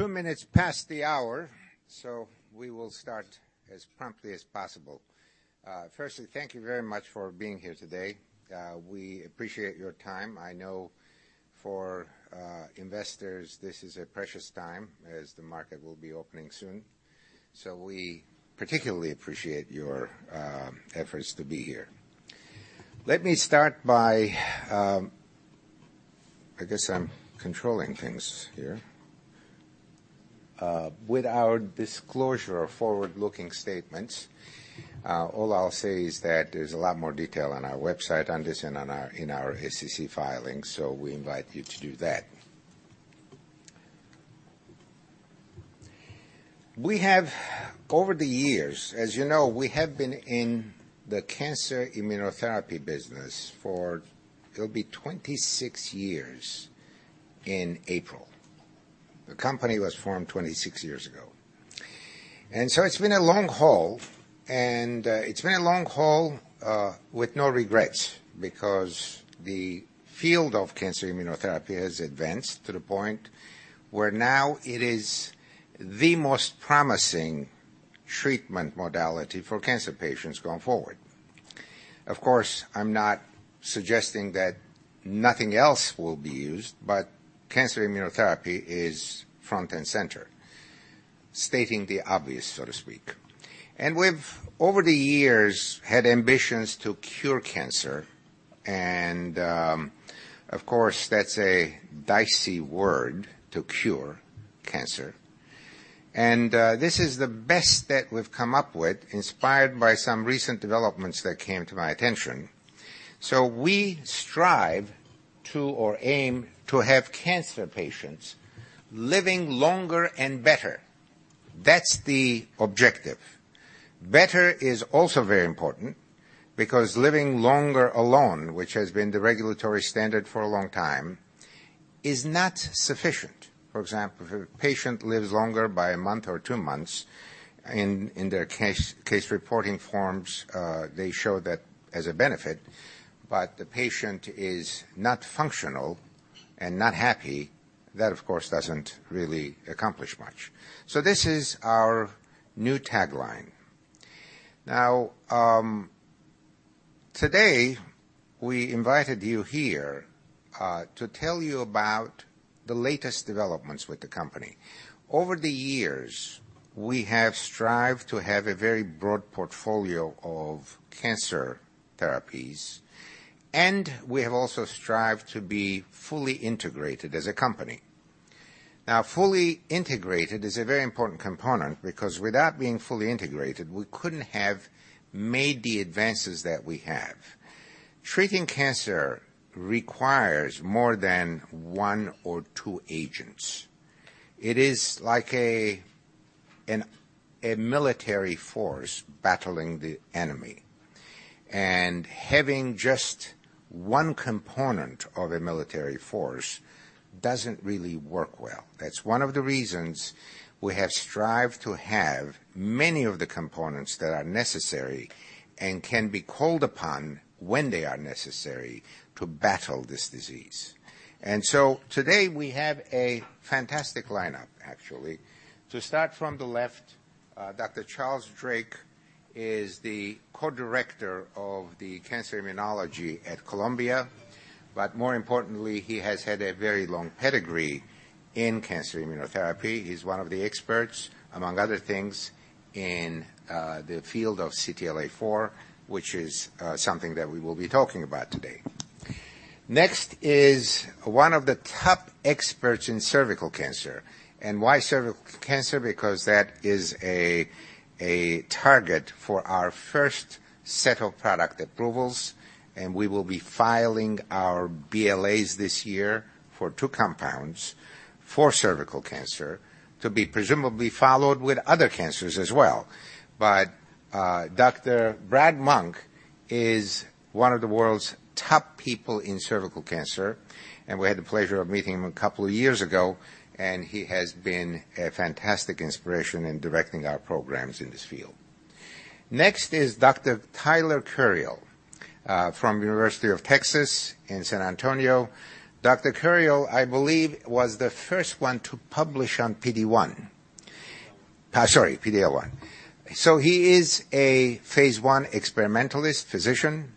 It's two minutes past the hour, so we will start as promptly as possible. Firstly, thank you very much for being here today. We appreciate your time. I know for investors, this is a precious time, as the market will be opening soon. We particularly appreciate your efforts to be here. Let me start by, I guess I'm controlling things here. With our disclosure of forward-looking statements, all I'll say is that there's a lot more detail on our website on this and in our SEC filings, so we invite you to do that. We have over the years, as you know, we have been in the cancer immunotherapy business for, it'll be 26 years in April. The company was formed 26 years ago. It's been a long haul, and it's been a long haul with no regrets because the field of cancer immunotherapy has advanced to the point where now it is the most promising treatment modality for cancer patients going forward. Of course, I'm not suggesting that nothing else will be used, but cancer immunotherapy is front and center. Stating the obvious, so to speak. We've, over the years, had ambitions to cure cancer and, of course, that's a dicey word, to cure cancer. This is the best that we've come up with, inspired by some recent developments that came to my attention. We strive to or aim to have cancer patients living longer and better. That's the objective. Better is also very important because living longer alone, which has been the regulatory standard for a long time, is not sufficient. For example, if a patient lives longer by a month or two months, in their case reporting forms they show that as a benefit, but the patient is not functional and not happy. That, of course, doesn't really accomplish much. This is our new tagline. Today we invited you here, to tell you about the latest developments with the company. Over the years, we have strived to have a very broad portfolio of cancer therapies, and we have also strived to be fully integrated as a company. Fully integrated is a very important component because without being fully integrated, we couldn't have made the advances that we have. Treating cancer requires more than one or two agents. It is like a military force battling the enemy, and having just one component of a military force doesn't really work well. That's one of the reasons we have strived to have many of the components that are necessary and can be called upon when they are necessary to battle this disease. Today we have a fantastic lineup actually. To start from the left, Dr. Charles Drake is the co-director of the cancer immunology at Columbia, but more importantly, he has had a very long pedigree in cancer immunotherapy. He's one of the experts, among other things, in the field of CTLA-4, which is something that we will be talking about today. Next is one of the top experts in cervical cancer. Why cervical cancer? Because that is a target for our first set of product approvals, and we will be filing our BLAs this year for two compounds for cervical cancer to be presumably followed with other cancers as well. Dr. Brad Monk is one of the world's top people in cervical cancer, and we had the pleasure of meeting him a couple of years ago, and he has been a fantastic inspiration in directing our programs in this field. Next is Dr. Tyler Curiel from UT Health San Antonio. Dr. Curiel, I believe was the first one to publish on PD-1. Sorry, PD-L1. He is a phase I experimentalist physician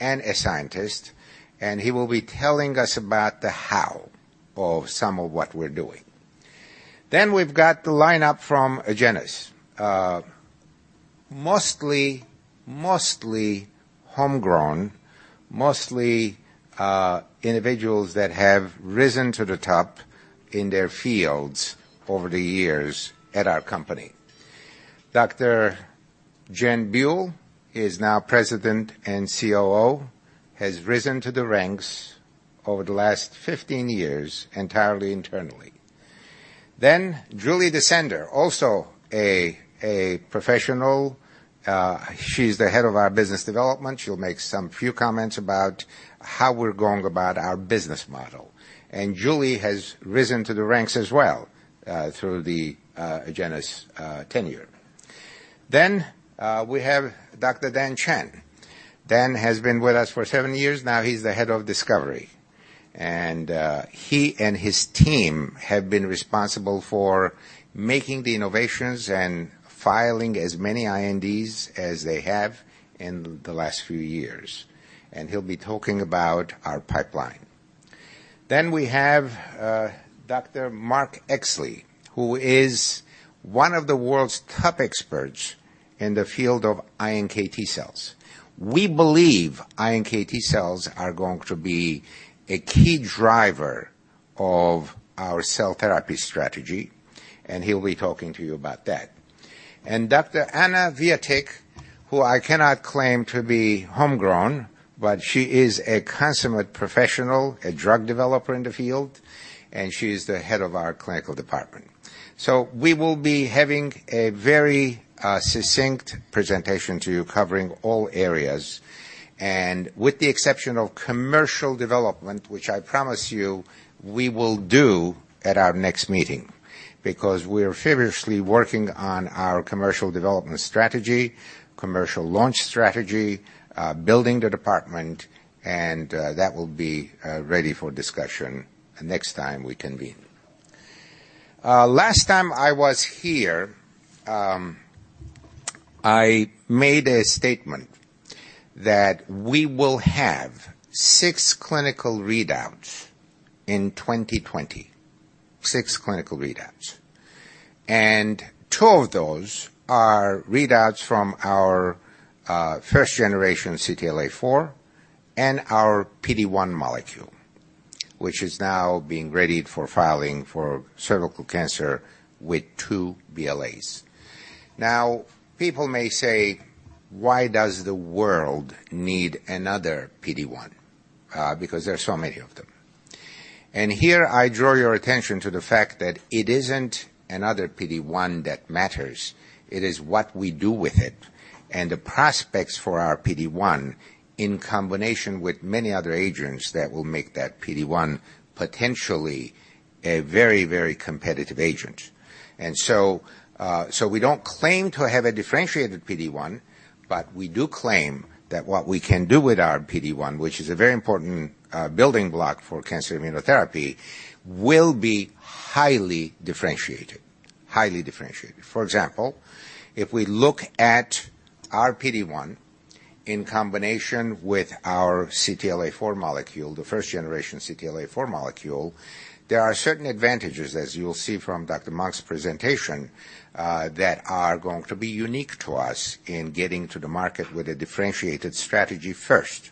and a scientist, and he will be telling us about the how of some of what we're doing. We've got the lineup from Agenus. Mostly homegrown, mostly individuals that have risen to the top in their fields over the years at our company. Dr. Jen Buell is now president and COO, has risen to the ranks over the last 15 years entirely internally. Julie DeSander also a professional. She's the head of our business development. She'll make some few comments about how we're going about our business model. Julie has risen to the ranks as well through the Agenus tenure. We have Dr. Dhan Chand has been with us for seven years now. He's the head of discovery. He and his team have been responsible for making the innovations and filing as many INDs as they have in the last few years. He'll be talking about our pipeline. We have Dr. Mark Exley, who is one of the world's top experts in the field of iNKT cells. We believe iNKT cells are going to be a key driver of our cell therapy strategy, and he'll be talking to you about that. Dr. Anna Wijatyk, who I cannot claim to be homegrown, but she is a consummate professional, a drug developer in the field, and she's the head of our clinical department. We will be having a very succinct presentation to you covering all areas and with the exception of commercial development, which I promise you we will do at our next meeting because we're furiously working on our commercial development strategy, commercial launch strategy, building the department, and that will be ready for discussion next time we convene. Last time I was here, I made a statement that we will have six clinical readouts in 2020. Six clinical readouts. Two of those are readouts from our first generation CTLA-4 and our PD-1 molecule, which is now being readied for filing for cervical cancer with two BLAs. Now, people may say, "Why does the world need another PD-1?" Because there are so many of them. Here I draw your attention to the fact that it isn't another PD-1 that matters, it is what we do with it and the prospects for our PD-1 in combination with many other agents that will make that PD-1 potentially a very, very competitive agent. We don't claim to have a differentiated PD-1, but we do claim that what we can do with our PD-1, which is a very important building block for cancer immunotherapy, will be highly differentiated. Highly differentiated. For example, if we look at our PD-1 in combination with our CTLA-4 molecule, the first generation CTLA-4 molecule, there are certain advantages, as you'll see from Dr. Monk's presentation, that are going to be unique to us in getting to the market with a differentiated strategy first.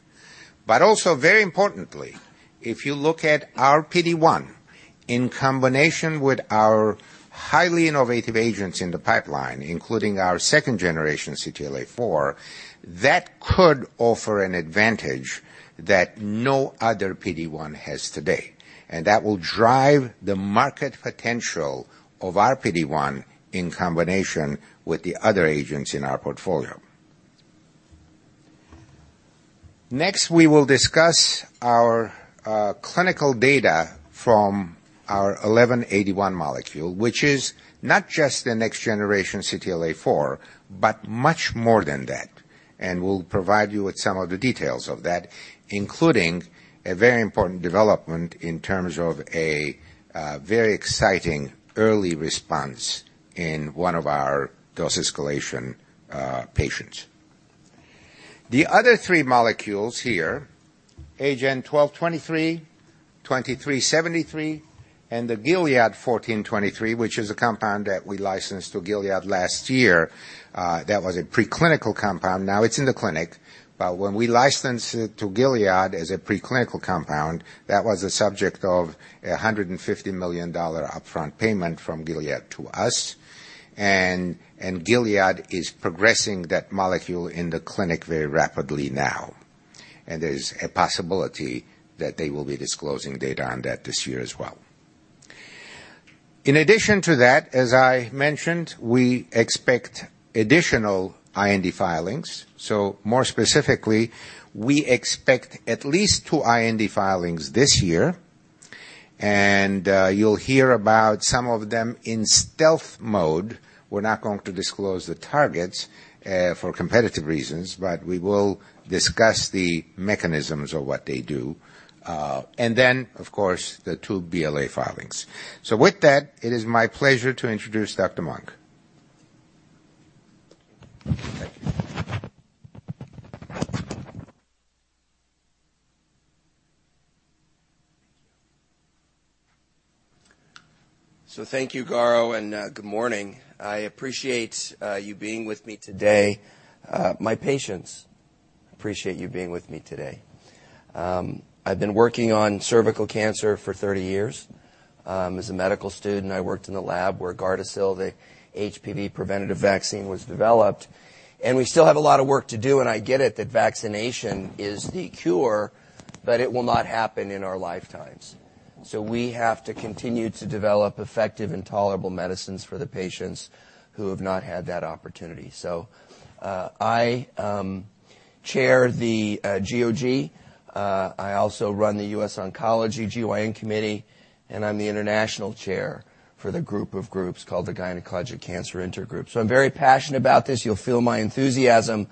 Also very importantly, if you look at our PD-1 in combination with our highly innovative agents in the pipeline, including our second-generation CTLA-4, that could offer an advantage that no other PD-1 has today. That will drive the market potential of our PD-1 in combination with the other agents in our portfolio. Next, we will discuss our clinical data from our AGEN1181 molecule, which is not just the next-generation CTLA-4, but much more than that. We'll provide you with some of the details of that, including a very important development in terms of a very exciting early response in one of our dose escalation patients. The other three molecules here, AGEN1223, AGEN2373, and the Gilead GS-1423, which is a compound that we licensed to Gilead last year. That was a preclinical compound, now it's in the clinic. When we licensed it to Gilead as a preclinical compound, that was a subject of $150 million upfront payment from Gilead to us. Gilead is progressing that molecule in the clinic very rapidly now. There's a possibility that they will be disclosing data on that this year as well. In addition to that, as I mentioned, we expect additional IND filings. More specifically, we expect at least 2 IND filings this year, and you'll hear about some of them in stealth mode. We're not going to disclose the targets for competitive reasons, but we will discuss the mechanisms of what they do. Then of course, the 2 BLA filings. With that, it is my pleasure to introduce Dr. Monk. Thank you. Thank you, Garo, and good morning. I appreciate you being with me today. My patients appreciate you being with me today. I've been working on cervical cancer for 30 years. As a medical student, I worked in the lab where Gardasil, the HPV preventative vaccine was developed, and we still have a lot of work to do, and I get it that vaccination is the cure, but it will not happen in our lifetimes. We have to continue to develop effective and tolerable medicines for the patients who have not had that opportunity. I chair the GOG. I also run The US Oncology GYN committee, and I'm the international chair for the group of groups called the Gynecologic Cancer InterGroup. I'm very passionate about this. You'll feel my enthusiasm.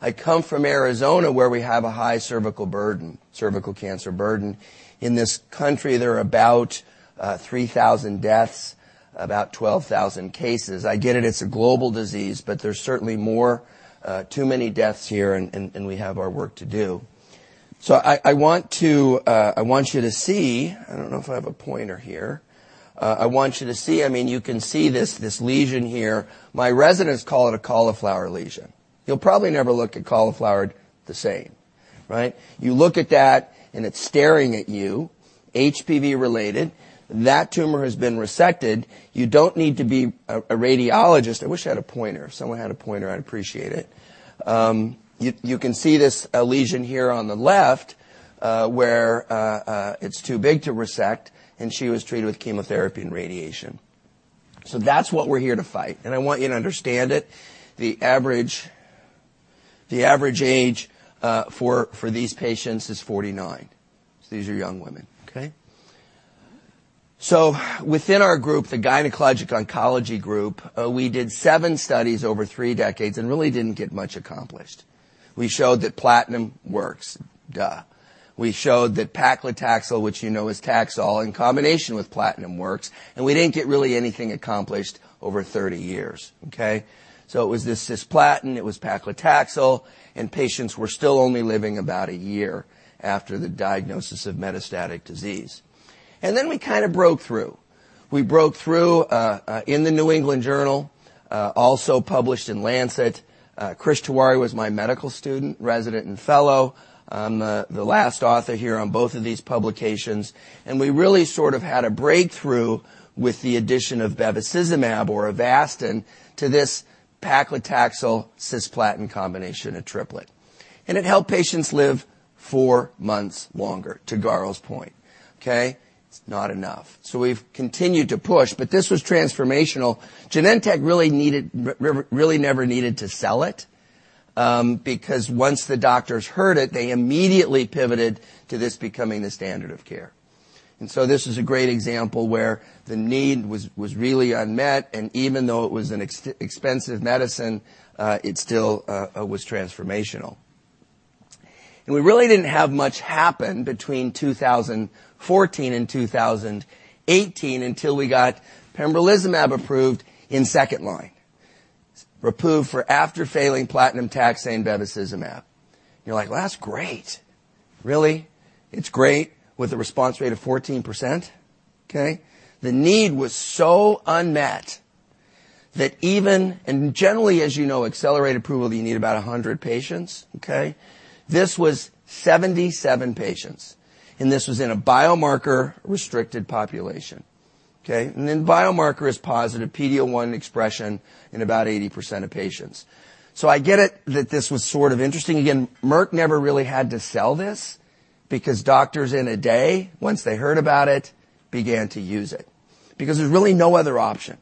I come from Arizona, where we have a high cervical burden, cervical cancer burden. In this country, there are about 3,000 deaths, about 12,000 cases. I get it's a global disease, but there's certainly more, too many deaths here, and we have our work to do. I want you to see, I don't know if I have a pointer here. I want you to see. You can see this lesion here. My residents call it a cauliflower lesion. You'll probably never look at cauliflower the same. Right? You look at that, and it's staring at you, HPV related. That tumor has been resected. You don't need to be a radiologist. I wish I had a pointer. If someone had a pointer, I'd appreciate it. You can see this lesion here on the left, where it's too big to resect, and she was treated with chemotherapy and radiation. That's what we're here to fight, and I want you to understand it. The average age for these patients is 49. These are young women. Okay? Within our group, the Gynecologic Oncology Group, we did seven studies over three decades and really didn't get much accomplished. We showed that platinum works. Duh. We showed that paclitaxel, which you know as Taxol, in combination with platinum works, and we didn't get really anything accomplished over 30 years. Okay? It was this cisplatin, it was paclitaxel, and patients were still only living about a year after the diagnosis of metastatic disease. Then we kind of broke through. We broke through in The New England Journal, also published in Lancet. Krish Tewari was my medical student, resident, and fellow. I'm the last author here on both of these publications. And we really sort of had a breakthrough with the addition of bevacizumab or Avastin to this paclitaxel, cisplatin combination, a triplet. It helped patients live 4 months longer, to Garo's point. Okay. It's not enough. We've continued to push, but this was transformational. Genentech really never needed to sell it, because once the doctors heard it, they immediately pivoted to this becoming the standard of care. This is a great example where the need was really unmet, and even though it was an expensive medicine, it still was transformational. We really didn't have much happen between 2014 and 2018 until we got pembrolizumab approved in second line. Approved for after failing platinum/taxane, bevacizumab. You're like, "Well, that's great." Really? It's great with a response rate of 14%? Okay. The need was so unmet that generally, as you know, accelerated approval, you need about 100 patients. Okay. This was 77 patients, and this was in a biomarker-restricted population. Okay. Biomarker is positive, PD-L1 expression in about 80% of patients. I get it that this was sort of interesting. Again, Merck never really had to sell this because doctors, in a day, once they heard about it, began to use it because there's really no other option.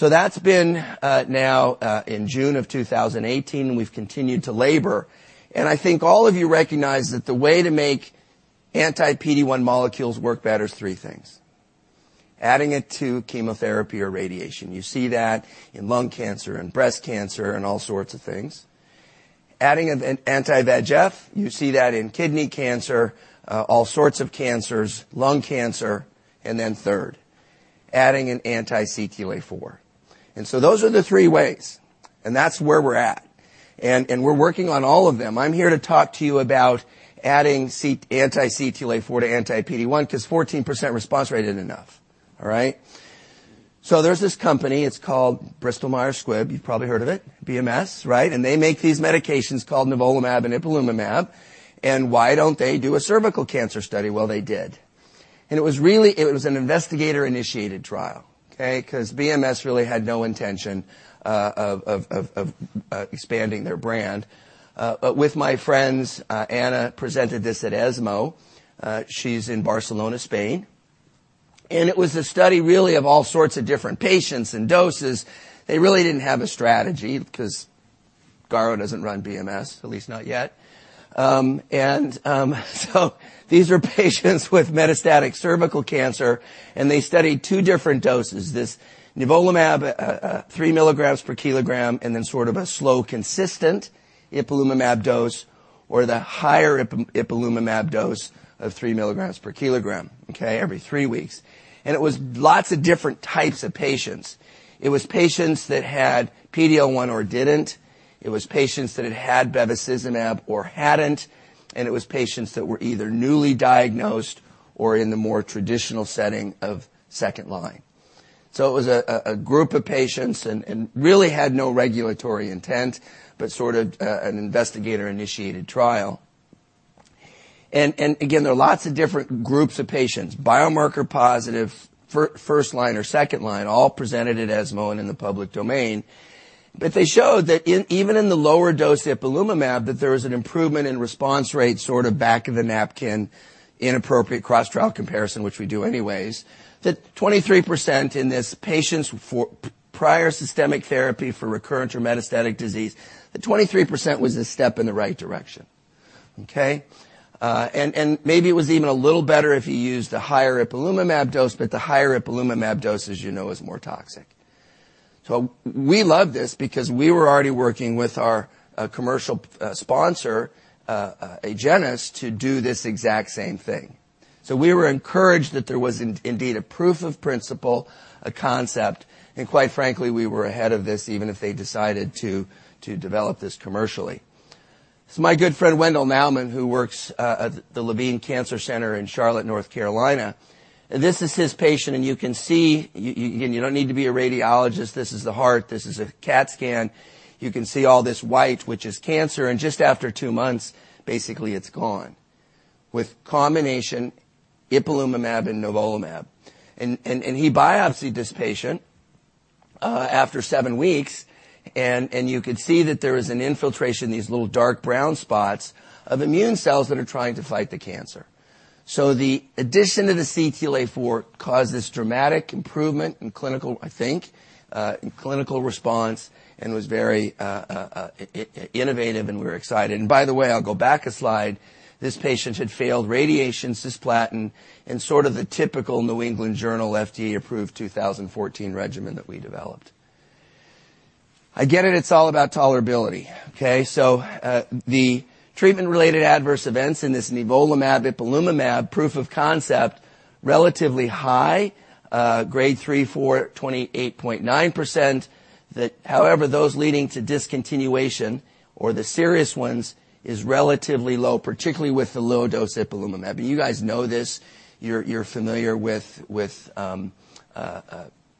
That's been now in June of 2018, and we've continued to labor, and I think all of you recognize that the way to make anti-PD-1 molecules work better is three things. Adding it to chemotherapy or radiation. You see that in lung cancer and breast cancer and all sorts of things. Adding an anti-VEGF, you see that in kidney cancer, all sorts of cancers, lung cancer. Third, adding an anti-CTLA-4. Those are the three ways, and that's where we're at. We're working on all of them. I'm here to talk to you about adding anti-CTLA-4 to anti-PD-1 because 14% response rate isn't enough. All right. There's this company, it's called Bristol Myers Squibb. You've probably heard of it. BMS, right. They make these medications called nivolumab and ipilimumab. Why don't they do a cervical cancer study? Well, they did. It was an investigator-initiated trial, okay. BMS really had no intention of expanding their brand. With my friends, Anna presented this at ESMO. She's in Barcelona, Spain. It was a study really of all sorts of different patients and doses. They really didn't have a strategy because Garo doesn't run BMS, at least not yet. These are patients with metastatic cervical cancer, and they studied two different doses. This nivolumab, three milligrams per kilogram, then sort of a slow, consistent ipilimumab dose, or the higher ipilimumab dose of three milligrams per kilogram, okay, every three weeks. It was lots of different types of patients. It was patients that had PD-L1 or didn't, it was patients that had had bevacizumab or hadn't, it was patients that were either newly diagnosed or in the more traditional setting of second-line. It was a group of patients and really had no regulatory intent, sort of an investigator-initiated trial. Again, there are lots of different groups of patients, biomarker positive, first-line or second-line, all presented at ESMO and in the public domain. They showed that even in the lower dose ipilimumab, that there was an improvement in response rate, sort of back of the napkin, inappropriate cross-trial comparison, which we do anyways. That 23% in this patients for prior systemic therapy for recurrent or metastatic disease, that 23% was a step in the right direction. Maybe it was even a little better if you used a higher ipilimumab dose, but the higher ipilimumab dose, as you know, is more toxic. We love this because we were already working with our commercial sponsor, Agenus, to do this exact same thing. We were encouraged that there was indeed a proof of principle, a concept, and quite frankly, we were ahead of this even if they decided to develop this commercially. This is my good friend, Wendel Naumann, who works at the Levine Cancer Institute in Charlotte, North Carolina. This is his patient, and you can see, and you don't need to be a radiologist. This is the heart. This is a CAT scan. You can see all this white, which is cancer. Just after two months, basically it's gone with combination ipilimumab and nivolumab. He biopsied this patient after seven weeks, and you could see that there was an infiltration, these little dark brown spots, of immune cells that are trying to fight the cancer. The addition of the CTLA-4 caused this dramatic improvement in clinical, I think, clinical response and was very innovative, and we're excited. By the way, I'll go back a slide. This patient had failed radiation cisplatin in sort of the typical New England Journal FDA-approved 2014 regimen that we developed. I get it. It's all about tolerability. The treatment-related adverse events in this nivolumab, ipilimumab proof of concept, relatively high. Grade 3/4, 28.9%. However, those leading to discontinuation or the serious ones is relatively low, particularly with the low dose ipilimumab. You guys know this. You're familiar with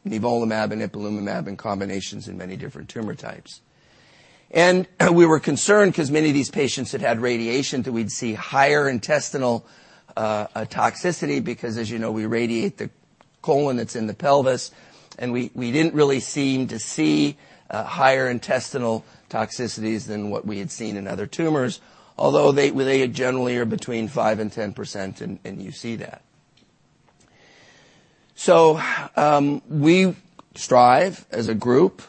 nivolumab and ipilimumab in combinations in many different tumor types. We were concerned because many of these patients had had radiation, that we'd see higher intestinal toxicity because, as you know, we radiate the colon that's in the pelvis, and we didn't really seem to see higher intestinal toxicities than what we had seen in other tumors, although they generally are between 5% and 10%, and you see that. We strive as a group,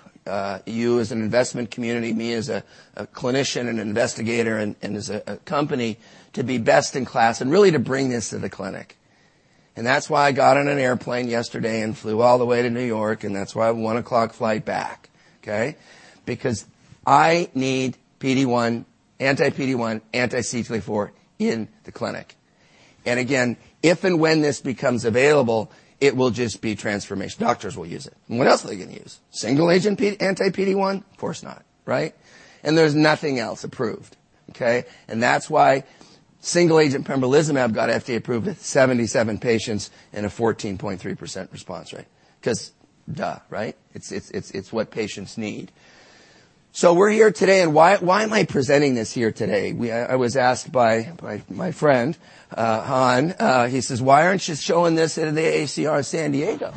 you as an investment community, me as a clinician and investigator, and as a company, to be best in class and really to bring this to the clinic. That's why I got on an airplane yesterday and flew all the way to New York, and that's why I have a 1:00 A.M. flight back, okay. Because I need PD-1, anti-PD-1, anti-CTLA-4 in the clinic. Again, if and when this becomes available, it will just be transformation. Doctors will use it. What else are they going to use? Single agent anti-PD-1? Of course not. Right. There's nothing else approved. Okay? That's why single-agent pembrolizumab got FDA approved at 77 patients in a 14.3% response rate 'cause duh, right. It's what patients need. We're here today, and why am I presenting this here today? I was asked by my friend, Dhan. He says, "Why aren't you showing this at the AACR San Diego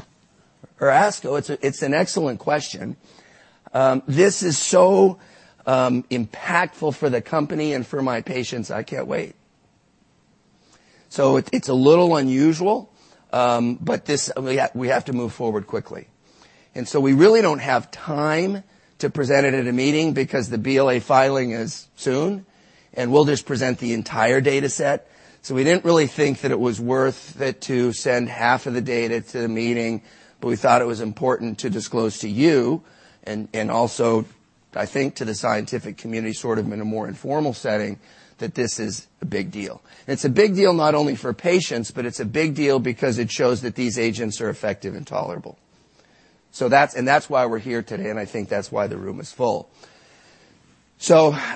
or ASCO?" It's an excellent question. This is so impactful for the company and for my patients, I can't wait. It's a little unusual, but we have to move forward quickly. We really don't have time to present it at a meeting because the BLA filing is soon, and we'll just present the entire data set. We didn't really think that it was worth it to send half of the data to the meeting, but we thought it was important to disclose to you and also, I think, to the scientific community, sort of in a more informal setting, that this is a big deal. It's a big deal not only for patients, but it's a big deal because it shows that these agents are effective and tolerable. That's why we're here today, and I think that's why the room is full.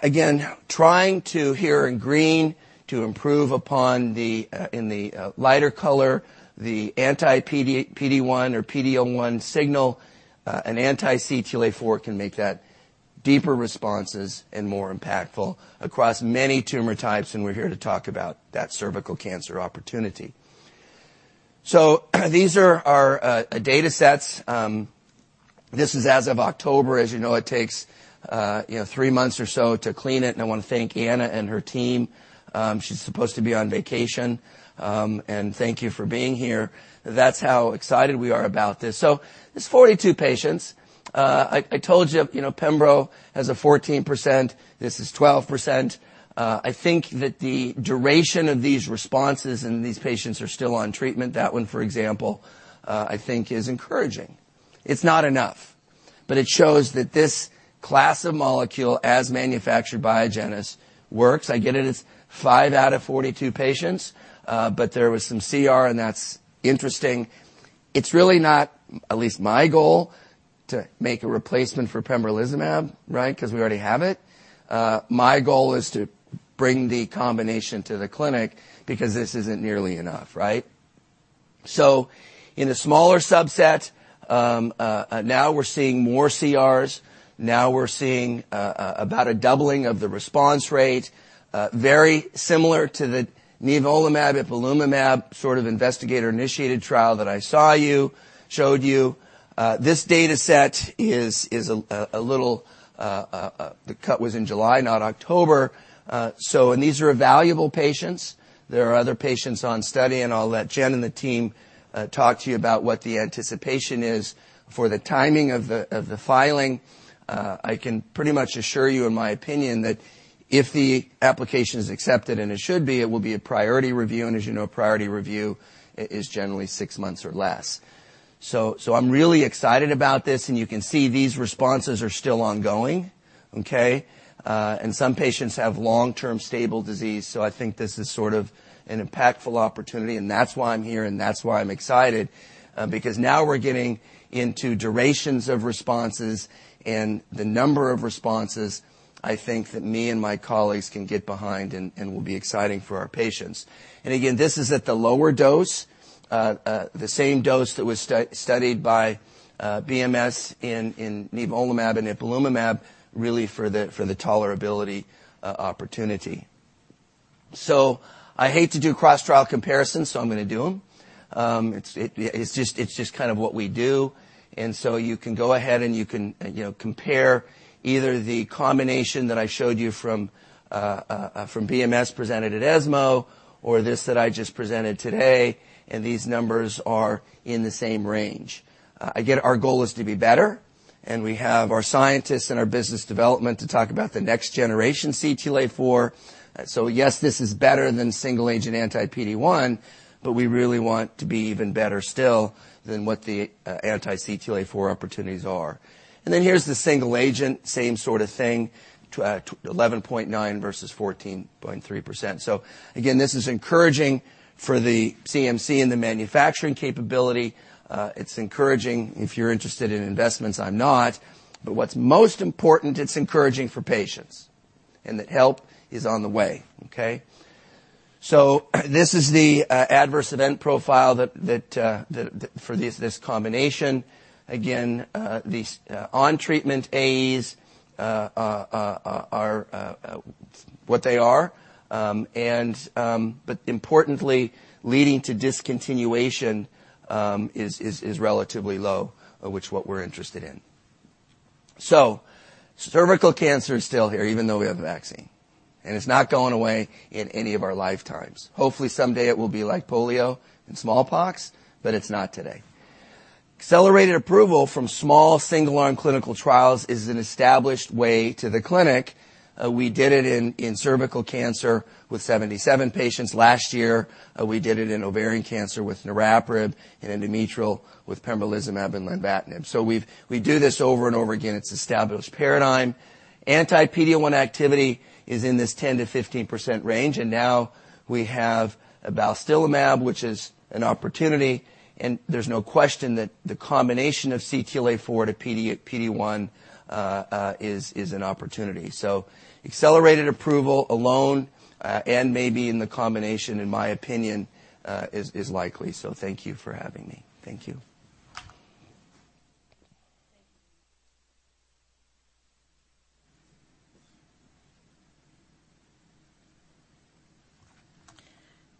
Again, trying to, here in green, to improve upon the, in the lighter color, the anti-PD-1 or PD-1 signal and anti-CTLA-4 can make that deeper responses and more impactful across many tumor types, and we're here to talk about that cervical cancer opportunity. These are our data sets. This is as of October. You know, it takes three months or so to clean it. I want to thank Anna and her team. She's supposed to be on vacation. Thank you for being here. That's how excited we are about this. There's 42 patients. I told you pembro has a 14%. This is 12%. I think that the duration of these responses and these patients are still on treatment. That one, for example, I think is encouraging. It's not enough, but it shows that this class of molecule, as manufactured by Agenus, works. I get it. It's five out of 42 patients. There was some CR, and that's interesting. It's really not at least my goal to make a replacement for pembrolizumab, right? Because we already have it. My goal is to bring the combination to the clinic because this isn't nearly enough, right? In a smaller subset, now we're seeing more CRs. Now we're seeing about a doubling of the response rate, very similar to the nivolumab, ipilimumab sort of investigator-initiated trial that I showed you. This data set is a little. The cut was in July, not October. These are valuable patients. There are other patients on study, and I'll let Jen and the team talk to you about what the anticipation is for the timing of the filing. I can pretty much assure you, in my opinion, that. If the application is accepted, and it should be, it will be a priority review. As you know, a priority review is generally six months or less. I'm really excited about this, and you can see these responses are still ongoing. Okay. Some patients have long-term stable disease, so I think this is sort of an impactful opportunity. That's why I'm here, and that's why I'm excited. Because now we're getting into durations of responses and the number of responses I think that me and my colleagues can get behind and will be exciting for our patients. Again, this is at the lower dose, the same dose that was studied by BMS in nivolumab and ipilimumab, really for the tolerability opportunity. I hate to do cross-trial comparisons, so I'm going to do them. It's just kind of what we do. You can go ahead and you can compare either the combination that I showed you from BMS presented at ESMO or this that I just presented today, and these numbers are in the same range. Again, our goal is to be better, and we have our scientists and our business development to talk about the next generation CTLA-4. Yes, this is better than single-agent anti-PD-1, but we really want to be even better still than what the anti-CTLA-4 opportunities are. Here's the single agent, same sort of thing, 11.9% versus 14.3%. Again, this is encouraging for the CMC and the manufacturing capability. It's encouraging if you're interested in investments. I'm not. What's most important, it's encouraging for patients and that help is on the way. Okay. This is the adverse event profile for this combination. Again, these on-treatment AEs are what they are. Importantly, leading to discontinuation is relatively low, which what we're interested in. Cervical cancer is still here even though we have a vaccine, and it's not going away in any of our lifetimes. Hopefully, someday it will be like polio and smallpox, but it's not today. Accelerated approval from small single-arm clinical trials is an established way to the clinic. We did it in cervical cancer with 77 patients last year. We did it in ovarian cancer with niraparib, in endometrial with pembrolizumab and lenvatinib. We do this over and over again. It's established paradigm. Anti-PD-L1 activity is in this 10%-15% range, now we have balstilimab, which is an opportunity. There's no question that the combination of CTLA-4 to PD-1 is an opportunity. Accelerated approval alone, maybe in the combination, in my opinion, is likely. Thank you for having me. Thank you.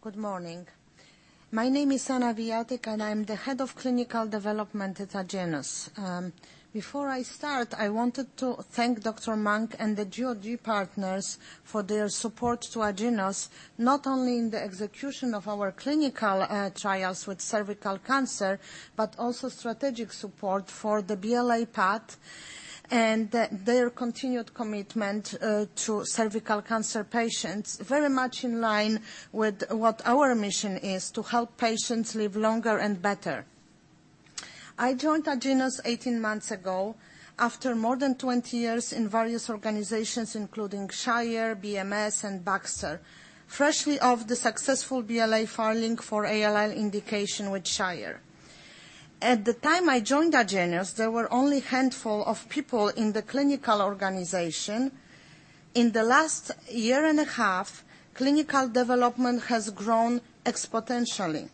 Good morning. My name is Anna Wijatyk, and I'm the head of clinical development at Agenus. Before I start, I wanted to thank Dr. Monk and the GOG partners for their support to Agenus, not only in the execution of our clinical trials with cervical cancer, but also strategic support for the BLA path and their continued commitment to cervical cancer patients, very much in line with what our mission is to help patients live longer and better. I joined Agenus 18 months ago after more than 20 years in various organizations, including Shire, BMS, and Baxter, freshly off the successful BLA filing for ALL indication with Shire. At the time I joined Agenus, there were only handful of people in the clinical organization. In the last year and a half, clinical development has grown exponentially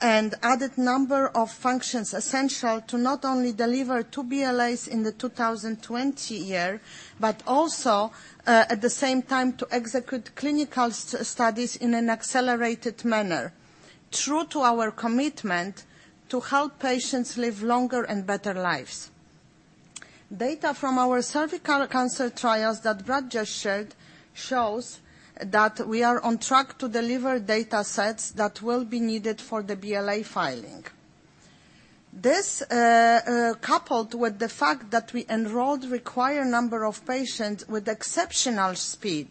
and added number of functions essential to not only deliver 2 BLAs in the 2020 year, but also, at the same time, to execute clinical studies in an accelerated manner. True to our commitment to help patients live longer and better lives. Data from our cervical cancer trials that Brad just shared shows that we are on track to deliver data sets that will be needed for the BLA filing. This, coupled with the fact that we enrolled required number of patients with exceptional speed,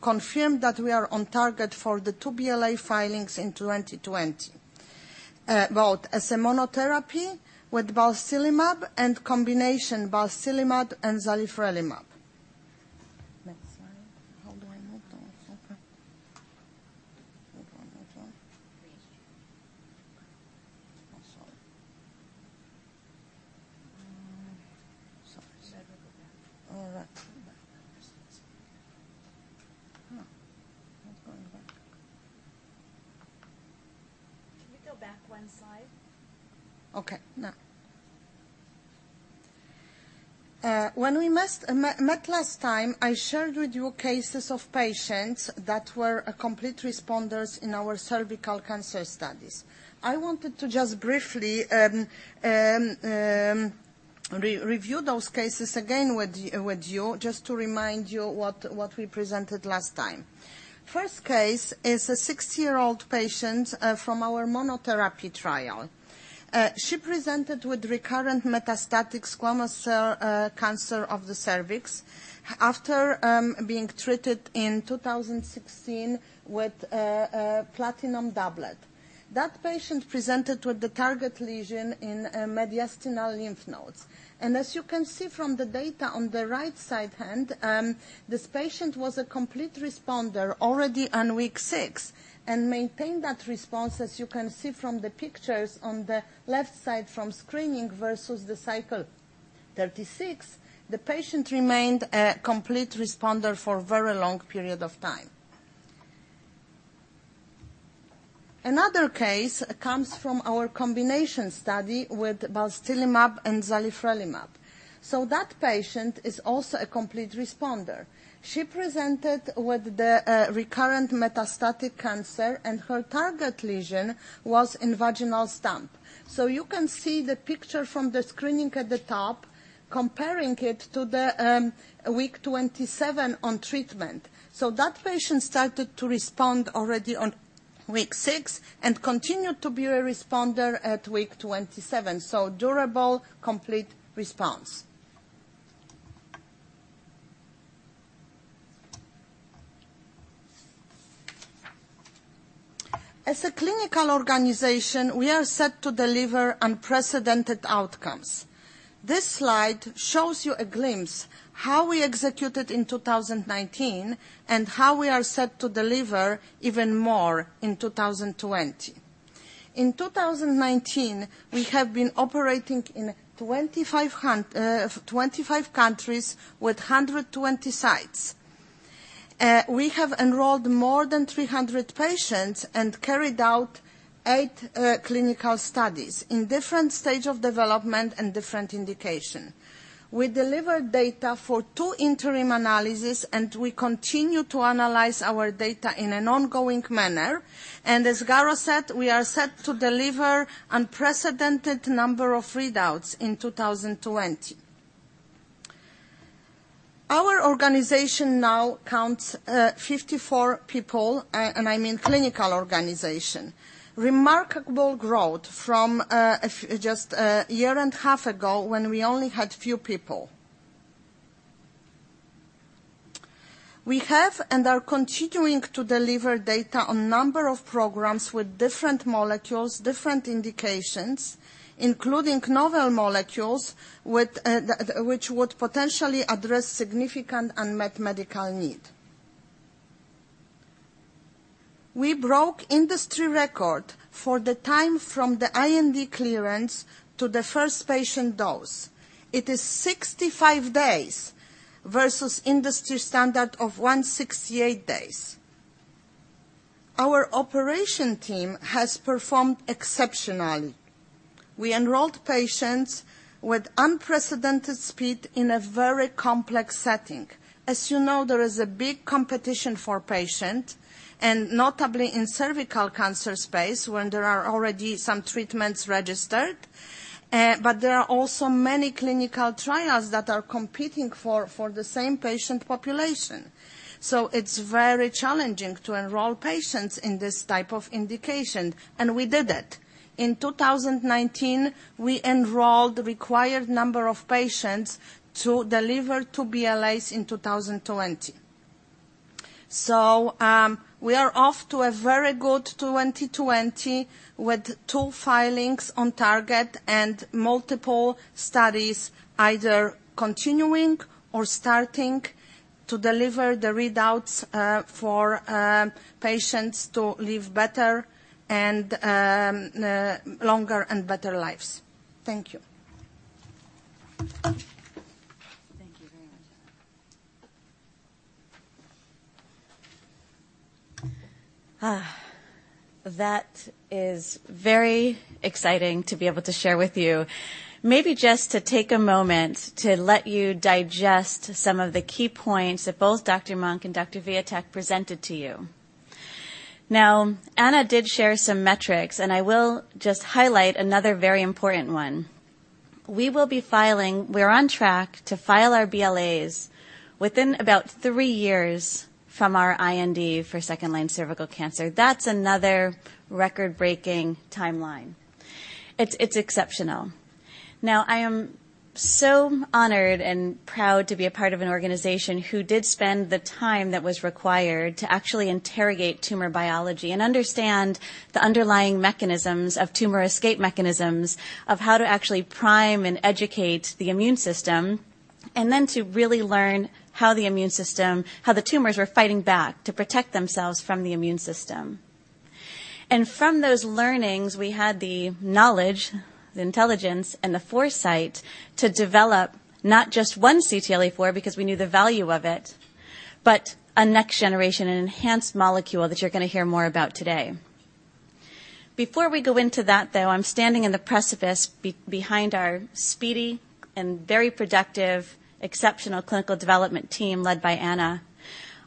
confirmed that we are on target for the 2 BLA filings in 2020, both as a monotherapy with balstilimab and combination balstilimab and zalifrelimab. Next slide. How do I move those? Okay. Move on next one. Please. Oh, sorry. Sorry. You might want to go back. All right. No. Not going back. Can you go back one slide? Okay. Now. When we met last time, I shared with you cases of patients that were complete responders in our cervical cancer studies. I wanted to just briefly review those cases again with you, just to remind you what we presented last time. First case is a 60-year-old patient from our monotherapy trial. She presented with recurrent metastatic squamous cell cancer of the cervix after being treated in 2016 with a platinum doublet. That patient presented with the target lesion in mediastinal lymph nodes. As you can see from the data on the right side, this patient was a complete responder already on week six and maintained that response, as you can see from the pictures on the left side, from screening versus the cycle 36. The patient remained a complete responder for a very long period of time. Another case comes from our combination study with balstilimab and zalifrelimab. That patient is also a complete responder. She presented with the recurrent metastatic cancer, and her target lesion was in vaginal stump. You can see the picture from the screening at the top, comparing it to the week 27 on treatment. That patient started to respond already on week 6 and continued to be a responder at week 27. Durable, complete response. As a clinical organization, we are set to deliver unprecedented outcomes. This slide shows you a glimpse how we executed in 2019 and how we are set to deliver even more in 2020. In 2019, we have been operating in 25 countries with 120 sites. We have enrolled more than 300 patients and carried out 8 clinical studies in different stage of development and different indication. We delivered data for two interim analysis, and we continue to analyze our data in an ongoing manner. As Garo said, we are set to deliver unprecedented number of readouts in 2020. Our organization now counts 54 people, and I mean clinical organization. Remarkable growth from just a year and half ago, when we only had few people. We have and are continuing to deliver data on number of programs with different molecules, different indications, including novel molecules which would potentially address significant unmet medical need. We broke industry record for the time from the IND clearance to the first patient dose. It is 65 days versus industry standard of 168 days. Our operation team has performed exceptionally. We enrolled patients with unprecedented speed in a very complex setting. As you know, there is a big competition for patient, and notably in cervical cancer space, when there are already some treatments registered. There are also many clinical trials that are competing for the same patient population. It's very challenging to enroll patients in this type of indication, and we did it. In 2019, we enrolled the required number of patients to deliver 2 BLAs in 2020. We are off to a very good 2020 with 2 filings on target and multiple studies either continuing or starting to deliver the readouts for patients to live longer and better lives. Thank you. Thank you very much, Ana. That is very exciting to be able to share with you. Maybe just to take a moment to let you digest some of the key points that both Dr. Monk and Dr. Wijatyk presented to you. Ana did share some metrics, and I will just highlight another very important one. We're on track to file our BLAs within about three years from our IND for second-line cervical cancer. That's another record-breaking timeline. It's exceptional. I am so honored and proud to be a part of an organization who did spend the time that was required to actually interrogate tumor biology and understand the underlying mechanisms of tumor escape mechanisms, of how to actually prime and educate the immune system, and then to really learn how the tumors were fighting back to protect themselves from the immune system. From those learnings, we had the knowledge, the intelligence, and the foresight to develop not just one CTLA-4, because we knew the value of it, but a next generation, an enhanced molecule that you're going to hear more about today. Before we go into that, though, I'm standing in the precipice behind our speedy and very productive, exceptional clinical development team led by Ana,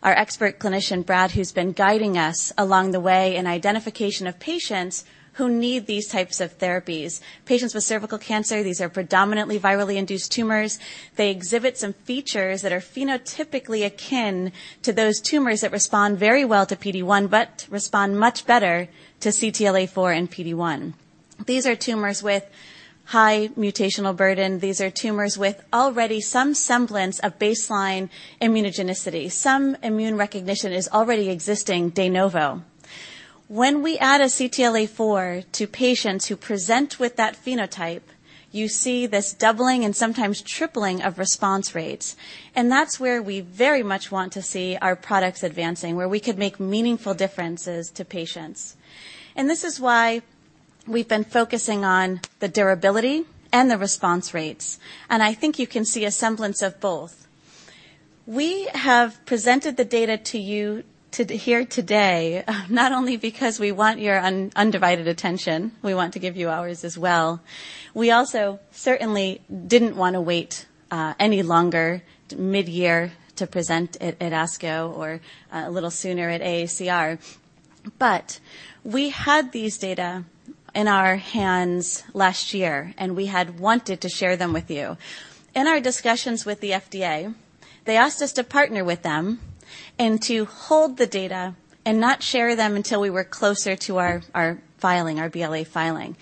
our expert clinician, Brad, who's been guiding us along the way in identification of patients who need these types of therapies. Patients with cervical cancer, these are predominantly virally induced tumors. They exhibit some features that are phenotypically akin to those tumors that respond very well to PD-1, but respond much better to CTLA-4 and PD-1. These are tumors with high mutational burden. These are tumors with already some semblance of baseline immunogenicity. Some immune recognition is already existing de novo. When we add a CTLA-4 to patients who present with that phenotype, you see this doubling and sometimes tripling of response rates, and that's where we very much want to see our products advancing, where we could make meaningful differences to patients. This is why we've been focusing on the durability and the response rates, and I think you can see a semblance of both. We have presented the data to you here today, not only because we want your undivided attention, we want to give you ours as well. We also certainly didn't want to wait any longer, mid-year, to present at ASCO or a little sooner at AACR. We had these data in our hands last year, and we had wanted to share them with you. In our discussions with the FDA, they asked us to partner with them and to hold the data and not share them until we were closer to our filing, our BLA filing.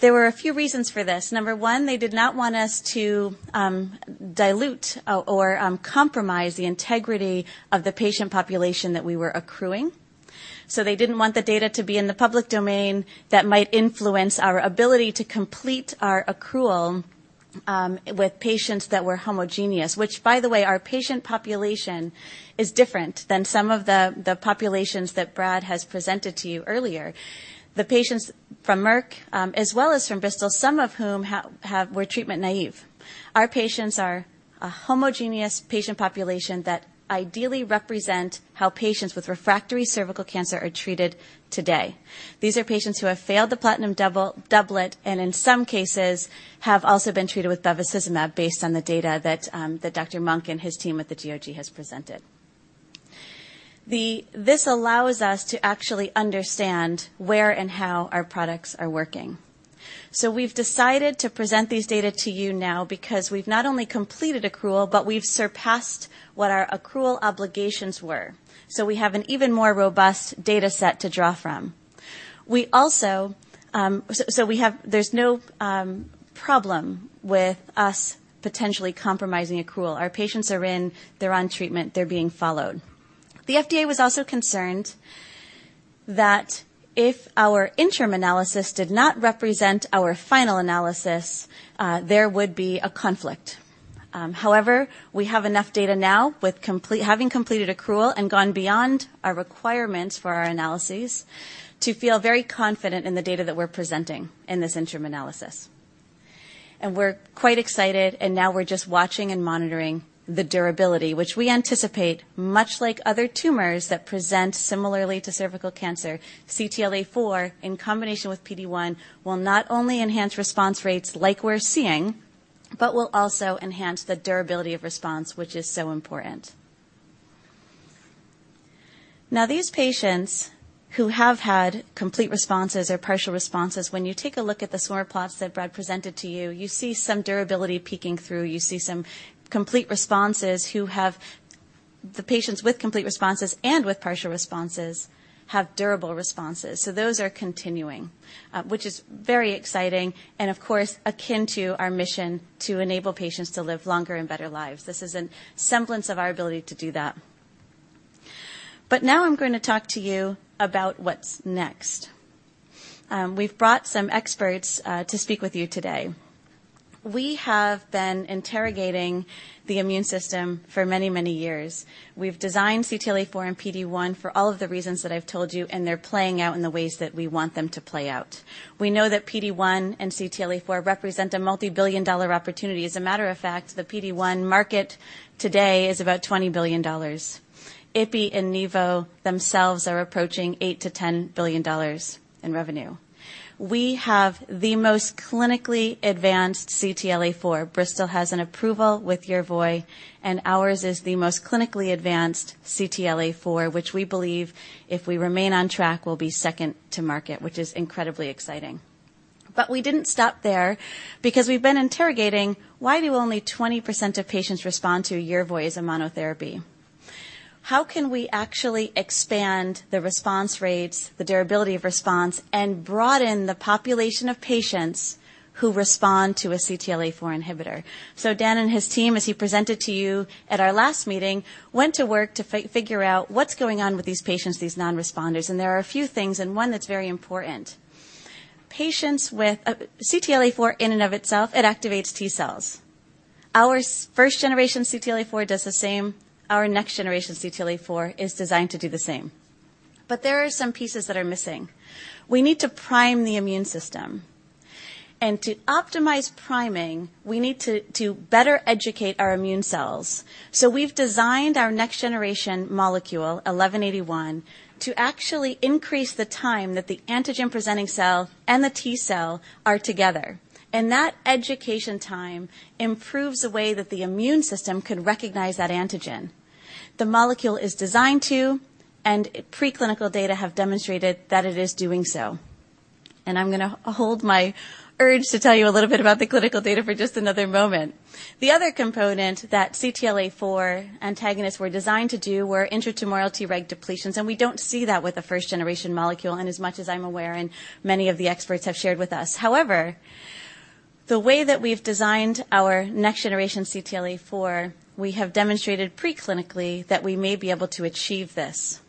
There were a few reasons for this. Number one, they did not want us to dilute or compromise the integrity of the patient population that we were accruing. They didn't want the data to be in the public domain that might influence our ability to complete our accrual with patients that were homogeneous. Which, by the way, our patient population is different than some of the populations that Brad has presented to you earlier. The patients from Merck, as well as from Bristol, some of whom were treatment naive. Our patients are a homogeneous patient population that ideally represent how patients with refractory cervical cancer are treated today. These are patients who have failed the platinum doublet and in some cases have also been treated with bevacizumab based on the data that Dr. Monk and his team at the GOG has presented. This allows us to actually understand where and how our products are working. We've decided to present these data to you now because we've not only completed accrual, but we've surpassed what our accrual obligations were. We have an even more robust data set to draw from. There's no problem with us potentially compromising accrual. Our patients are in. They're on treatment. They're being followed. The FDA was also concerned that if our interim analysis did not represent our final analysis, there would be a conflict. However, we have enough data now, having completed accrual and gone beyond our requirements for our analyses, to feel very confident in the data that we're presenting in this interim analysis. We're quite excited, and now we're just watching and monitoring the durability, which we anticipate, much like other tumors that present similarly to cervical cancer, CTLA-4 in combination with PD-1 will not only enhance response rates like we're seeing, but will also enhance the durability of response, which is so important. Now, these patients who have had complete responses or partial responses, when you take a look at the Swarm plots that Brad presented to you see some durability peeking through. You see some complete responses who have the patients with complete responses and with partial responses have durable responses. Those are continuing, which is very exciting and of course, akin to our mission to enable patients to live longer and better lives. This is a semblance of our ability to do that. Now I'm going to talk to you about what's next. We've brought some experts to speak with you today. We have been interrogating the immune system for many, many years. We've designed CTLA-4 and PD-1 for all of the reasons that I've told you, and they're playing out in the ways that we want them to play out. We know that PD-1 and CTLA-4 represent a multi-billion dollar opportunity. As a matter of fact, the PD-1 market today is about $20 billion. Ipi and Nivo themselves are approaching $8 billion-$10 billion in revenue. We have the most clinically advanced CTLA-4. Bristol has an approval with YERVOY, ours is the most clinically advanced CTLA-4, which we believe, if we remain on track, will be second to market, which is incredibly exciting. We didn't stop there because we've been interrogating why do only 20% of patients respond to YERVOY as a monotherapy? How can we actually expand the response rates, the durability of response, and broaden the population of patients who respond to a CTLA-4 inhibitor? Dhan and his team, as he presented to you at our last meeting, went to work to figure out what's going on with these patients, these non-responders. There are a few things, and one that's very important. CTLA-4 in and of itself, it activates T cells. Our first generation CTLA-4 does the same. Our next generation CTLA-4 is designed to do the same, there are some pieces that are missing. We need to prime the immune system, and to optimize priming, we need to better educate our immune cells. We've designed our next generation molecule, AGEN1181, to actually increase the time that the antigen presenting cell and the T cell are together. That education time improves the way that the immune system can recognize that antigen. The molecule is designed to, and preclinical data have demonstrated that it is doing so. I'm going to hold my urge to tell you a little bit about the clinical data for just another moment. The other component that CTLA-4 antagonists were designed to do were intratumoral Treg depletions, and we don't see that with a first generation molecule, and as much as I'm aware, and many of the experts have shared with us. The way that we've designed our next generation CTLA-4, we have demonstrated pre-clinically that we may be able to achieve this.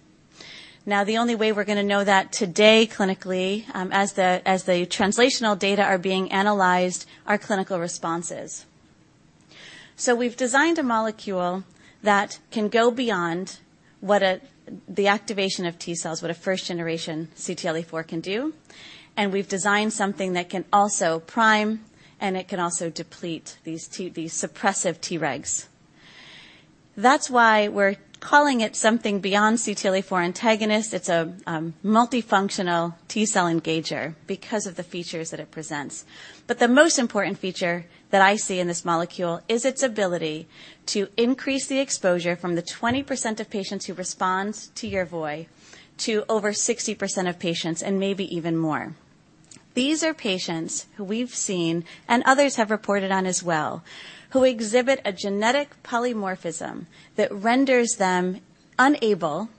The only way we're going to know that today clinically, as the translational data are being analyzed, are clinical responses. We've designed a molecule that can go beyond the activation of T cells, what a first-generation CTLA-4 can do, and we've designed something that can also prime, and it can also deplete these suppressive Tregs. That's why we're calling it something beyond CTLA-4 antagonist. It's a multifunctional T cell engager because of the features that it presents. The most important feature that I see in this molecule is its ability to increase the exposure from the 20% of patients who respond to Yervoy to over 60% of patients, and maybe even more. These are patients who we've seen, and others have reported on as well, who exhibit a genetic polymorphism that renders them unable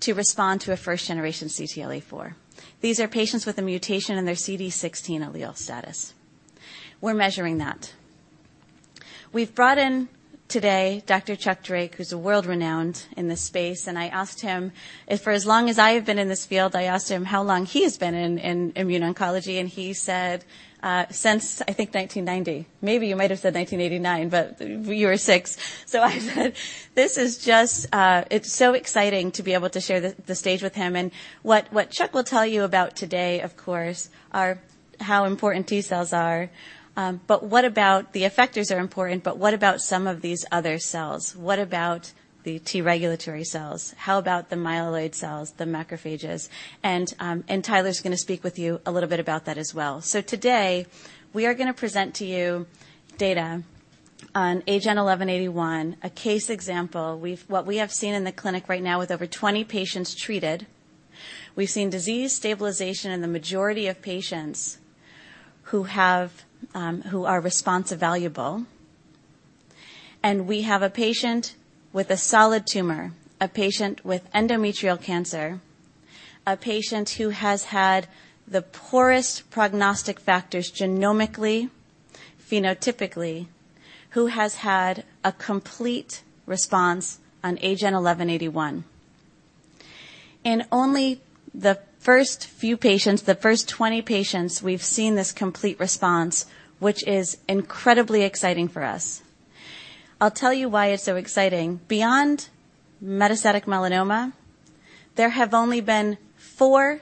to respond to a first generation CTLA-4. These are patients with a mutation in their CD16 allele status. We're measuring that. We've brought in today Dr. Chuck Drake, who's world-renowned in this space. I asked him if for as long as I have been in this field, I asked him how long he has been in immuno-oncology, and he said, "Since, I think 1990." Maybe you might have said 1989. You were six. I said, it's so exciting to be able to share the stage with him. What Chuck will tell you about today, of course, are how important T cells are. The effectors are important. What about some of these other cells? What about the T regulatory cells? How about the myeloid cells, the macrophages? Tyler's going to speak with you a little bit about that as well. Today, we are going to present to you data on AGEN1181, a case example. What we have seen in the clinic right now with over 20 patients treated, we've seen disease stabilization in the majority of patients who are responsive evaluable. We have a patient with a solid tumor, a patient with endometrial cancer, a patient who has had the poorest prognostic factors genomically, phenotypically, who has had a complete response on AGEN1181. In only the first few patients, the first 20 patients, we've seen this complete response, which is incredibly exciting for us. I'll tell you why it's so exciting. Beyond metastatic melanoma, there have only been four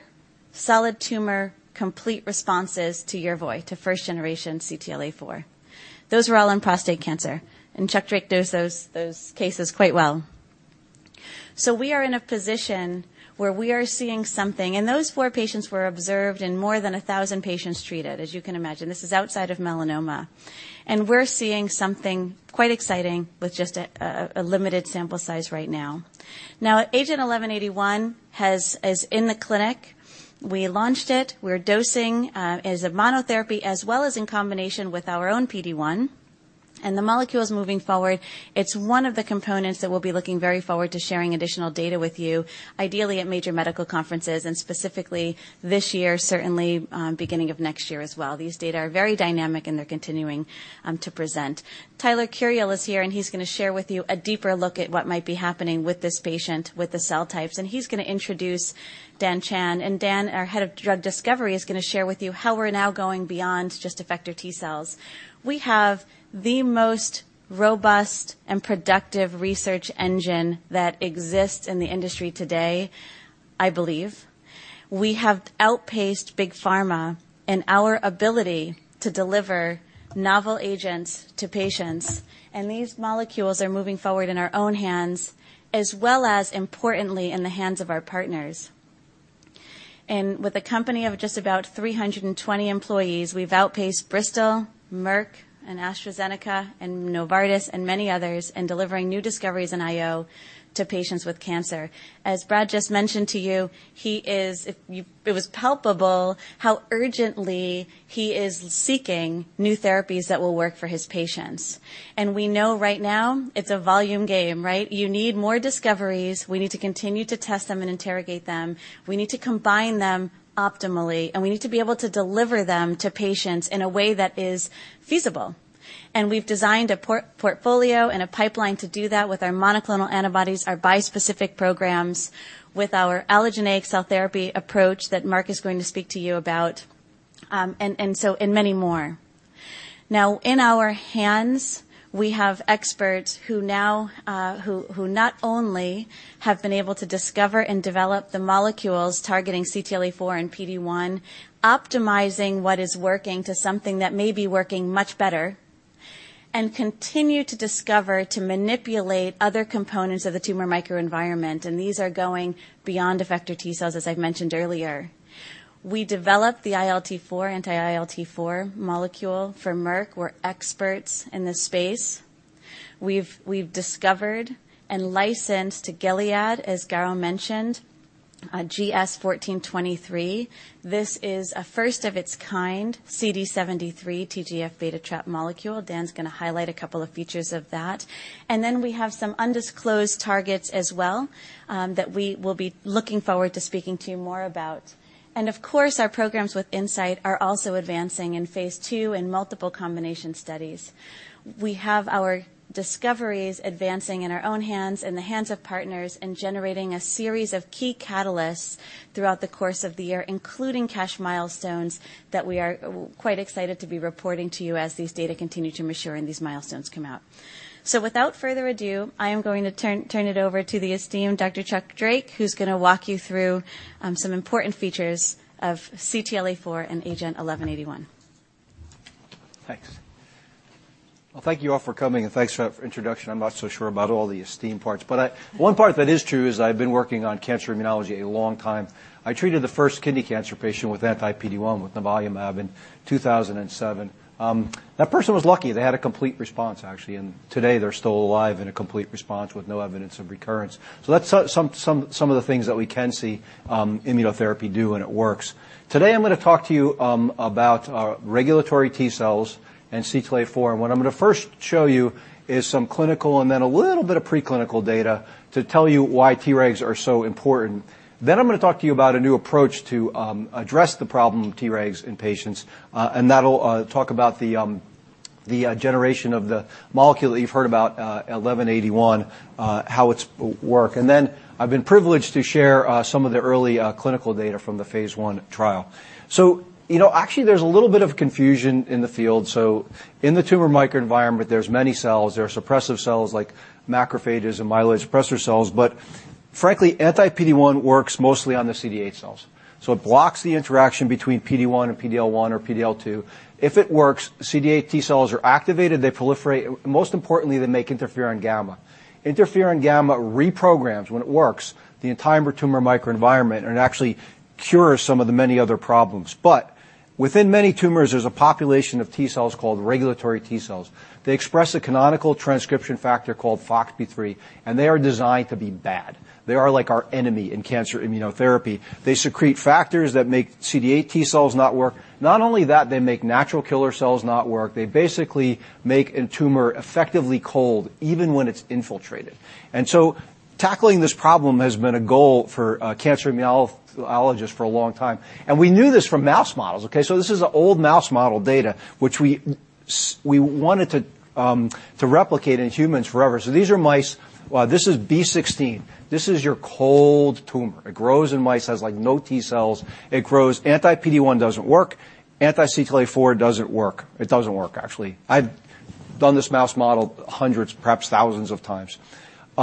solid tumor complete responses to YERVOY, to first generation CTLA-4. Those were all in prostate cancer, and Chuck Drake knows those cases quite well. We are in a position where we are seeing something, and those four patients were observed in more than 1,000 patients treated. As you can imagine, this is outside of melanoma. We're seeing something quite exciting with just a limited sample size right now. Now, AGEN1181 is in the clinic. We launched it. We're dosing as a monotherapy as well as in combination with our own PD-1 and the molecules moving forward. It's one of the components that we'll be looking very forward to sharing additional data with you, ideally at major medical conferences and specifically this year, certainly beginning of next year as well. These data are very dynamic, and they're continuing to present. Tyler Curiel is here. He's going to share with you a deeper look at what might be happening with this patient with the cell types. He's going to introduce Dhan Chand. Dhan, our head of drug discovery, is going to share with you how we're now going beyond just effector T cells. We have the most robust and productive research engine that exists in the industry today, I believe. We have outpaced Big Pharma in our ability to deliver novel agents to patients, and these molecules are moving forward in our own hands as well as, importantly, in the hands of our partners. With a company of just about 320 employees, we've outpaced Bristol, Merck, and AstraZeneca, and Novartis and many others in delivering new discoveries in IO to patients with cancer. As Brad just mentioned to you, it was palpable how urgently he is seeking new therapies that will work for his patients. We know right now it's a volume game, right? You need more discoveries. We need to continue to test them and interrogate them. We need to combine them optimally, and we need to be able to deliver them to patients in a way that is feasible. We've designed a portfolio and a pipeline to do that with our monoclonal antibodies, our bispecific programs, with our allogeneic cell therapy approach that Mark is going to speak to you about, and many more. In our hands, we have experts who not only have been able to discover and develop the molecules targeting CTLA-4 and PD-1, optimizing what is working to something that may be working much better, and continue to discover to manipulate other components of the tumor microenvironment. These are going beyond effector T cells, as I've mentioned earlier. We developed the ILT4/anti-ILT4 molecule for Merck. We're experts in this space. We've discovered and licensed to Gilead, as Garo mentioned, GS-1423. This is a first of its kind CD73 TGF-beta trap molecule. Dhan's going to highlight a couple of features of that. We have some undisclosed targets as well that we will be looking forward to speaking to you more about. Of course, our programs with Incyte are also advancing in phase II in multiple combination studies. We have our discoveries advancing in our own hands, in the hands of partners, and generating a series of key catalysts throughout the course of the year, including cash milestones that we are quite excited to be reporting to you as these data continue to mature and these milestones come out. Without further ado, I am going to turn it over to the esteemed Dr. Chuck Drake, who's going to walk you through some important features of CTLA-4 and AGEN1181. Thanks. Well, thank you all for coming, and thanks for that introduction. I'm not so sure about all the esteemed parts, but one part that is true is I've been working on cancer immunology a long time. I treated the first kidney cancer patient with anti-PD-1 with nivolumab in 2007. That person was lucky. They had a complete response, actually, and today they're still alive in a complete response with no evidence of recurrence. That's some of the things that we can see immunotherapy do when it works. Today, I'm going to talk to you about regulatory T cells and CTLA-4. What I'm going to first show you is some clinical and then a little bit of preclinical data to tell you why Tregs are so important. I'm going to talk to you about a new approach to address the problem of Tregs in patients, that'll talk about the generation of the molecule that you've heard about, 1181, how it works. I've been privileged to share some of the early clinical data from the phase I trial. Actually, there's a little bit of confusion in the field. In the tumor microenvironment, there's many cells. There are suppressive cells like macrophages and myeloid suppressor cells. Frankly, anti-PD-1 works mostly on the CD8 cells. It blocks the interaction between PD-1 and PD-L1 or PD-L2. If it works, CD8 T cells are activated, they proliferate, most importantly, they make interferon gamma. Interferon gamma reprograms, when it works, the entire tumor microenvironment, it actually cures some of the many other problems. Within many tumors, there's a population of T cells called regulatory T cells. They express a canonical transcription factor called Foxp3, and they are designed to be bad. They are like our enemy in cancer immunotherapy. They secrete factors that make CD8 T cells not work. Not only that, they make natural killer cells not work. They basically make a tumor effectively cold even when it's infiltrated. Tackling this problem has been a goal for cancer immunologists for a long time. We knew this from mouse models. This is old mouse model data which we wanted to replicate in humans forever. These are mice. This is B16. This is your cold tumor. It grows in mice, has no T cells. It grows. Anti-PD-1 doesn't work. Anti-CTLA-4 doesn't work. It doesn't work, actually. I've done this mouse model hundreds, perhaps thousands of times.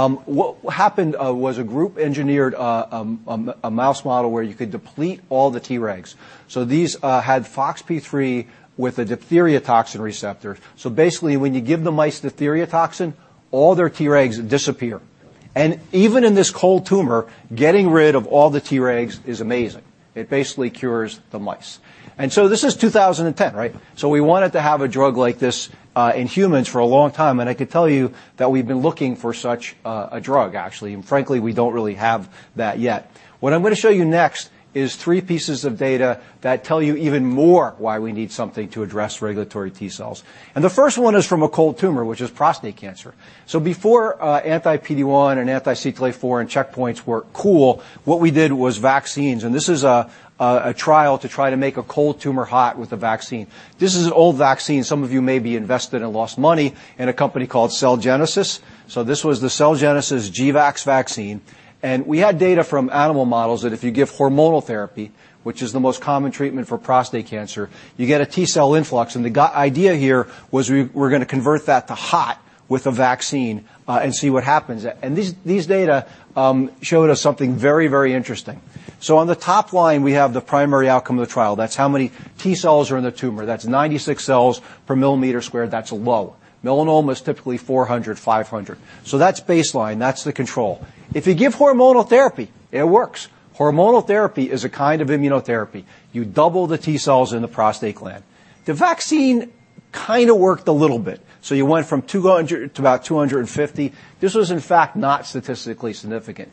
What happened was a group engineered a mouse model where you could deplete all the Tregs. These had Foxp3 with a diphtheria toxin receptor. Basically, when you give the mice the diphtheria toxin, all their Tregs disappear. Even in this cold tumor, getting rid of all the Tregs is amazing. It basically cures the mice. This is 2010, right? We wanted to have a drug like this in humans for a long time, and I could tell you that we've been looking for such a drug, actually. Frankly, we don't really have that yet. What I'm going to show you next is three pieces of data that tell you even more why we need something to address regulatory T cells. The first one is from a cold tumor, which is prostate cancer. Before anti-PD-1 and anti-CTLA-4 and checkpoints were cool, what we did was vaccines. This is a trial to try to make a cold tumor hot with a vaccine. This is an old vaccine. Some of you may be invested and lost money in a company called Cell Genesys. This was the Cell Genesys GVAX vaccine. We had data from animal models that if you give hormonal therapy, which is the most common treatment for prostate cancer, you get a T cell influx. The idea here was we were going to convert that to hot with a vaccine and see what happens. These data showed us something very, very interesting. On the top line, we have the primary outcome of the trial. That's how many T cells are in the tumor. That's 96 cells per millimeter squared. That's low. Melanoma is typically 400, 500. That's baseline. That's the control. If you give hormonal therapy, it works. Hormonal therapy is a kind of immunotherapy. You double the T cells in the prostate gland. The vaccine kind of worked a little bit. You went from 200 to about 250. This was, in fact, not statistically significant.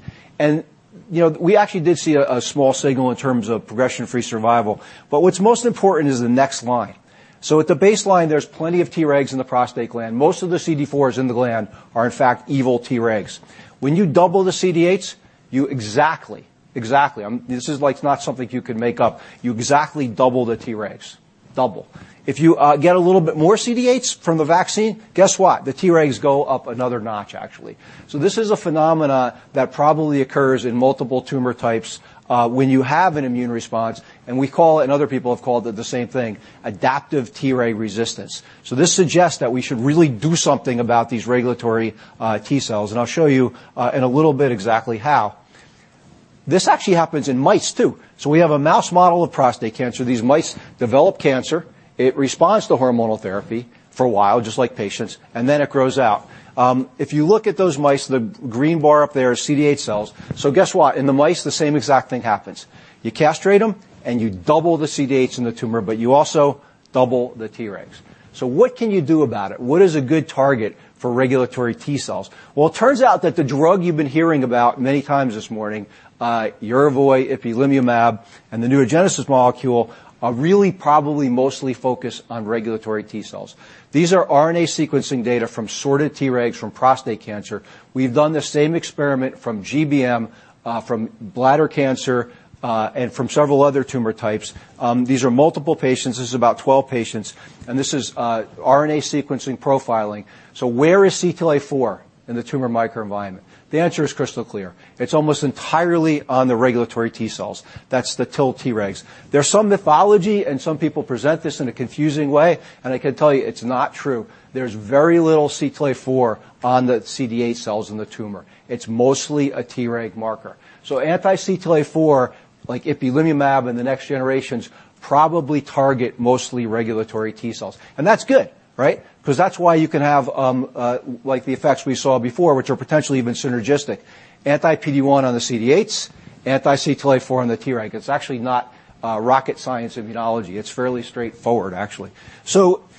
We actually did see a small signal in terms of progression-free survival. What's most important is the next line. At the baseline, there's plenty of Tregs in the prostate gland. Most of the CD4s in the gland are, in fact, evil Tregs. When you double the CD8s, you exactly, this is not something you can make up. You exactly double the Tregs. Double. If you get a little bit more CD8s from the vaccine, guess what? The Tregs go up another notch, actually. This is a phenomena that probably occurs in multiple tumor types when you have an immune response, and we call it, and other people have called it the same thing, adaptive Treg resistance. This suggests that we should really do something about these regulatory T cells, and I'll show you in a little bit exactly how. This actually happens in mice, too. We have a mouse model of prostate cancer. These mice develop cancer. It responds to hormonal therapy for a while, just like patients, and then it grows out. If you look at those mice, the green bar up there is CD8 cells. Guess what? In the mice, the same exact thing happens. You castrate them, and you double the CD8s in the tumor, but you also double the Tregs. What can you do about it? What is a good target for regulatory T cells? It turns out that the drug you've been hearing about many times this morning, YERVOY, ipilimumab, and the new Agenus molecule, are really probably mostly focused on regulatory T cells. These are RNA sequencing data from sorted Tregs from prostate cancer. We've done the same experiment from GBM, from bladder cancer, and from several other tumor types. These are multiple patients. This is about 12 patients. This is RNA sequencing profiling. Where is CTLA-4 in the tumor microenvironment? The answer is crystal clear. It's almost entirely on the regulatory T cells. That's the TIL Tregs. There's some mythology, and some people present this in a confusing way, and I can tell you it's not true. There's very little CTLA-4 on the CD8 cells in the tumor. It's mostly a Treg marker. Anti-CTLA-4, like ipilimumab and the next generations, probably target mostly regulatory T cells. That's good, right? That's why you can have the effects we saw before, which are potentially even synergistic. Anti-PD-1 on the CD8s, anti-CTLA-4 on the Tregs. It's actually not rocket science immunology. It's fairly straightforward, actually.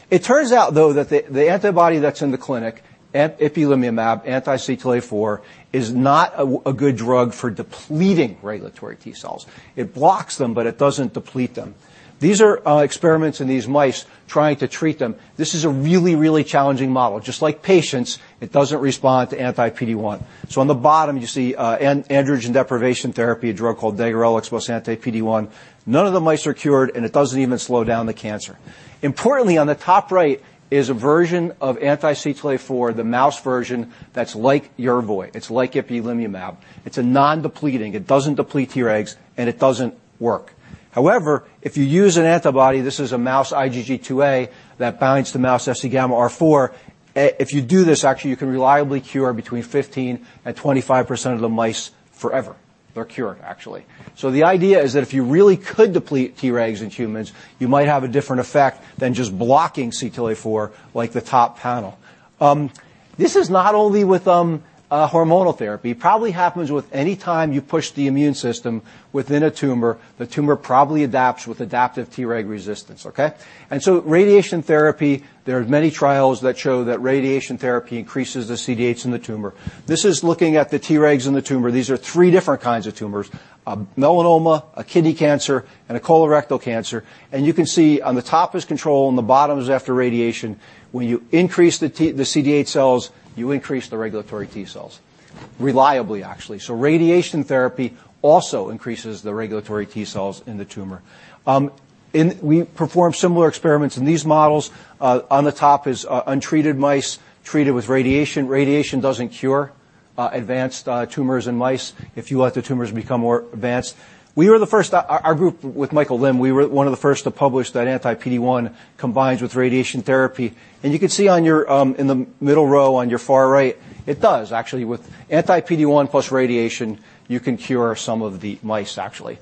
It turns out, though, that the antibody that's in the clinic, ipilimumab, anti-CTLA-4, is not a good drug for depleting regulatory T cells. It blocks them, but it doesn't deplete them. These are experiments in these mice trying to treat them. This is a really challenging model. Just like patients, it doesn't respond to anti-PD-1. On the bottom, you see androgen deprivation therapy, a drug called degarelix plus anti-PD-1. None of the mice are cured, and it doesn't even slow down the cancer. Importantly, on the top right is a version of anti-CTLA-4, the mouse version that's like YERVOY. It's like ipilimumab. It's a non-depleting. It doesn't deplete Tregs, and it doesn't work. If you use an antibody, this is a mouse IgG2a that binds to mouse Fc gamma RIV. If you do this, actually, you can reliably cure between 15%-25% of the mice forever. They're cured, actually. The idea is that if you really could deplete Tregs in humans, you might have a different effect than just blocking CTLA-4, like the top panel. This is not only with hormonal therapy. It probably happens with any time you push the immune system within a tumor, the tumor probably adapts with adaptive Treg resistance, okay? Radiation therapy, there are many trials that show that radiation therapy increases the CD8s in the tumor. This is looking at the Tregs in the tumor. These are three different kinds of tumors, a melanoma, a kidney cancer, and a colorectal cancer. You can see on the top is control, on the bottom is after radiation. When you increase the CD8 cells, you increase the regulatory T cells. Reliably, actually. Radiation therapy also increases the regulatory T cells in the tumor. We performed similar experiments in these models. On the top is untreated mice treated with radiation. Radiation doesn't cure advanced tumors in mice if you let the tumors become more advanced. Our group with Michael Lim, we were one of the first to publish that anti-PD-1 combines with radiation therapy. You can see in the middle row on your far right, it does, actually. With anti-PD-1 plus radiation, you can cure some of the mice, actually.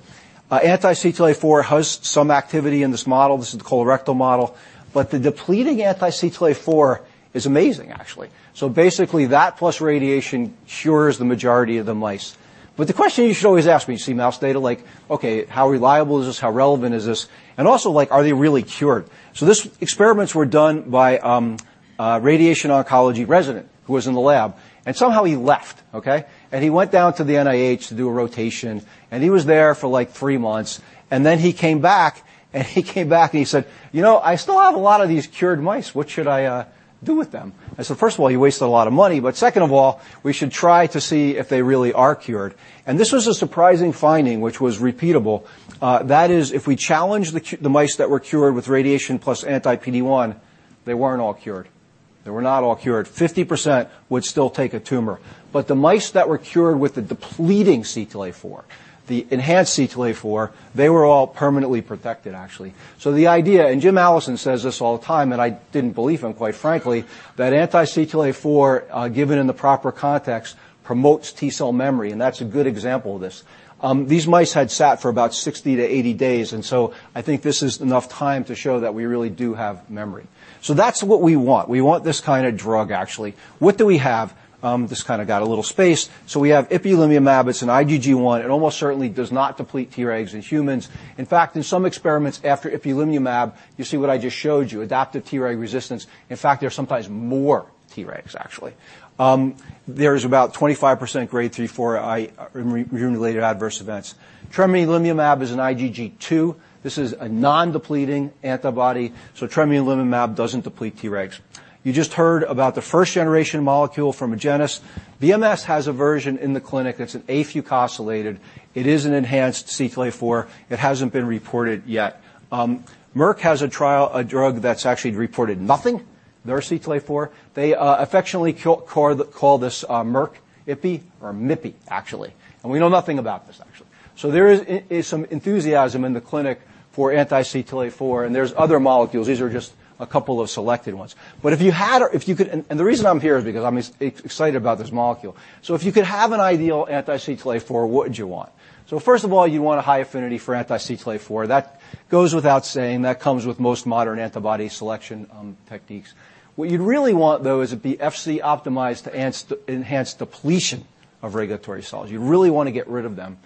Anti-CTLA-4 has some activity in this model. This is the colorectal model. The depleting anti-CTLA-4 is amazing, actually. Basically, that plus radiation cures the majority of the mice. The question you should always ask me, you see mouse data like, okay, how reliable is this? How relevant is this? Are they really cured? These experiments were done by a radiation oncology resident who was in the lab. Somehow he left. Okay. He went down to the NIH to do a rotation, he was there for like three months, then he came back. He came back, he said, "You know, I still have a lot of these cured mice. What should I do with them?" I said, "First of all, you wasted a lot of money. Second of all, we should try to see if they really are cured." This was a surprising finding, which was repeatable. That is, if we challenge the mice that were cured with radiation plus anti-PD-1, they weren't all cured. They were not all cured. 50% would still take a tumor. The mice that were cured with the depleting CTLA-4, the enhanced CTLA-4, they were all permanently protected, actually. The idea, and Jim Allison says this all the time, and I didn't believe him, quite frankly, that anti-CTLA-4, given in the proper context, promotes T cell memory, and that's a good example of this. These mice had sat for about 60 to 80 days, I think this is enough time to show that we really do have memory. That's what we want. We want this kind of drug, actually. What do we have? This kind of got a little space. We have ipilimumab. It's an IgG1. It almost certainly does not deplete Tregs in humans. In fact, in some experiments after ipilimumab, you see what I just showed you, adaptive Treg resistance. In fact, there's sometimes more Tregs, actually. There is about 25% Grade 3/4-related adverse events. tremelimumab is an IgG2. This is a non-depleting antibody. tremelimumab doesn't deplete Tregs. You just heard about the first-generation molecule from Agenus. BMS has a version in the clinic that's an afucosylated. It is an enhanced CTLA-4. It hasn't been reported yet. Merck has a trial, a drug that's actually reported nothing. Their CTLA-4, they affectionately call this Merck Ipi or Mipi, actually. We know nothing about this, actually. There is some enthusiasm in the clinic for anti-CTLA-4. There's other molecules. These are just a couple of selected ones. The reason I'm here is because I'm excited about this molecule. If you could have an ideal anti-CTLA-4, what would you want? First of all, you want a high affinity for anti-CTLA-4. That goes without saying. That comes with most modern antibody selection techniques. What you'd really want, though, is it be Fc optimized to enhance depletion of regulatory cells. You really want to get rid of them.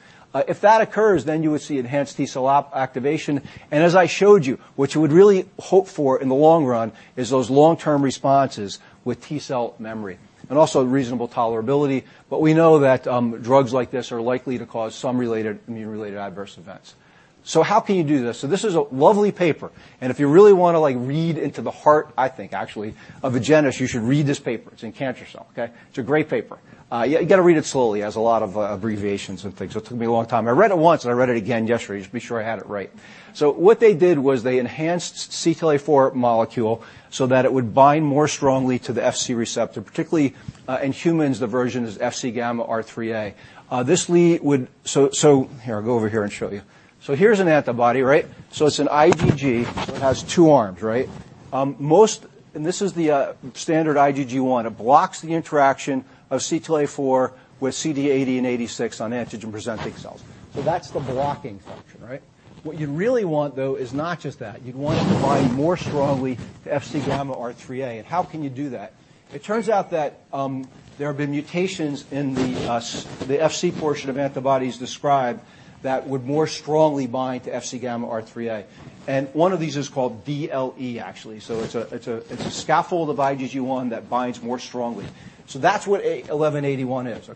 If that occurs, then you would see enhanced T cell activation, and as I showed you, what you would really hope for in the long run is those long-term responses with T cell memory, and also reasonable tolerability, but we know that drugs like this are likely to cause some immune-related adverse events. How can you do this? This is a lovely paper, and if you really want to read into the heart, I think actually, of Agenus, you should read this paper. It's in "Cancer Cell." Okay? It's a great paper. You got to read it slowly. It has a lot of abbreviations and things, so it took me a long time. I read it once and I read it again yesterday just to be sure I had it right. What they did was they enhanced CTLA-4 molecule so that it would bind more strongly to the Fc receptor, particularly in humans, the version is FcγRIIIa. Here, I'll go over here and show you. Here's an antibody. It's an IgG, so it has two arms. This is the standard IgG1. It blocks the interaction of CTLA-4 with CD80 and 86 on antigen-presenting cells. That's the blocking function. What you'd really want though is not just that. You'd want it to bind more strongly to FcγRIIIa. How can you do that? It turns out that there have been mutations in the Fc portion of antibodies described that would more strongly bind to FcγRIIIa. One of these is called DLE, actually. It's a scaffold of IgG1 that binds more strongly. That's what 1181 is.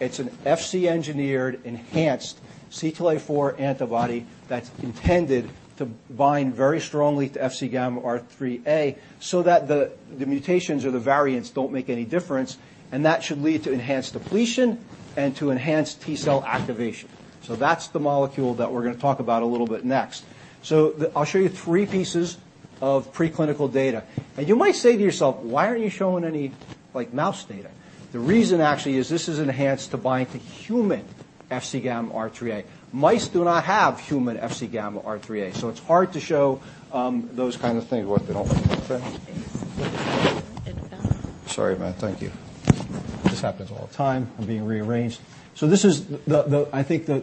It's an Fc engineered enhanced CTLA-4 antibody that's intended to bind very strongly to FcγRIIIa so that the mutations or the variants don't make any difference, and that should lead to enhanced depletion and to enhanced T cell activation. That's the molecule that we're going to talk about a little bit next. I'll show you three pieces of preclinical data. You might say to yourself, "Why aren't you showing any mouse data?" The reason actually is this is enhanced to bind to human FcγRIIIa. Mice do not have human FcγRIIIa. It's hard to show those kind of things. What, they don't look okay? It fell. Sorry about it. Thank you. This happens all the time. I'm being rearranged. This is, I think, the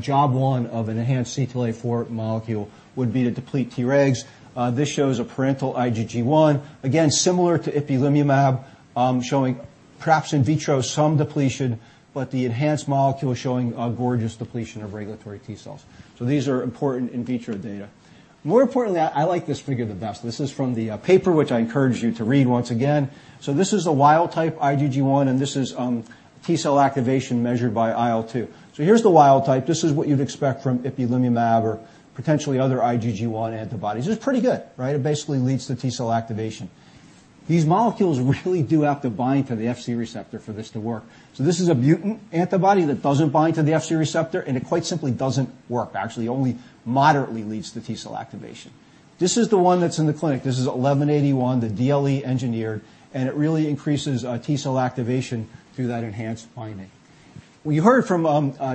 job one of an enhanced CTLA-4 molecule would be to deplete Tregs. This shows a parental IgG1, again, similar to ipilimumab, showing perhaps in vitro some depletion, but the enhanced molecule showing a gorgeous depletion of regulatory T cells. These are important in vitro data. More importantly, I like this figure the best. This is from the paper, which I encourage you to read once again. This is a wild-type IgG1, and this is T cell activation measured by IL-2. Here's the wild type. This is what you'd expect from ipilimumab or potentially other IgG1 antibodies. It's pretty good. It basically leads to T cell activation. These molecules really do have to bind to the Fc receptor for this to work. This is a mutant antibody that doesn't bind to the Fc receptor, and it quite simply doesn't work. Actually, only moderately leads to T cell activation. This is the one that's in the clinic. This is AGEN1181, the DLE engineered, and it really increases T cell activation through that enhanced binding. We heard from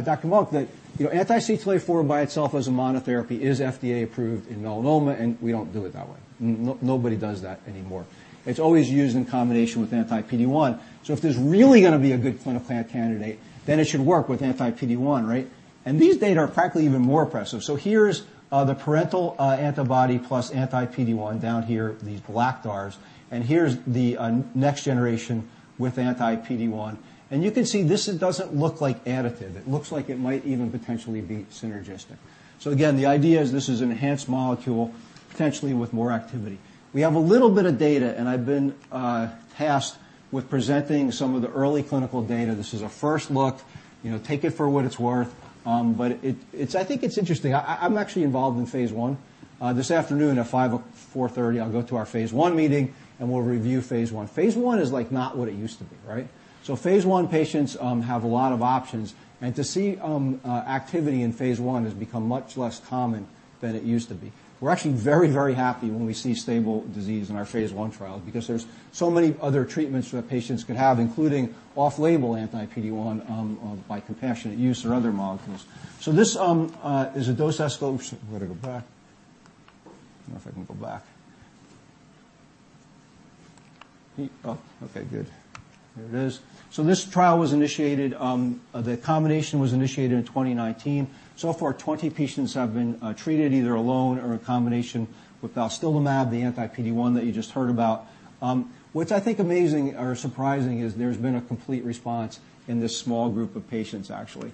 Dr. Monk that anti-CTLA-4 by itself as a monotherapy is FDA approved in melanoma, and we don't do it that way. Nobody does that anymore. It's always used in combination with anti-PD-1. If there's really going to be a good clinical candidate, then it should work with anti-PD-1. These data are practically even more impressive. Here's the parental antibody plus anti-PD-1 down here, these black bars, and here's the next generation with anti-PD-1. You can see this doesn't look like additive. It looks like it might even potentially be synergistic. Again, the idea is this is an enhanced molecule, potentially with more activity. We have a little bit of data, and I've been tasked with presenting some of the early clinical data. This is a first look. Take it for what it's worth. I think it's interesting. I'm actually involved in phase I. This afternoon at 4:30 P.M., I'll go to our phase I meeting and we'll review phase I. Phase I is not what it used to be. Phase I patients have a lot of options, and to see activity in phase I has become much less common than it used to be. We're actually very, very happy when we see stable disease in our phase I trials because there's so many other treatments that patients could have, including off-label anti-PD-1 by compassionate use or other molecules. This is a dose escal-- I've got to go back. I don't know if I can go back. Okay, good. There it is. This trial was initiated, the combination was initiated in 2019. So far, 20 patients have been treated either alone or in combination with balstilimab, the anti-PD-1 that you just heard about. What's, I think, amazing or surprising is there's been a complete response in this small group of patients, actually.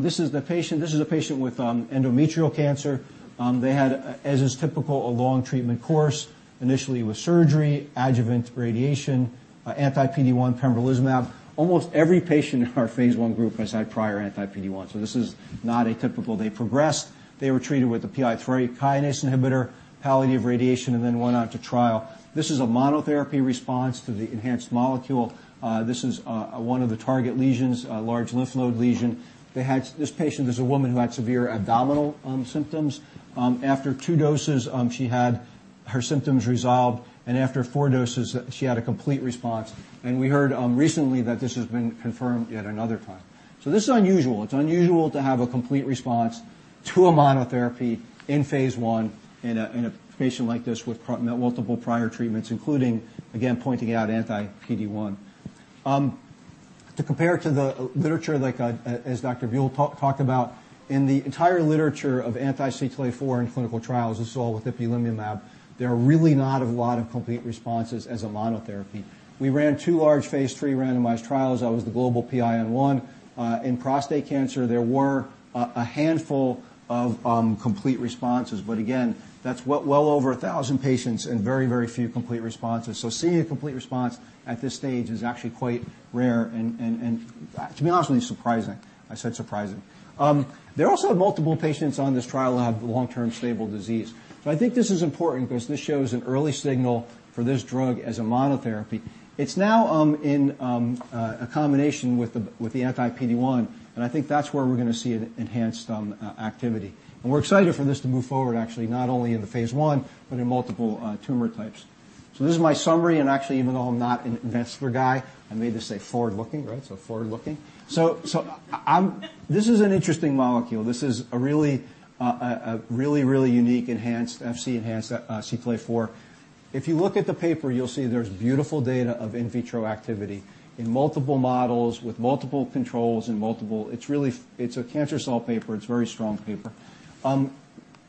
This is a patient with endometrial cancer. They had, as is typical, a long treatment course, initially with surgery, adjuvant radiation, anti-PD-1 pembrolizumab. Almost every patient in our phase I group has had prior anti-PD-1, so this is not atypical. They progressed. They were treated with a PI3 kinase inhibitor, palliative radiation, and then went on to trial. This is a monotherapy response to the enhanced molecule. This is one of the target lesions, a large lymph node lesion. This patient is a woman who had severe abdominal symptoms. After two doses, she had her symptoms resolved, and after four doses, she had a complete response. We heard recently that this has been confirmed yet another time. This is unusual. It's unusual to have a complete response to a monotherapy in phase I in a patient like this with multiple prior treatments, including, again, pointing out anti-PD-1. To compare to the literature, as Dr. Buell talked about, in the entire literature of anti-CTLA-4 in clinical trials, this is all with ipilimumab, there are really not a lot of complete responses as a monotherapy. We ran two large phase III randomized trials. I was the global PI on one. In prostate cancer, there were a handful of complete responses. Again, that's well over 1,000 patients and very, very few complete responses. Seeing a complete response at this stage is actually quite rare and, to be honest with you, surprising. I said surprising. There are also multiple patients on this trial who have long-term stable disease. I think this is important because this shows an early signal for this drug as a monotherapy. It's now in a combination with the anti-PD-1. I think that's where we're going to see an enhanced activity. We're excited for this to move forward, actually, not only into phase I but in multiple tumor types. This is my summary. Actually, even though I'm not an investor guy, I made this say forward-looking. Forward-looking. This is an interesting molecule. This is a really, really unique Fc-enhanced CTLA-4. If you look at the paper, you'll see there's beautiful data of in vitro activity in multiple models with multiple controls, and it's a Cancer Cell paper. It's a very strong paper.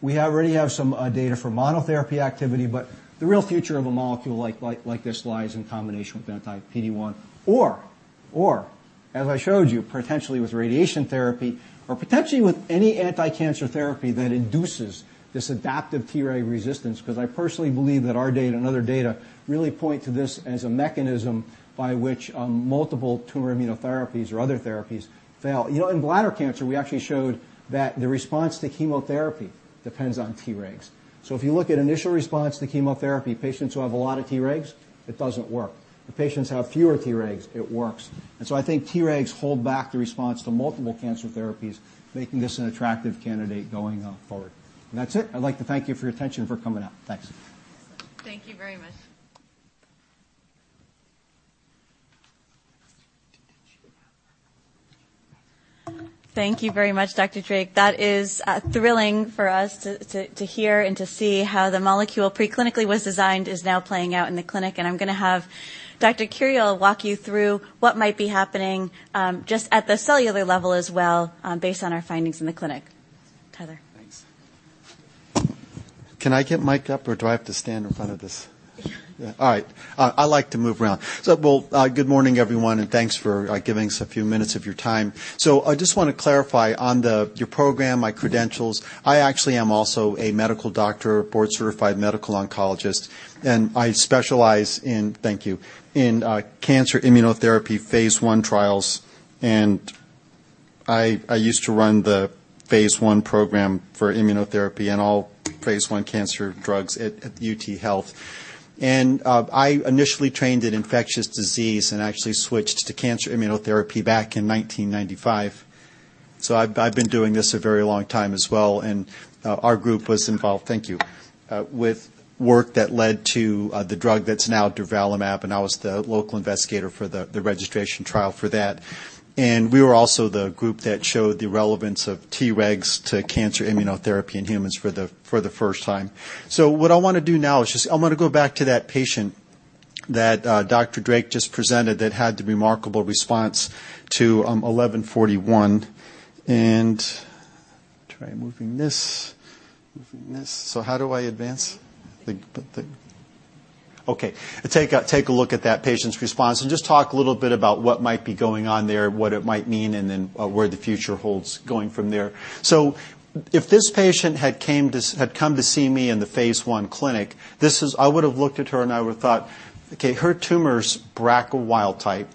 We already have some data for monotherapy activity, but the real future of a molecule like this lies in combination with anti-PD-1 or, as I showed you, potentially with radiation therapy or potentially with any anti-cancer therapy that induces this adaptive Treg resistance because I personally believe that our data and other data really point to this as a mechanism by which multiple tumor immunotherapies or other therapies fail. In bladder cancer, we actually showed that the response to chemotherapy depends on Tregs. If you look at initial response to chemotherapy, patients who have a lot of Tregs, it doesn't work. The patients who have fewer Tregs, it works. I think Tregs hold back the response to multiple cancer therapies, making this an attractive candidate going forward. That's it. I'd like to thank you for your attention, for coming out. Thanks. Thank you very much. Thank you very much, Dr. Drake. That is thrilling for us to hear and to see how the molecule preclinically was designed, is now playing out in the clinic, and I'm going to have Dr. Curiel walk you through what might be happening just at the cellular level as well based on our findings in the clinic. Tyler. Thanks. Can I get miced up or do I have to stand in front of this? Sure. All right. I like to move around. Well, good morning, everyone, and thanks for giving us a few minutes of your time. I just want to clarify on your program, my credentials. I actually am also a medical doctor, board-certified medical oncologist, and I specialize in, thank you, cancer immunotherapy phase I trials, and I used to run the phase I program for immunotherapy and all phase I cancer drugs at UT Health. I initially trained in infectious disease and actually switched to cancer immunotherapy back in 1995. I've been doing this a very long time as well. Our group was involved, thank you, with work that led to the drug that's now durvalumab, and I was the local investigator for the registration trial for that. We were also the group that showed the relevance of Tregs to cancer immunotherapy in humans for the first time. What I want to do now is just I want to go back to that patient that Dr. Drake just presented that had the remarkable response to 1181 and try moving this. How do I advance? Okay. Take a look at that patient's response and just talk a little bit about what might be going on there, what it might mean, then where the future holds going from there. If this patient had come to see me in the phase I clinic, I would have looked at her and I would have thought, "Okay, her tumor's BRCA wild type.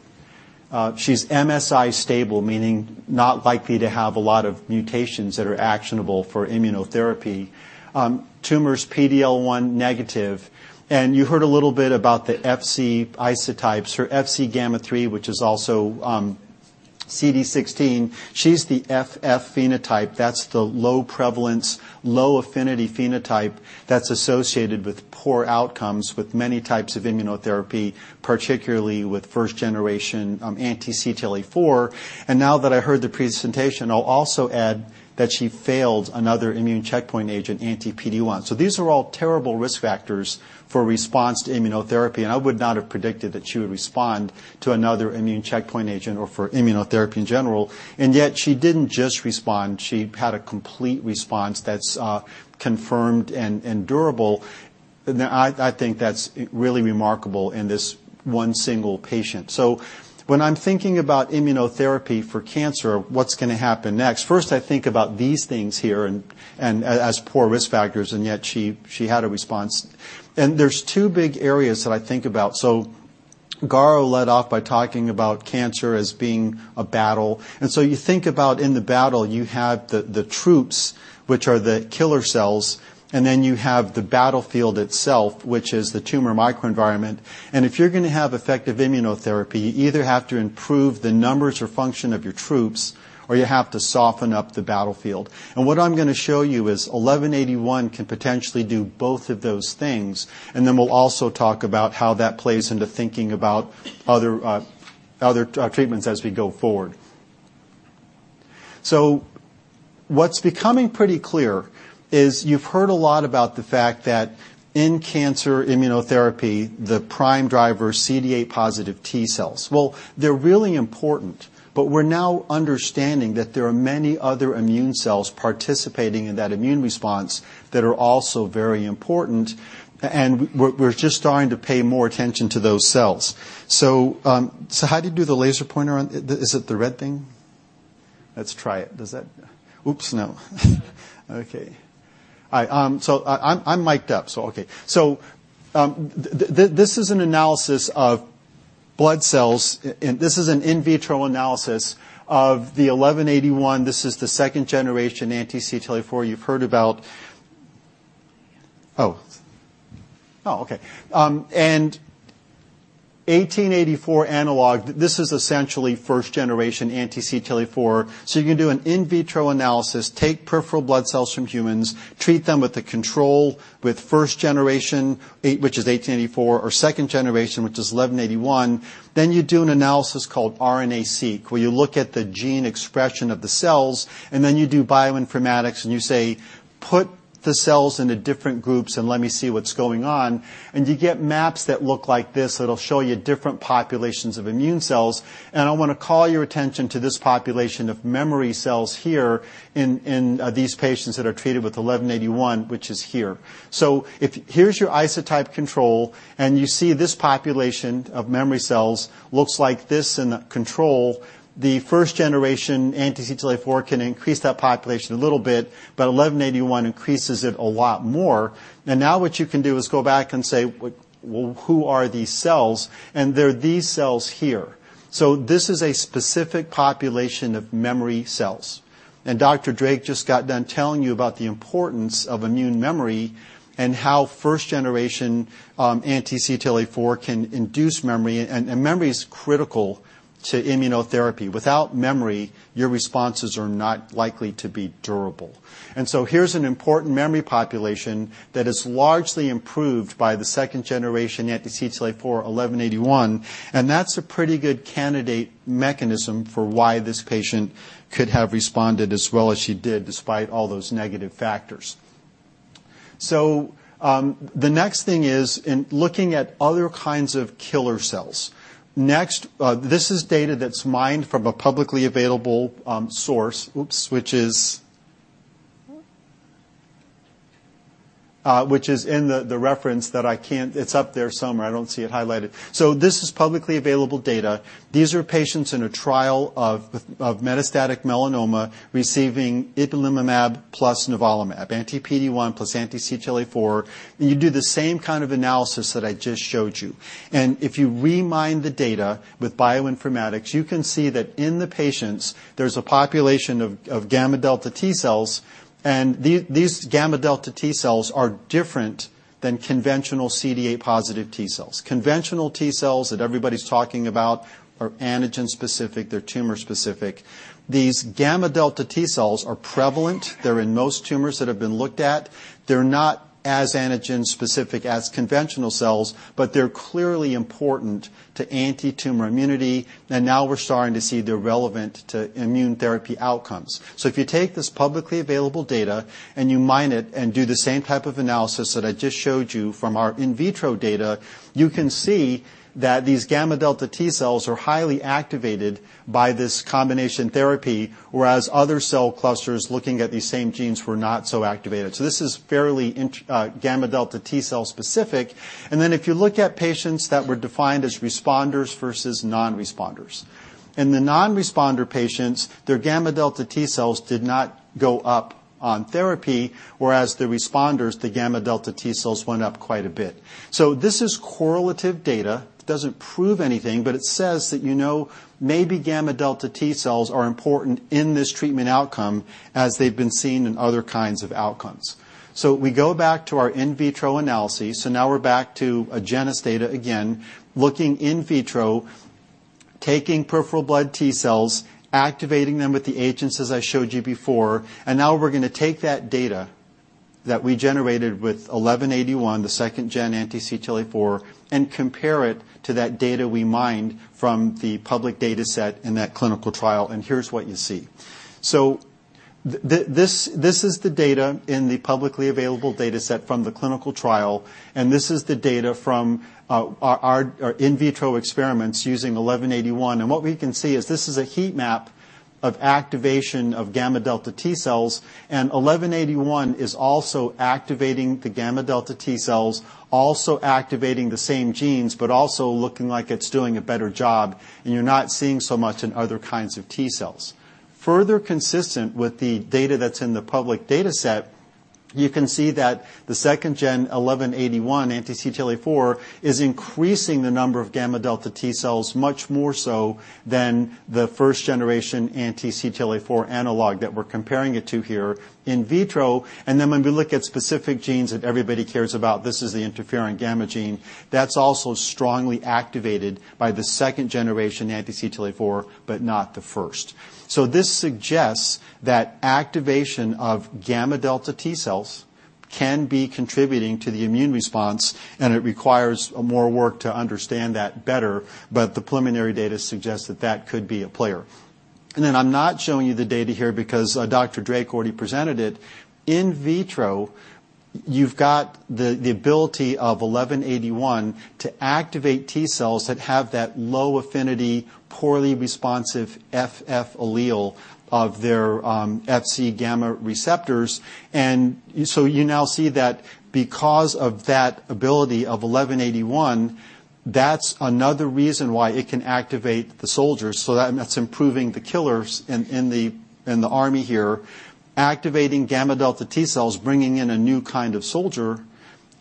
She's MSI stable, meaning not likely to have a lot of mutations that are actionable for immunotherapy. Tumor is PD-L1 negative." You heard a little bit about the Fc isotypes. Her FcγRIIIa, which is also CD16, she's the FF phenotype. That's the low prevalence, low affinity phenotype that's associated with poor outcomes with many types of immunotherapy, particularly with first generation anti-CTLA-4. Now that I heard the presentation, I'll also add that she failed another immune checkpoint agent, anti-PD-1. These are all terrible risk factors for response to immunotherapy, I would not have predicted that she would respond to another immune checkpoint agent or for immunotherapy in general. Yet she didn't just respond, she had a complete response that's confirmed and durable. I think that's really remarkable in this one single patient. When I'm thinking about immunotherapy for cancer, what's going to happen next? First, I think about these things here as poor risk factors, yet she had a response. There's two big areas that I think about. Garo led off by talking about cancer as being a battle. You think about in the battle, you have the troops, which are the killer cells, then you have the battlefield itself, which is the tumor microenvironment. If you're going to have effective immunotherapy, you either have to improve the numbers or function of your troops, or you have to soften up the battlefield. What I'm going to show you is AGEN1181 can potentially do both of those things. We'll also talk about how that plays into thinking about other treatments as we go forward. What's becoming pretty clear is you've heard a lot about the fact that in cancer immunotherapy, the prime driver is CD8 positive T cells. They're really important, but we're now understanding that there are many other immune cells participating in that immune response that are also very important, and we're just starting to pay more attention to those cells. How do you do the laser pointer? Is it the red thing? Let's try it. Does that? Oops, no. Okay. I'm mic'd up, so okay. This is an analysis of blood cells, and this is an in vitro analysis of the AGEN1181. This is the second generation anti-CTLA-4 you've heard about. Oh. Oh, okay. AGEN1884 analog, this is essentially first generation anti-CTLA-4. You can do an in vitro analysis, take peripheral blood cells from humans, treat them with a control with first generation, which is AGEN1884, or second generation, which is 1181. You do an analysis called RNA-Seq, where you look at the gene expression of the cells, and then you do bioinformatics, and you say, "Put the cells into different groups and let me see what's going on." You get maps that look like this, that'll show you different populations of immune cells. I want to call your attention to this population of memory cells here in these patients that are treated with 1181, which is here. Here's your isotype control, and you see this population of memory cells looks like this in the control. The first generation anti-CTLA-4 can increase that population a little bit, but 1181 increases it a lot more. Now what you can do is go back and say, "Well, who are these cells?" They're these cells here. This is a specific population of memory cells. Dr. Drake just got done telling you about the importance of immune memory and how first-generation anti-CTLA-4 can induce memory, and memory is critical to immunotherapy. Without memory, your responses are not likely to be durable. Here's an important memory population that is largely improved by the second-generation anti-CTLA-4, 1181, and that's a pretty good candidate mechanism for why this patient could have responded as well as she did, despite all those negative factors. The next thing is in looking at other kinds of killer cells. Next, this is data that's mined from a publicly available source, oops, which is in the reference. It's up there somewhere. I don't see it highlighted. This is publicly available data. These are patients in a trial of metastatic melanoma receiving ipilimumab plus nivolumab, anti-PD-1 plus anti-CTLA-4. You do the same kind of analysis that I just showed you. If you re-mine the data with bioinformatics, you can see that in the patients, there's a population of gamma delta T cells, and these gamma delta T cells are different than conventional CD8 positive T cells. Conventional T cells that everybody's talking about are antigen specific. They're tumor specific. These gamma delta T cells are prevalent. They're in most tumors that have been looked at. They're not as antigen specific as conventional cells, but they're clearly important to anti-tumor immunity, and now we're starting to see they're relevant to immune therapy outcomes. If you take this publicly available data and you mine it and do the same type of analysis that I just showed you from our in vitro data, you can see that these gamma delta T cells are highly activated by this combination therapy, whereas other cell clusters, looking at these same genes, were not so activated. This is fairly gamma delta T cell specific. If you look at patients that were defined as responders versus non-responders. In the non-responder patients, their gamma delta T cells did not go up on therapy, whereas the responders, the gamma delta T cells went up quite a bit. This is correlative data. It doesn't prove anything, but it says that maybe gamma delta T cells are important in this treatment outcome, as they've been seen in other kinds of outcomes. We go back to our in vitro analysis. Now we're back to Agenus data again, looking in vitro, taking peripheral blood T cells, activating them with the agents as I showed you before. Now we're going to take that data that we generated with 1181, the second gen anti-CTLA-4, and compare it to that data we mined from the public data set in that clinical trial. Here's what you see. This is the data in the publicly available data set from the clinical trial, and this is the data from our in vitro experiments using 1181. What we can see is this is a heat map of activation of gamma delta T cells, and 1181 is also activating the gamma delta T cells, also activating the same genes, but also looking like it's doing a better job, and you're not seeing so much in other kinds of T cells. Further, consistent with the data that's in the public data set, you can see that the second-gen 1181 anti-CTLA-4 is increasing the number of gamma delta T cells much more so than the first generation anti-CTLA-4 analog that we're comparing it to here in vitro. When we look at specific genes that everybody cares about, this is the interferon gamma gene. That's also strongly activated by the second generation anti-CTLA-4, but not the first. This suggests that activation of gamma delta T cells can be contributing to the immune response, and it requires more work to understand that better, but the preliminary data suggests that could be a player. I'm not showing you the data here because Dr. Drake already presented it. In vitro, you've got the ability of AGEN1181 to activate T cells that have that low affinity, poorly responsive FF allele of their Fc gamma receptors. You now see that because of that ability of AGEN1181, that's another reason why it can activate the soldiers. That's improving the killers in the army here, activating gamma delta T cells, bringing in a new kind of soldier.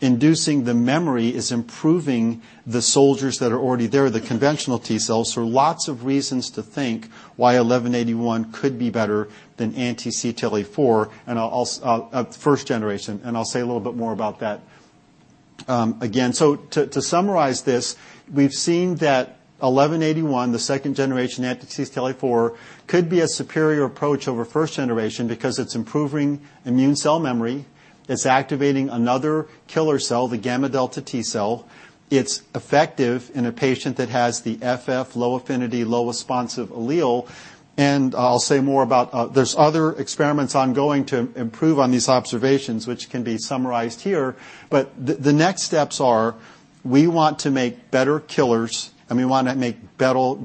Inducing the memory is improving the soldiers that are already there, the conventional T cells. Lots of reasons to think why AGEN1181 could be better than anti-CTLA-4, first generation. I'll say a little bit more about that again. To summarize this, we've seen that AGEN1181, the second generation anti-CTLA-4, could be a superior approach over first generation because it's improving immune cell memory. It's activating another killer cell, the gamma delta T cell. It's effective in a patient that has the FF low affinity, low responsive allele. I'll say more about, there's other experiments ongoing to improve on these observations, which can be summarized here. The next steps are, we want to make better killers. We want to make better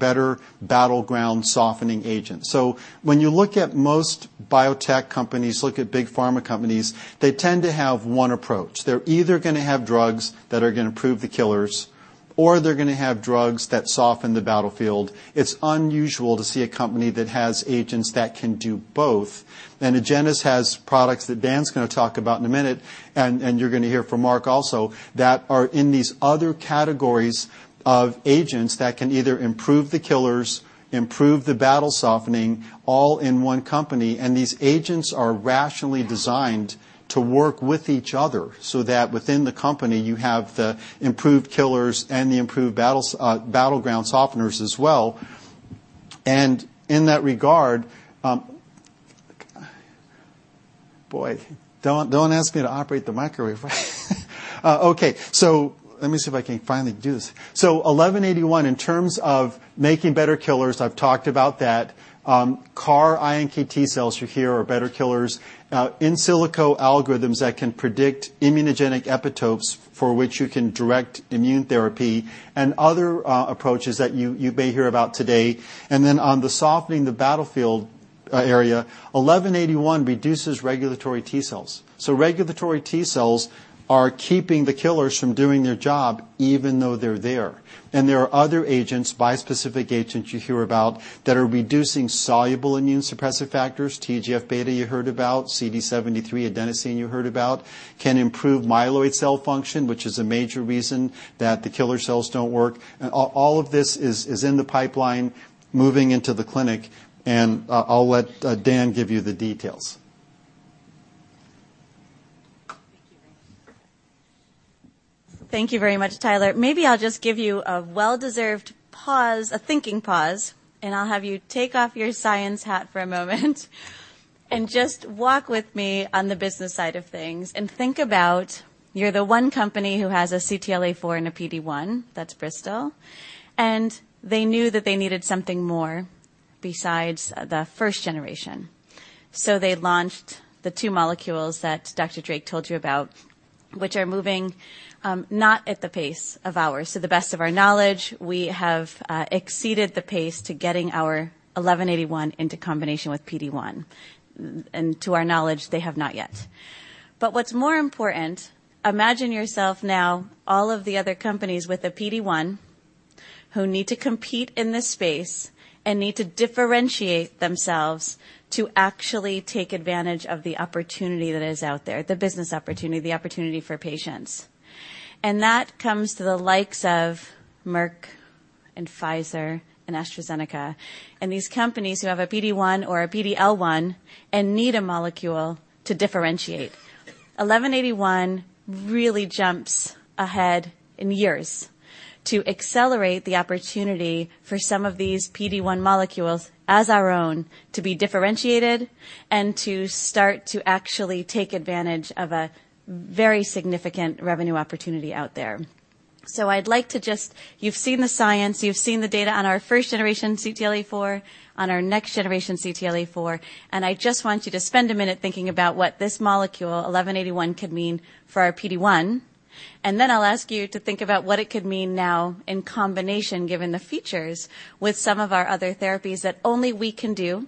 battleground softening agents. When you look at most biotech companies, look at big pharma companies, they tend to have one approach. They're either going to have drugs that are going to improve the killers, or they're going to have drugs that soften the battlefield. It's unusual to see a company that has agents that can do both. Agenus has products that Dhan's going to talk about in a minute, and you're going to hear from Mark also, that are in these other categories of agents that can either improve the killers, improve the battle softening, all in one company, and these agents are rationally designed to work with each other, so that within the company, you have the improved killers and the improved battleground softeners as well. In that regard, boy, don't ask me to operate the microwave. Okay. Let me see if I can finally do this. AGEN1181, in terms of making better killers, I've talked about that. CAR iNKT cells you hear are better killers. In silico algorithms that can predict immunogenic epitopes for which you can direct immune therapy and other approaches that you may hear about today. On the softening the battlefield area, AGEN1181 reduces regulatory T cells. Regulatory T cells are keeping the killers from doing their job even though they're there. There are other agents, bispecific agents you hear about, that are reducing soluble immune suppressive factors. TGF-beta you heard about. CD73 you heard about, can improve myeloid cell function, which is a major reason that the killer cells don't work. All of this is in the pipeline moving into the clinic, and I'll let Dhan give you the details. Thank you very much, Tyler. Maybe I'll just give you a well-deserved pause, a thinking pause, and I'll have you take off your science hat for a moment and just walk with me on the business side of things and think about, you're the one company who has a CTLA-4 and a PD-1, that's Bristol, and they knew that they needed something more besides the first generation. They launched the two molecules that Dr. Drake told you about, which are moving, not at the pace of ours. To the best of our knowledge, we have exceeded the pace to getting our 1181 into combination with PD-1. To our knowledge, they have not yet. What's more important, imagine yourself now, all of the other companies with a PD-1 who need to compete in this space and need to differentiate themselves to actually take advantage of the opportunity that is out there, the business opportunity, the opportunity for patients. That comes to the likes of Merck and Pfizer and AstraZeneca, and these companies who have a PD-1 or a PD-L1 and need a molecule to differentiate. AGEN1181 really jumps ahead in years to accelerate the opportunity for some of these PD-1 molecules as our own, to be differentiated and to start to actually take advantage of a very significant revenue opportunity out there. You've seen the science, you've seen the data on our first generation CTLA-4, on our next generation CTLA-4, and I just want you to spend a minute thinking about what this molecule, 1181, could mean for our PD-1. I'll ask you to think about what it could mean now in combination, given the features with some of our other therapies that only we can do,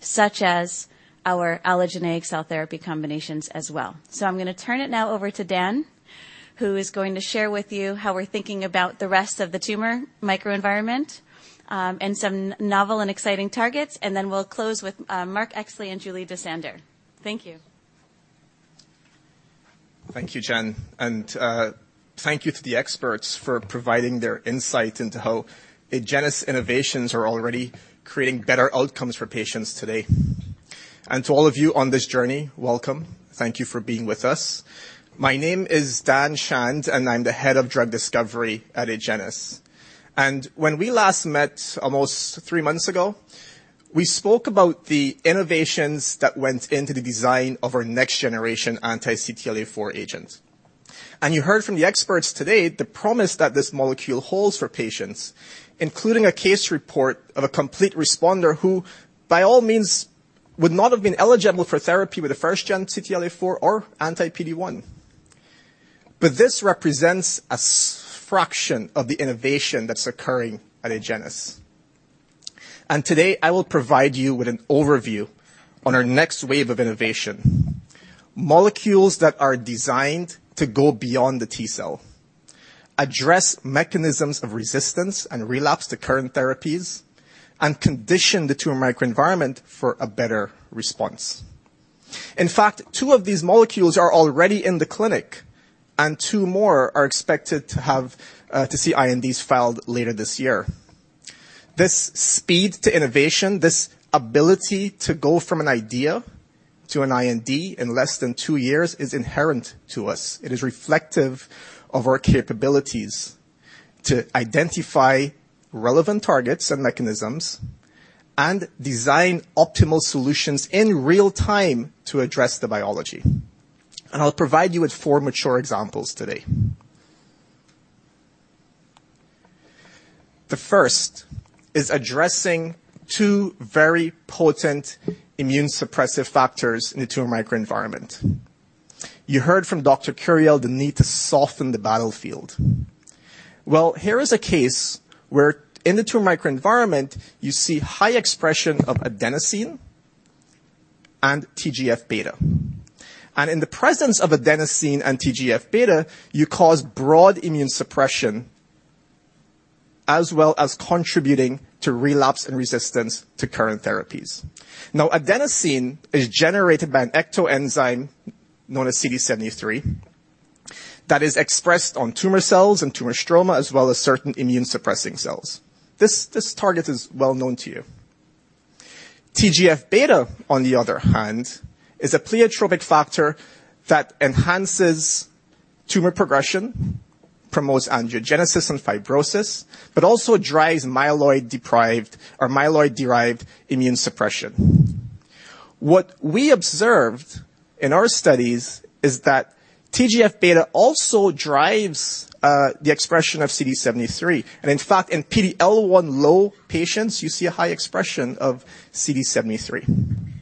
such as our allogeneic cell therapy combinations as well. I'm going to turn it now over to Dhan, who is going to share with you how we're thinking about the rest of the tumor microenvironment, and some novel and exciting targets. We'll close with Mark Exley and Julie DeSander. Thank you. Thank you, Jen. Thank you to the experts for providing their insight into how Agenus innovations are already creating better outcomes for patients today. To all of you on this journey, welcome. Thank you for being with us. My name is Dhan Chand, and I'm the head of drug discovery at Agenus. When we last met almost three months ago, we spoke about the innovations that went into the design of our next generation anti-CTLA-4 agent. You heard from the experts today the promise that this molecule holds for patients, including a case report of a complete responder who, by all means, would not have been eligible for therapy with a first-gen CTLA-4 or anti-PD-1. This represents a fraction of the innovation that's occurring at Agenus. Today, I will provide you with an overview on our next wave of innovation, molecules that are designed to go beyond the T cell, address mechanisms of resistance, and relapse to current therapies, and condition the tumor microenvironment for a better response. In fact, two of these molecules are already in the clinic, and two more are expected to see INDs filed later this year. This speed to innovation, this ability to go from an idea to an IND in less than two years is inherent to us. It is reflective of our capabilities to identify relevant targets and mechanisms and design optimal solutions in real time to address the biology. I'll provide you with four mature examples today. The first is addressing two very potent immune suppressive factors in the tumor microenvironment. You heard from Dr. Curiel the need to soften the battlefield. Here is a case where in the tumor microenvironment, you see high expression of adenosine and TGF-beta. In the presence of adenosine and TGF-beta, you cause broad immune suppression, as well as contributing to relapse and resistance to current therapies. Adenosine is generated by an ectoenzyme known as CD73, that is expressed on tumor cells and tumor stroma, as well as certain immune-suppressing cells. This target is well known to you. TGF-beta, on the other hand, is a pleiotropic factor that enhances tumor progression, promotes angiogenesis and fibrosis, but also drives myeloid-derived immune suppression. What we observed in our studies is that TGF-beta also drives the expression of CD73, and in fact, in PD-L1 low patients, you see a high expression of CD73.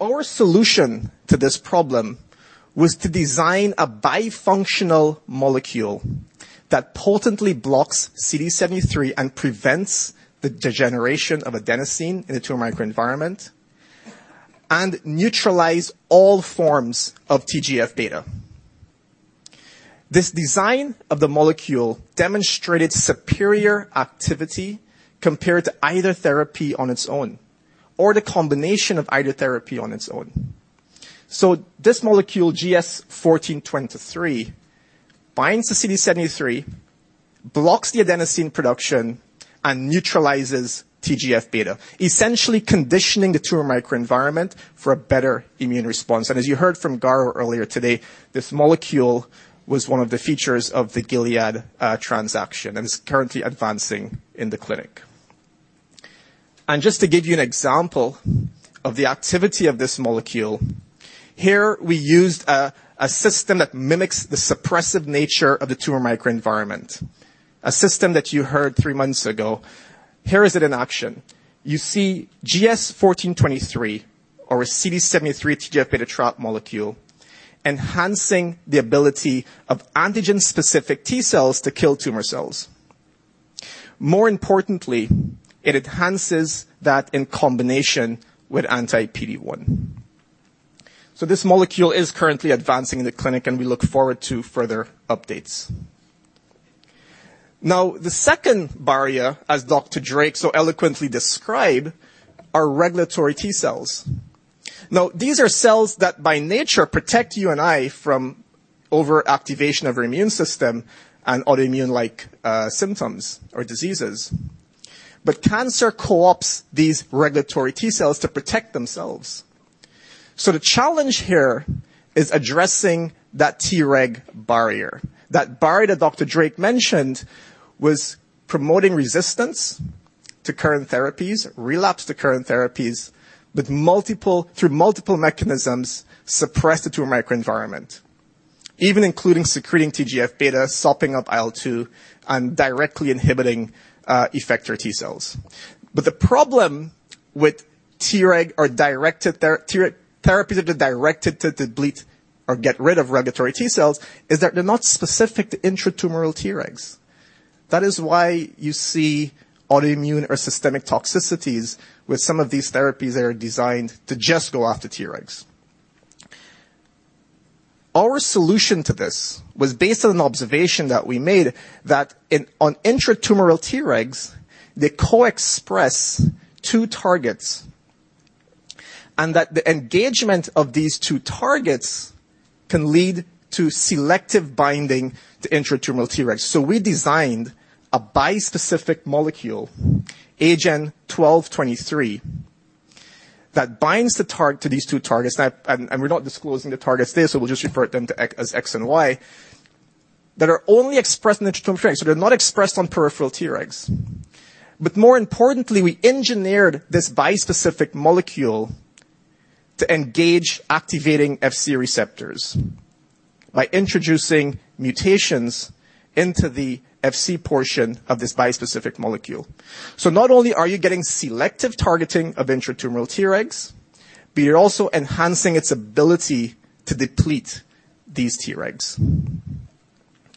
Our solution to this problem was to design a bifunctional molecule that potently blocks CD73 and prevents the degeneration of adenosine in the tumor microenvironment and neutralize all forms of TGF-beta. This design of the molecule demonstrated superior activity compared to either therapy on its own or the combination of either therapy on its own. This molecule, GS-1423, binds to CD73, blocks the adenosine production, and neutralizes TGF-beta, essentially conditioning the tumor microenvironment for a better immune response. As you heard from Garo earlier today, this molecule was one of the features of the Gilead transaction and is currently advancing in the clinic. Just to give you an example of the activity of this molecule, here we used a system that mimics the suppressive nature of the tumor microenvironment, a system that you heard three months ago. Here is it in action. You see GS-1423 or a CD73 TGF-beta trap molecule enhancing the ability of antigen-specific T cells to kill tumor cells. More importantly, it enhances that in combination with anti-PD-1. This molecule is currently advancing in the clinic, and we look forward to further updates. The second barrier, as Dr. Drake so eloquently described, are regulatory T cells. These are cells that by nature protect you and I from overactivation of our immune system and autoimmune-like symptoms or diseases. Cancer co-opts these regulatory T cells to protect themselves. The challenge here is addressing that Treg barrier. That barrier that Dr. Drake mentioned was promoting resistance to current therapies, relapse to current therapies, through multiple mechanisms suppressed the tumor microenvironment, even including secreting TGF-beta, sopping up IL-2, and directly inhibiting effector T cells. The problem with therapies that are directed to deplete or get rid of regulatory T cells is that they're not specific to intratumoral Tregs. That is why you see autoimmune or systemic toxicities with some of these therapies that are designed to just go after Tregs. Our solution to this was based on an observation that we made that on intratumoral Tregs, they co-express two targets, and that the engagement of these two targets can lead to selective binding to intratumoral Tregs. We designed a bispecific molecule, AGEN1223, that binds to these two targets. We're not disclosing the targets there, so we'll just refer to them as X and Y, that are only expressed in the intratumoral Tregs. They're not expressed on peripheral Tregs. More importantly, we engineered this bispecific molecule to engage activating Fc receptors by introducing mutations into the Fc portion of this bispecific molecule. Not only are you getting selective targeting of intratumoral Tregs, but you're also enhancing its ability to deplete these Tregs.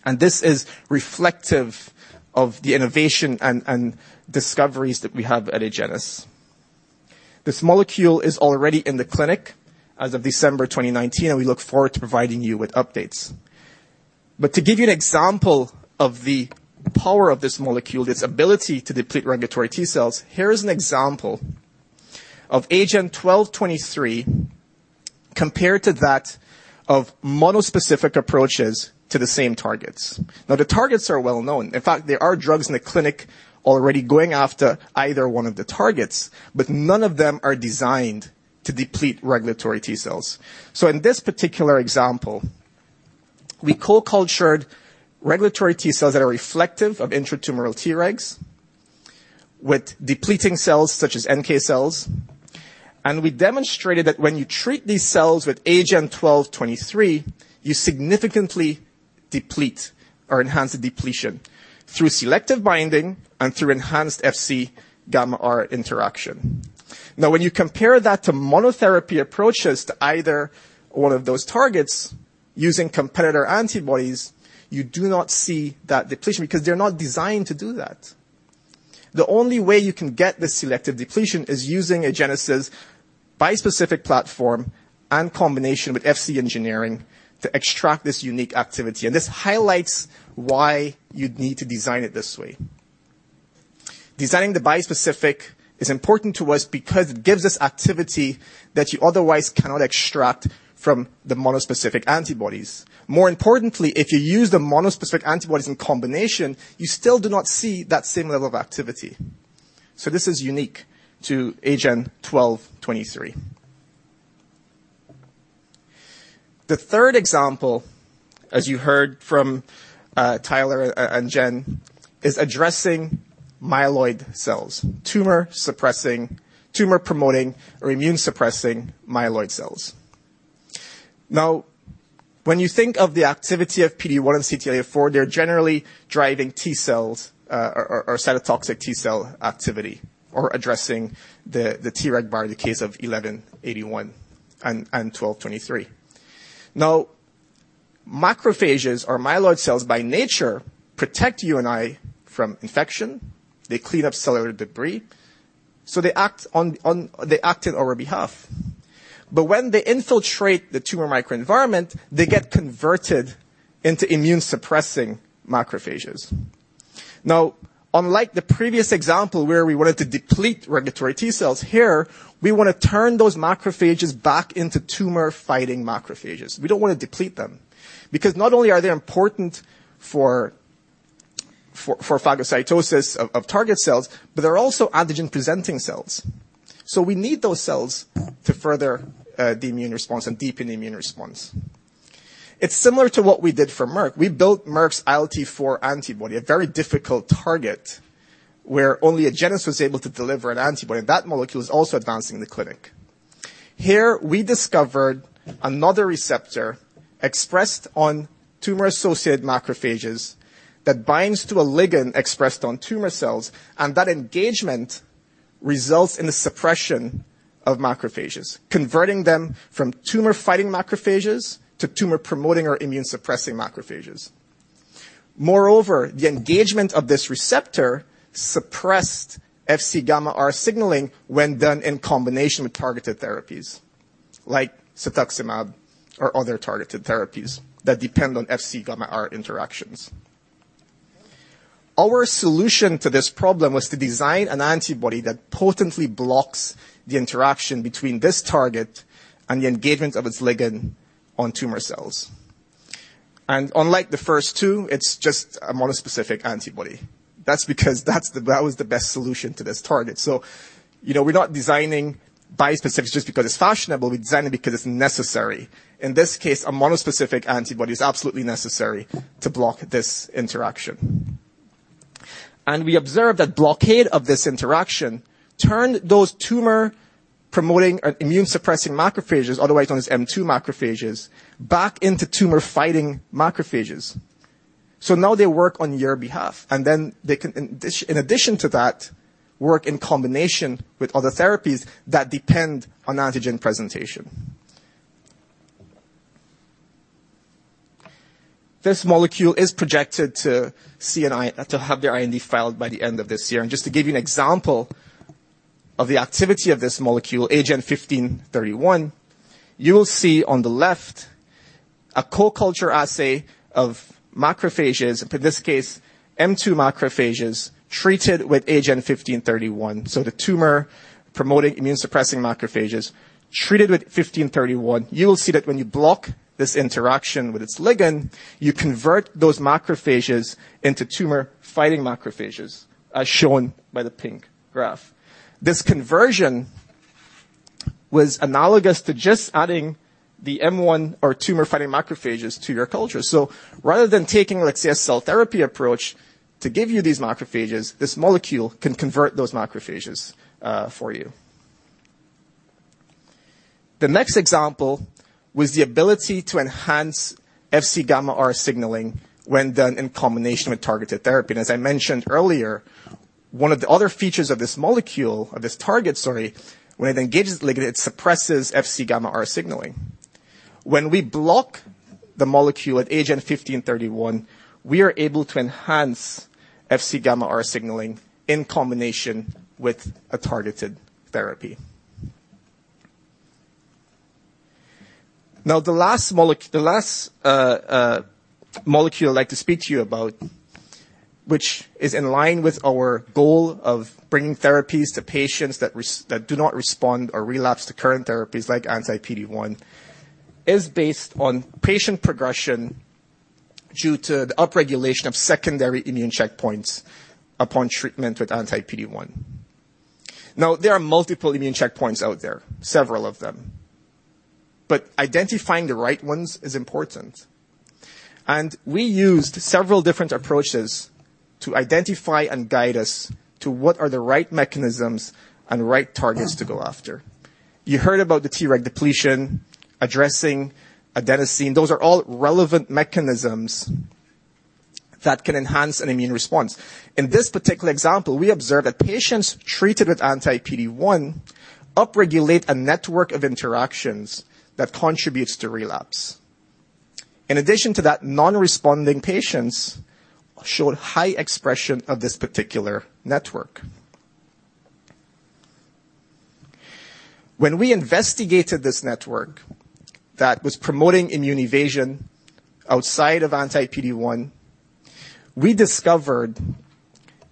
This is reflective of the innovation and discoveries that we have at Agenus. This molecule is already in the clinic as of December 2019, and we look forward to providing you with updates. To give you an example of the power of this molecule, its ability to deplete regulatory T cells, here is an example of AGEN1223 compared to that of monospecific approaches to the same targets. The targets are well known. In fact, there are drugs in the clinic already going after either one of the targets, but none of them are designed to deplete regulatory T cells. In this particular example, we co-cultured regulatory T cells that are reflective of intratumoral Tregs with depleting cells such as NK cells, and we demonstrated that when you treat these cells with AGEN1223, you significantly deplete or enhance the depletion through selective binding and through enhanced Fc gamma R interaction. When you compare that to monotherapy approaches to either one of those targets using competitor antibodies, you do not see that depletion because they're not designed to do that. The only way you can get this selective depletion is using Agenus' bispecific platform in combination with Fc engineering to extract this unique activity. This highlights why you'd need to design it this way. Designing the bispecific is important to us because it gives us activity that you otherwise cannot extract from the monospecific antibodies. More importantly, if you use the monospecific antibodies in combination, you still do not see that same level of activity. This is unique to AGEN1223. The third example, as you heard from Tyler and Jen, is addressing myeloid cells, tumor-promoting or immune-suppressing myeloid cells. When you think of the activity of PD-1 and CTLA-4, they're generally driving T cells or cytotoxic T cell activity or addressing the Treg bar in the case of 1181 and 1223. Macrophages or myeloid cells, by nature, protect you and I from infection. They clean up cellular debris. They act on our behalf. When they infiltrate the tumor microenvironment, they get converted into immune-suppressing macrophages. Unlike the previous example where we wanted to deplete regulatory T cells, here, we want to turn those macrophages back into tumor-fighting macrophages. We don't want to deplete them. Not only are they important for phagocytosis of target cells, but they're also antigen-presenting cells. We need those cells to further the immune response and deepen the immune response. It's similar to what we did for Merck. We built Merck's ILT-4 antibody, a very difficult target where only Agenus was able to deliver an antibody. That molecule is also advancing in the clinic. Here, we discovered another receptor expressed on tumor-associated macrophages that binds to a ligand expressed on tumor cells, and that engagement results in the suppression of macrophages, converting them from tumor-fighting macrophages to tumor-promoting or immune-suppressing macrophages. Moreover, the engagement of this receptor suppressed Fc gamma R signaling when done in combination with targeted therapies like cetuximab or other targeted therapies that depend on Fc gamma R interactions. Our solution to this problem was to design an antibody that potently blocks the interaction between this target and the engagement of its ligand on tumor cells. Unlike the first two, it's just a monospecific antibody. That's because that was the best solution to this target. We're not designing bispecific just because it's fashionable, we design it because it's necessary. In this case, a monospecific antibody is absolutely necessary to block this interaction. We observed that blockade of this interaction turned those tumor-promoting and immune-suppressing macrophages, otherwise known as M2 macrophages, back into tumor-fighting macrophages. Now they work on your behalf, they can, in addition to that, work in combination with other therapies that depend on antigen presentation. This molecule is projected to have their IND filed by the end of this year. Just to give you an example of the activity of this molecule, AGEN1531, you will see on the left a co-culture assay of macrophages, in this case, M2 macrophages treated with AGEN1531. The tumor-promoting, immune-suppressing macrophages treated with 1531. You will see that when you block this interaction with its ligand, you convert those macrophages into tumor-fighting macrophages, as shown by the pink graph. This conversion was analogous to just adding the M1 or tumor-fighting macrophages to your culture. Rather than taking a cell therapy approach to give you these macrophages, this molecule can convert those macrophages for you. The next example was the ability to enhance Fc gamma R signaling when done in combination with targeted therapy. As I mentioned earlier, one of the other features of this target, when it engages ligand, it suppresses Fc gamma R signaling. When we block the molecule at AGEN1531, we are able to enhance Fc gamma R signaling in combination with a targeted therapy. The last molecule I'd like to speak to you about, which is in line with our goal of bringing therapies to patients that do not respond or relapse to current therapies like anti-PD-1, is based on patient progression due to the upregulation of secondary immune checkpoints upon treatment with anti-PD-1. There are multiple immune checkpoints out there, several of them. Identifying the right ones is important. We used several different approaches to identify and guide us to what are the right mechanisms and the right targets to go after. You heard about the Treg depletion, addressing adenosine. Those are all relevant mechanisms that can enhance an immune response. In this particular example, we observed that patients treated with anti-PD-1 upregulate a network of interactions that contributes to relapse. In addition to that, non-responding patients showed high expression of this particular network. When we investigated this network that was promoting immune evasion outside of anti-PD-1, we discovered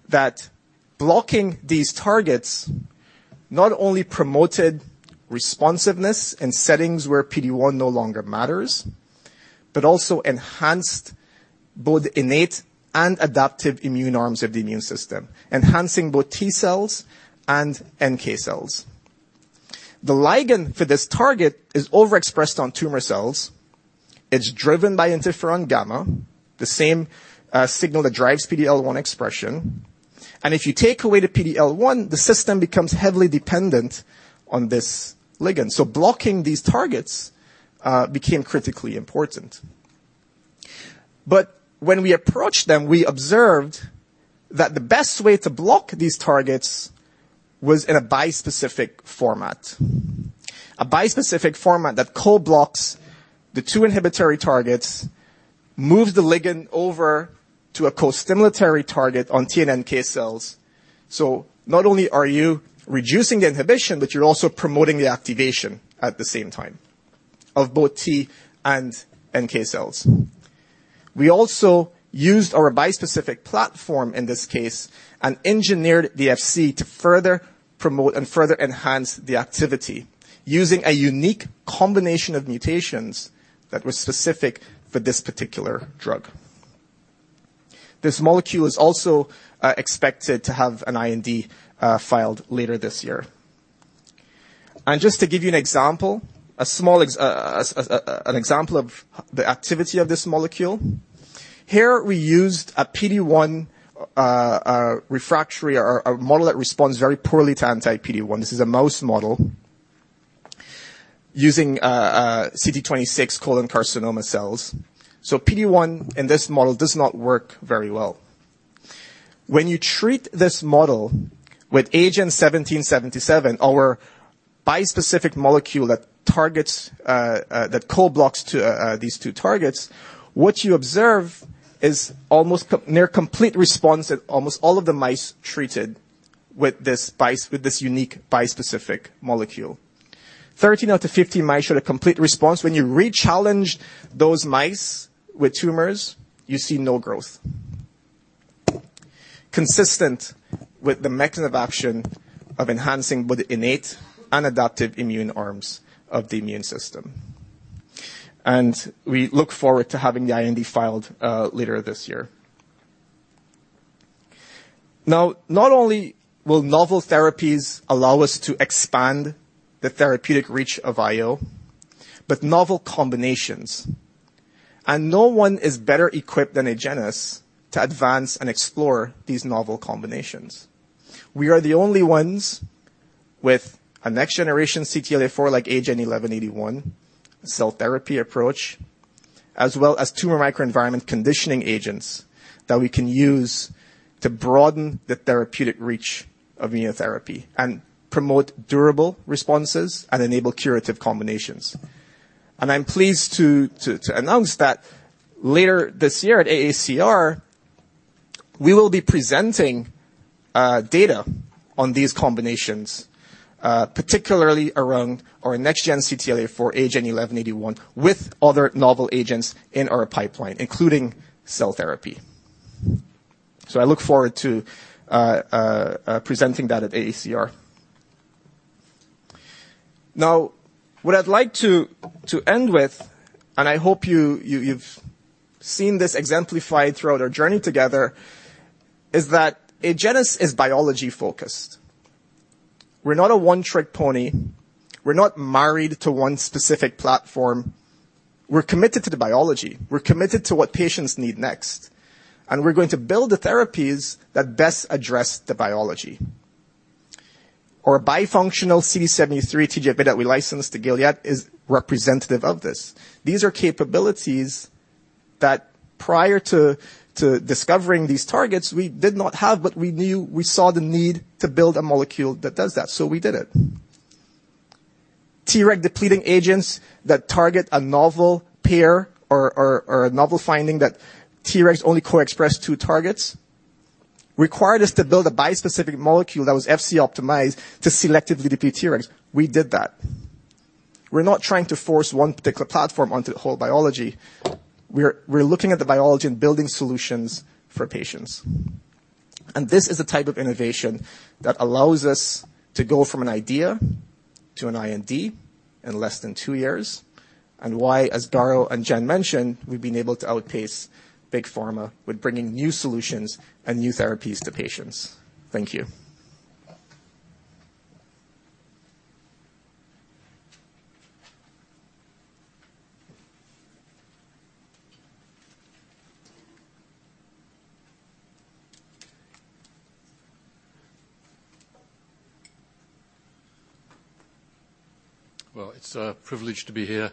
that blocking these targets not only promoted responsiveness in settings where PD-1 no longer matters, but also enhanced both innate and adaptive immune arms of the immune system, enhancing both T cells and NK cells. The ligand for this target is overexpressed on tumor cells. It's driven by interferon gamma, the same signal that drives PD-L1 expression, and if you take away the PD-L1, the system becomes heavily dependent on this ligand. Blocking these targets became critically important. When we approached them, we observed that the best way to block these targets was in a bispecific format. A bispecific format that co-blocks the two inhibitory targets, moves the ligand over to a costimulatory target on T and NK cells. Not only are you reducing the inhibition, but you're also promoting the activation at the same time of both T and NK cells. We also used our bispecific platform in this case and engineered the Fc to further promote and further enhance the activity using a unique combination of mutations that were specific for this particular drug. This molecule is also expected to have an IND filed later this year. Just to give you an example of the activity of this molecule, here we used a PD-1 refractory or a model that responds very poorly to anti-PD-1. This is a mouse model using CT26 colon carcinoma cells. PD-1 in this model does not work very well. When you treat this model with AGEN1777, our bispecific molecule that co-blocks these two targets, what you observe is near complete response at almost all of the mice treated with this unique bispecific molecule. 13 out of 15 mice showed a complete response. When you rechallenge those mice with tumors, you see no growth. Consistent with the mechanism of action of enhancing both the innate and adaptive immune arms of the immune system. We look forward to having the IND filed later this year. Not only will novel therapies allow us to expand the therapeutic reach of IO, but novel combinations. No one is better equipped than Agenus to advance and explore these novel combinations. We are the only ones with a next generation CTLA-4 like AGEN1181 cell therapy approach, as well as tumor microenvironment conditioning agents that we can use to broaden the therapeutic reach of immunotherapy and promote durable responses and enable curative combinations. I'm pleased to announce that later this year at AACR, we will be presenting data on these combinations, particularly around our next gen CTLA-4 AGEN1181 with other novel agents in our pipeline, including cell therapy. I look forward to presenting that at AACR. What I'd like to end with, and I hope you've seen this exemplified throughout our journey together is that Agenus is biology-focused. We're not a one-trick pony. We're not married to one specific platform. We're committed to the biology. We're committed to what patients need next, and we're going to build the therapies that best address the biology. Our bifunctional CD73 TGF-beta trap that we licensed to Gilead is representative of this. These are capabilities that prior to discovering these targets, we did not have, but we saw the need to build a molecule that does that, so we did it. Treg depleting agents that target a novel pair or a novel finding that Tregs only co-express two targets required us to build a bispecific molecule that was Fc optimized to selectively deplete Tregs. We did that. We're not trying to force one particular platform onto the whole biology. We're looking at the biology and building solutions for patients. This is a type of innovation that allows us to go from an idea to an IND in less than two years, and why, as Garo and Jen mentioned, we've been able to outpace Big Pharma with bringing new solutions and new therapies to patients. Thank you. Well, it's a privilege to be here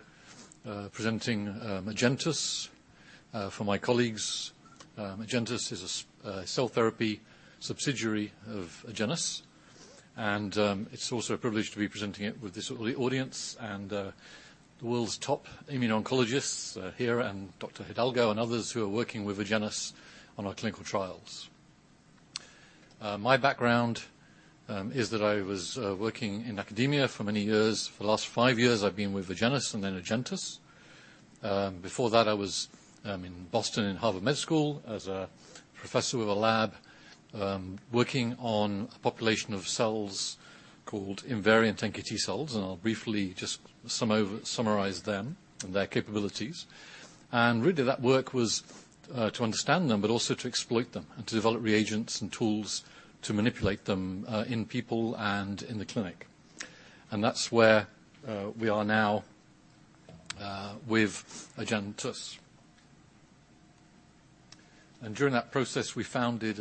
presenting AgenTus for my colleagues. AgenTus is a cell therapy subsidiary of Agenus, and it's also a privilege to be presenting it with this audience and the world's top immune oncologists here, and Dr. Hidalgo and others who are working with Agenus on our clinical trials. My background is that I was working in academia for many years. For the last five years, I've been with Agenus and then AgenTus. Before that, I was in Boston in Harvard Medical School as a professor with a lab, working on a population of cells called invariant NKT cells, and I'll briefly just summarize them and their capabilities. Really that work was to understand them, but also to exploit them and to develop reagents and tools to manipulate them in people and in the clinic. That's where we are now with AgenTus. During that process, we founded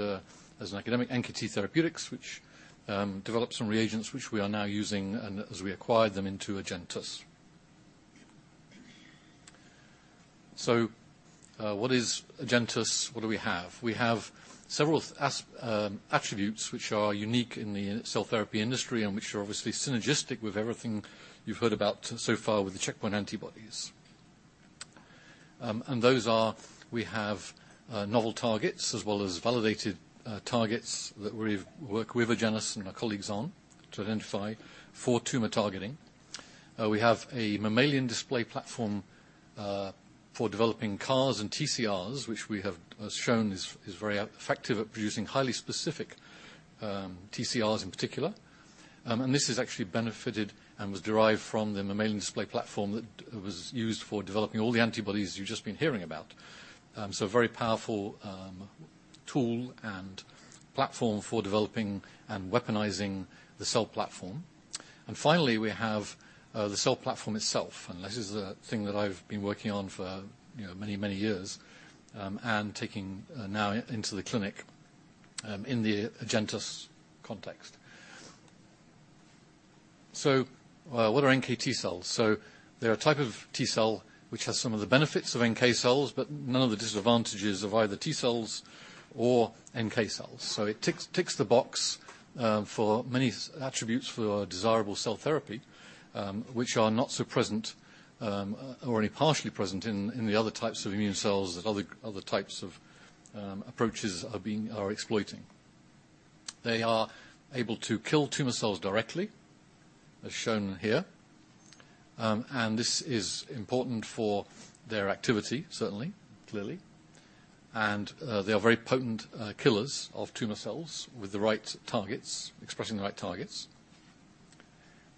as an academic MiNK Therapeutics, which developed some reagents which we are now using and as we acquired them into AgenTus Therapeutics. What is AgenTus Therapeutics? What do we have? We have several attributes which are unique in the cell therapy industry and which are obviously synergistic with everything you've heard about so far with the checkpoint antibodies. Those are, we have novel targets as well as validated targets that we've worked with Agenus and our colleagues on to identify for tumor targeting. We have a mammalian display platform for developing CARs and TCRs, which we have shown is very effective at producing highly specific TCRs in particular. This has actually benefited and was derived from the mammalian display platform that was used for developing all the antibodies you've just been hearing about. A very powerful tool and platform for developing and weaponizing the cell platform. Finally, we have the cell platform itself, and this is a thing that I've been working on for many, many years and taking now into the clinic in the AgenTus context. What are NKT cells? They're a type of T cell which has some of the benefits of NK cells, but none of the disadvantages of either T cells or NK cells. It ticks the box for many attributes for a desirable cell therapy which are not so present or only partially present in the other types of immune cells that other types of approaches are exploiting. They are able to kill tumor cells directly, as shown here, and this is important for their activity, certainly, clearly, and they are very potent killers of tumor cells with the right targets, expressing the right targets.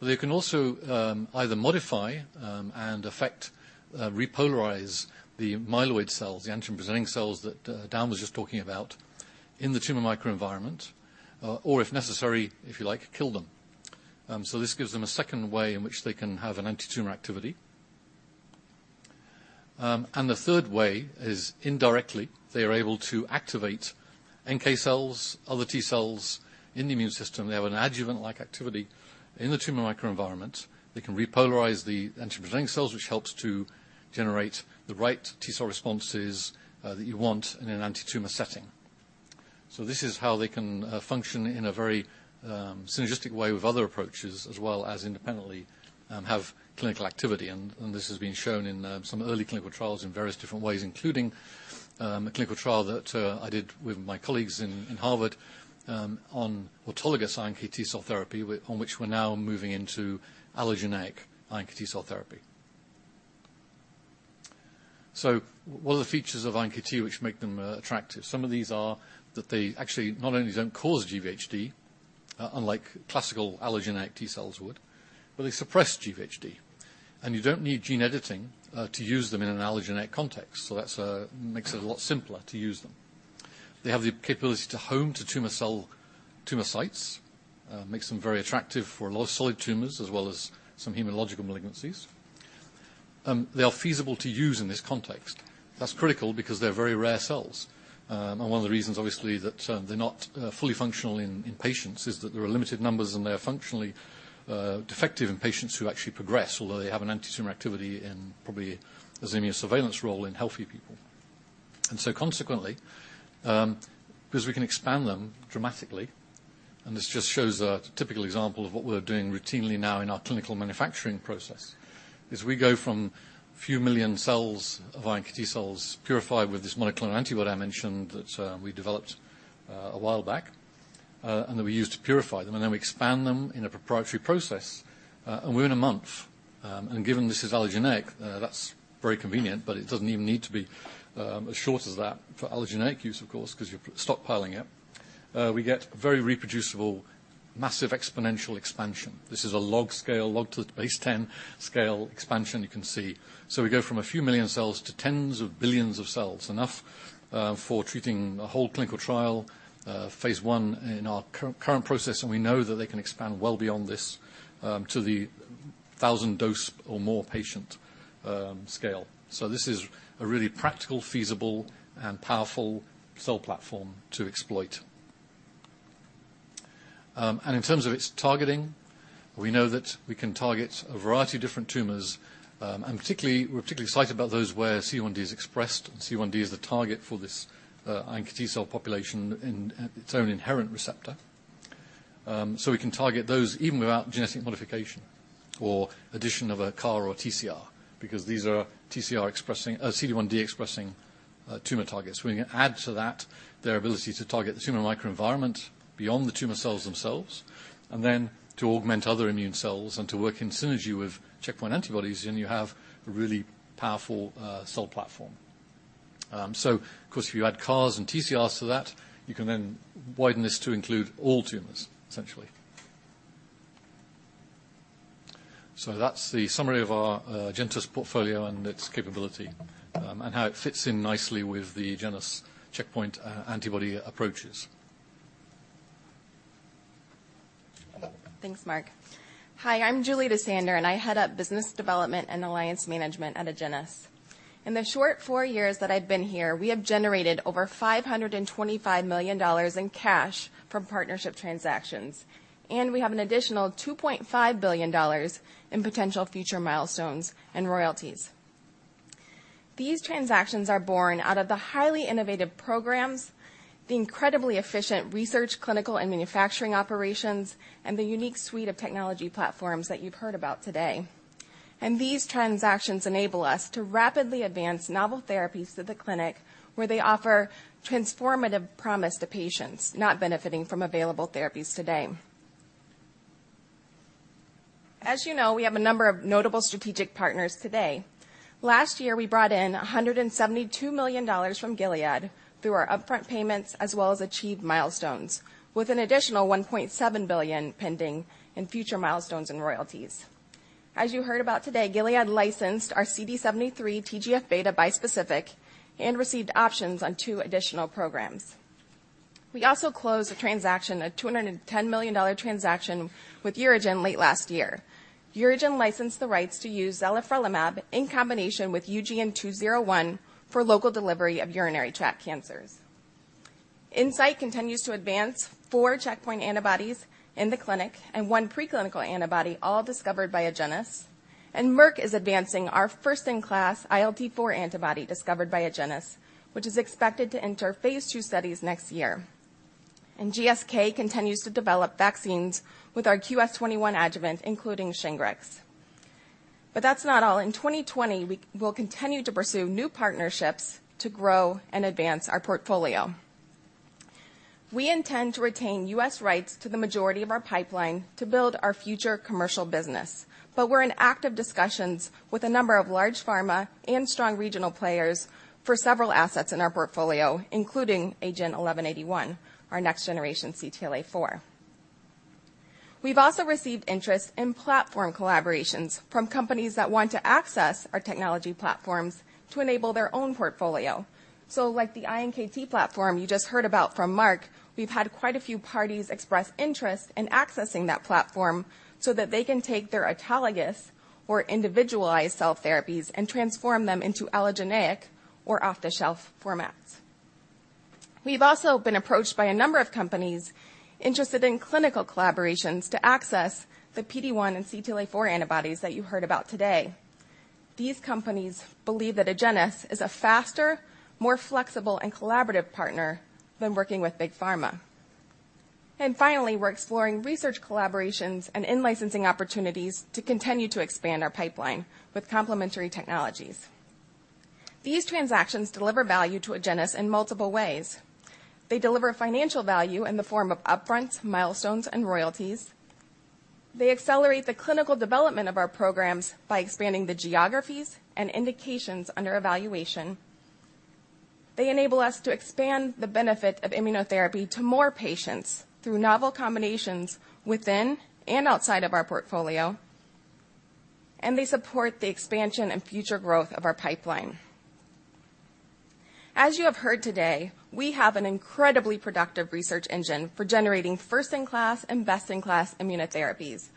They can also either modify and affect, repolarize the myeloid cells, the antigen-presenting cells that Dhan was just talking about in the tumor microenvironment or if necessary, if you like, kill them. This gives them a second way in which they can have an anti-tumor activity. The third way is indirectly, they are able to activate NK cells, other T cells in the immune system. They have an adjuvant-like activity in the tumor microenvironment. They can repolarize the antigen-presenting cells, which helps to generate the right T cell responses that you want in an anti-tumor setting. This is how they can function in a very synergistic way with other approaches as well as independently have clinical activity and this has been shown in some early clinical trials in various different ways, including a clinical trial that I did with my colleagues in Harvard on autologous NKT cell therapy on which we're now moving into allogeneic NKT cell therapy. What are the features of NKT which make them attractive? Some of these are that they actually not only don't cause GvHD, unlike classical allogeneic T cells would, but they suppress GvHD. And you don't need gene editing to use them in an allogeneic context. That makes it a lot simpler to use them. They have the capability to home to tumor sites, makes them very attractive for a lot of solid tumors as well as some hematological malignancies. They are feasible to use in this context. That's critical because they're very rare cells. One of the reasons, obviously, that they're not fully functional in patients is that there are limited numbers, and they are functionally defective in patients who actually progress, although they have an antitumor activity in probably as near surveillance role in healthy people. Consequently, because we can expand them dramatically, and this just shows a typical example of what we're doing routinely now in our clinical manufacturing process, is we go from a few million cells of iNKT cells purified with this monoclonal antibody I mentioned that we developed a while back, and that we use to purify them. We expand them in a proprietary process, and within a month, and given this is allogeneic, that's very convenient, but it doesn't even need to be as short as that for allogeneic use, of course, because you're stockpiling it. We get very reproducible, massive exponential expansion. This is a log scale, log to the base 10 scale expansion you can see. We go from a few million cells to tens of billions of cells, enough for treating a whole clinical trial phase I in our current process, and we know that they can expand well beyond this, to the 1,000 dose or more patient scale. This is a really practical, feasible, and powerful cell platform to exploit. In terms of its targeting, we know that we can target a variety of different tumors, and we're particularly excited about those where CD1d is expressed, and CD1d is the target for this iNKT cell population in its own inherent receptor. We can target those even without genetic modification or addition of a CAR or TCR because these are CD1d-expressing tumor targets. We add to that their ability to target the tumor microenvironment beyond the tumor cells themselves, and then to augment other immune cells and to work in synergy with checkpoint antibodies, then you have a really powerful cell platform. Of course, if you add CARs and TCRs to that, you can then widen this to include all tumors, essentially. That's the summary of our AgenTus portfolio and its capability, and how it fits in nicely with the Agenus checkpoint antibody approaches. Thanks, Mark. Hi, I'm Julie DeSander, I head up business development and alliance management at Agenus. In the short four years that I've been here, we have generated over $525 million in cash from partnership transactions. We have an additional $2.5 billion in potential future milestones and royalties. These transactions are born out of the highly innovative programs, the incredibly efficient research, clinical, and manufacturing operations, the unique suite of technology platforms that you've heard about today. These transactions enable us to rapidly advance novel therapies to the clinic where they offer transformative promise to patients not benefiting from available therapies today. As you know, we have a number of notable strategic partners today. Last year, we brought in $172 million from Gilead through our upfront payments as well as achieved milestones with an additional $1.7 billion pending in future milestones and royalties. As you heard about today, Gilead licensed our CD73 TGF-beta bispecific and received options on two additional programs. We also closed a transaction, a $210 million transaction with UroGen late last year. UroGen licensed the rights to use zalifrelimab in combination with UGN-201 for local delivery of urinary tract cancers. Incyte continues to advance four checkpoint antibodies in the clinic and one preclinical antibody, all discovered by Agenus. Merck is advancing our first-in-class ILT-4 antibody discovered by Agenus, which is expected to enter phase II studies next year. GSK continues to develop vaccines with our QS-21 adjuvant, including SHINGRIX. That's not all. In 2020, we will continue to pursue new partnerships to grow and advance our portfolio. We intend to retain U.S. rights to the majority of our pipeline to build our future commercial business. We're in active discussions with a number of large pharma and strong regional players for several assets in our portfolio, including AGEN1181, our next generation CTLA-4. We've also received interest in platform collaborations from companies that want to access our technology platforms to enable their own portfolio. Like the iNKT platform you just heard about from Mark, we've had quite a few parties express interest in accessing that platform so that they can take their autologous or individualized cell therapies and transform them into allogeneic or off-the-shelf formats. We've also been approached by a number of companies interested in clinical collaborations to access the PD-1 and CTLA-4 antibodies that you heard about today. These companies believe that Agenus is a faster, more flexible, and collaborative partner than working with big pharma. Finally, we're exploring research collaborations and in-licensing opportunities to continue to expand our pipeline with complementary technologies. These transactions deliver value to Agenus in multiple ways. They deliver financial value in the form of upfront, milestones, and royalties. They accelerate the clinical development of our programs by expanding the geographies and indications under evaluation. They enable us to expand the benefit of immunotherapy to more patients through novel combinations within and outside of our portfolio, and they support the expansion and future growth of our pipeline. As you have heard today, we have an incredibly productive research engine for generating first-in-class and best-in-class immunotherapies.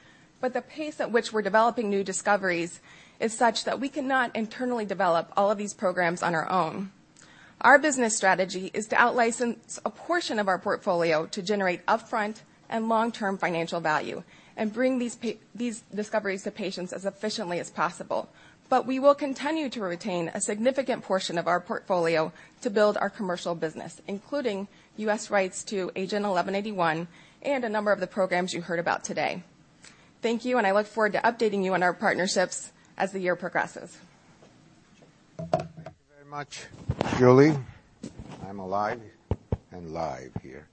The pace at which we're developing new discoveries is such that we cannot internally develop all of these programs on our own. Our business strategy is to out-license a portion of our portfolio to generate upfront and long-term financial value and bring these discoveries to patients as efficiently as possible. We will continue to retain a significant portion of our portfolio to build our commercial business, including U.S. rights to AGEN1181 and a number of the programs you heard about today. Thank you, and I look forward to updating you on our partnerships as the year progresses. Thank you very much, Julie. I'm alive and live here.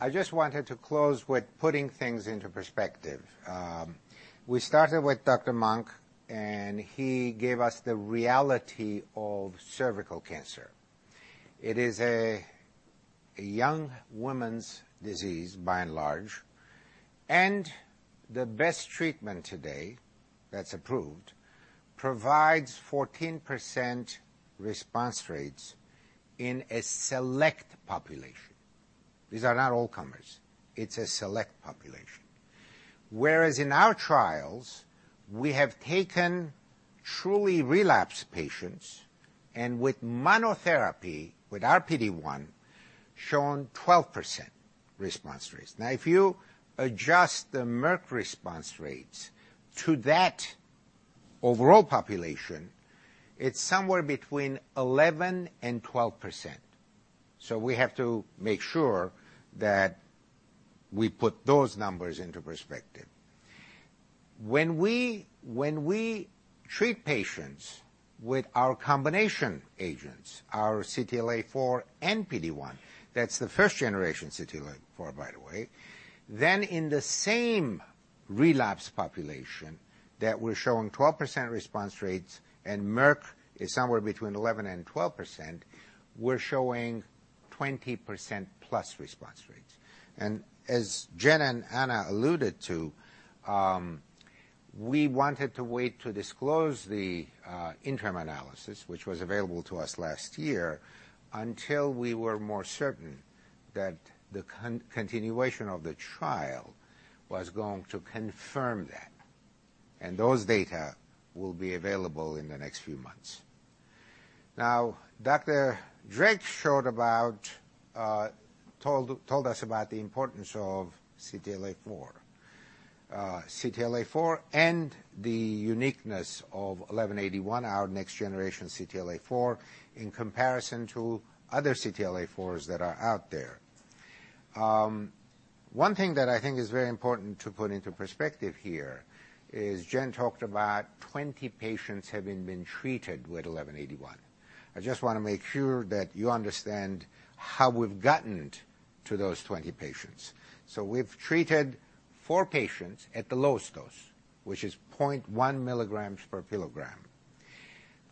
I just wanted to close with putting things into perspective. We started with Dr. Monk. He gave us the reality of cervical cancer. It is a young woman's disease by and large. The best treatment today that's approved provides 14% response rates in a select population. These are not all comers. It's a select population. Whereas in our trials, we have taken truly relapsed patients and with monotherapy, with our PD-1, shown 12% response rates. Now, if you adjust the Merck response rates to that overall population, it's somewhere between 11% and 12%. We have to make sure that we put those numbers into perspective. When we treat patients with our combination agents, our CTLA-4 and PD-1, that's the first generation CTLA-4, by the way, then in the same relapse population that we're showing 12% response rates and Merck is somewhere between 11% and 12%, we're showing 20%+ response rates. As Jen and Anna alluded to, we wanted to wait to disclose the interim analysis, which was available to us last year, until we were more certain that the continuation of the trial was going to confirm that. Those data will be available in the next few months. Dr. Drake told us about the importance of CTLA-4. CTLA-4 and the uniqueness of 1181, our next generation CTLA-4, in comparison to other CTLA-4s that are out there. One thing that I think is very important to put into perspective here is Jen talked about 20 patients having been treated with 1181. I just want to make sure that you understand how we've gotten to those 20 patients. We've treated four patients at the lowest dose, which is 0.1 milligrams per kilogram.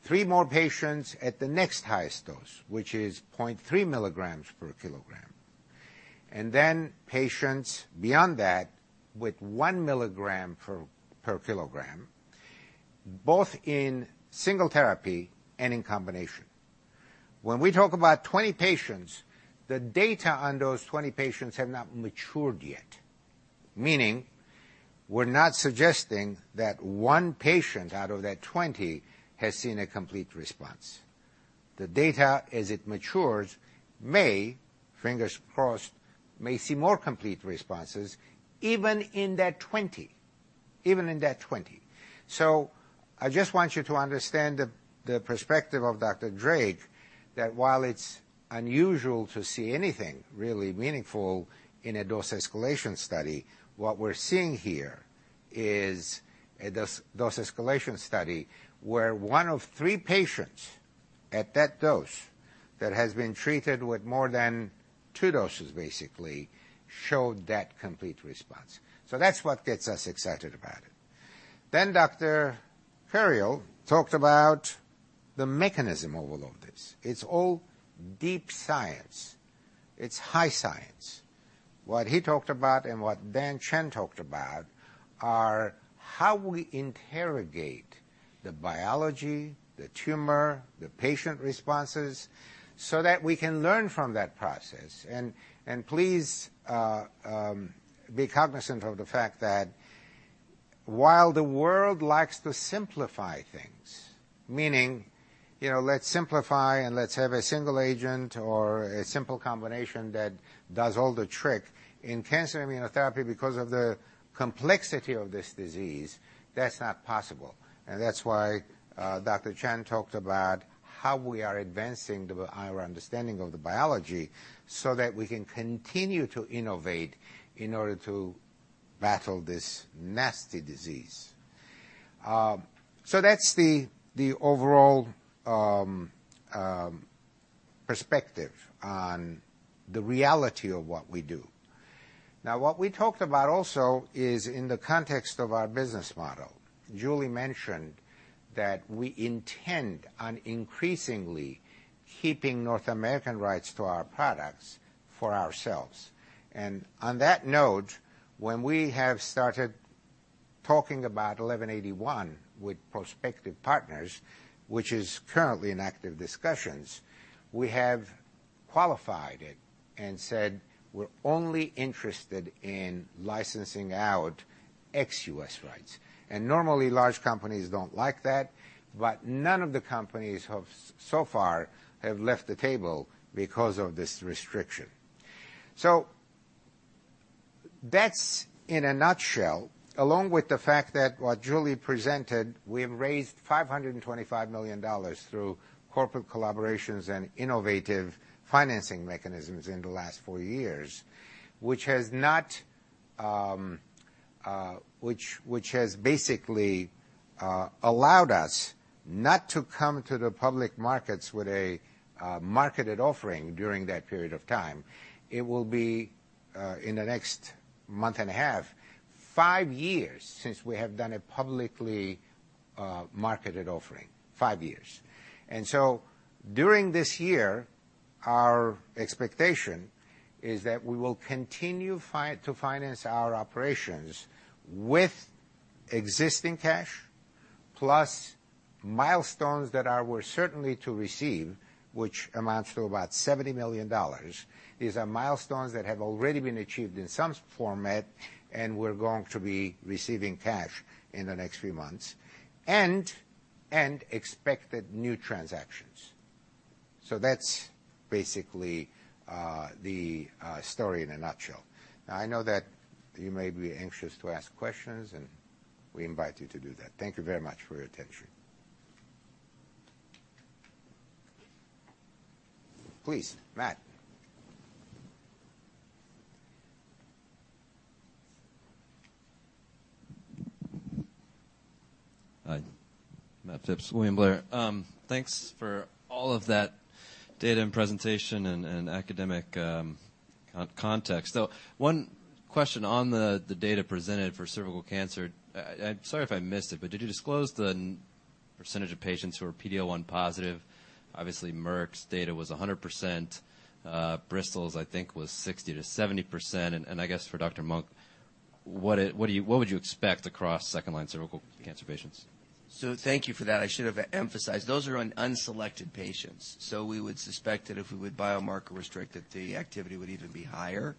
Three more patients at the next highest dose, which is 0.3 milligrams per kilogram. Patients beyond that with one milligram per kilogram, both in single therapy and in combination. We talk about 20 patients, the data on those 20 patients have not matured yet, meaning we're not suggesting that one patient out of that 20 has seen a complete response. The data, as it matures, may, fingers crossed, may see more complete responses even in that 20. I just want you to understand the perspective of Dr. Drake, that while it's unusual to see anything really meaningful in a dose escalation study, what we're seeing here is a dose escalation study where one of three patients at that dose that has been treated with more than two doses, basically, showed that complete response. That's what gets us excited about it. Dr. Curiel talked about the mechanism of all of this. It's all deep science. It's high science. What he talked about and what Dhan Chand talked about are how we interrogate the biology, the tumor, the patient responses, so that we can learn from that process. Please, be cognizant of the fact that while the world likes to simplify things, meaning, let's simplify and let's have a single agent or a simple combination that does all the trick. In cancer immunotherapy because of the complexity of this disease, that's not possible. That's why, Dr. Chand talked about how we are advancing our understanding of the biology so that we can continue to innovate in order to battle this nasty disease. That's the overall perspective on the reality of what we do. Now, what we talked about also is in the context of our business model. Julie mentioned that we intend on increasingly keeping North American rights to our products for ourselves. On that note, when we have started talking about AGEN1181 with prospective partners, which is currently in active discussions, we have qualified it and said we're only interested in licensing out ex-U.S. rights. Normally, large companies don't like that, but none of the companies so far have left the table because of this restriction. That's in a nutshell, along with the fact that what Julie presented, we have raised $525 million through corporate collaborations and innovative financing mechanisms in the last four years, which has basically allowed us not to come to the public markets with a marketed offering during that period of time. It will be, in the next month and a half, five years since we have done a publicly marketed offering. Five years. During this year, our expectation is that we will continue to finance our operations with existing cash, plus milestones that we're certainly to receive, which amounts to about $70 million. These are milestones that have already been achieved in some format, and we're going to be receiving cash in the next few months, and expected new transactions. That's basically the story in a nutshell. I know that you may be anxious to ask questions, and we invite you to do that. Thank you very much for your attention. Please, Matt. Hi. Matt Phipps, William Blair. Thanks for all of that data and presentation and academic context. One question on the data presented for cervical cancer. I'm sorry if I missed it, did you disclose the percentage of patients who are PD-L1 positive? Obviously, Merck's data was 100%. Bristol's, I think, was 60%-70%. I guess for Dr. Monk, what would you expect across second-line cervical cancer patients? Thank you for that. I should have emphasized. Those are on unselected patients. We would suspect that if we would biomarker-restrict it, the activity would even be higher.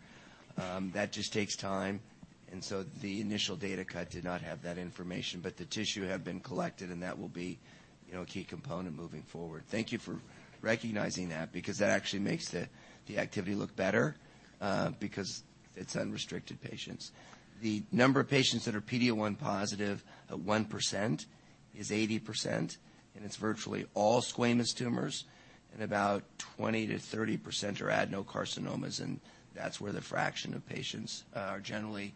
That just takes time. The initial data cut did not have that information. The tissue had been collected. That will be a key component moving forward. Thank you for recognizing that, because that actually makes the activity look better because it is unrestricted patients. The number of patients that are PD-L1 positive at 1% is 80%. It is virtually all squamous tumors. About 20%-30% are adenocarcinomas. That is where the fraction of patients are generally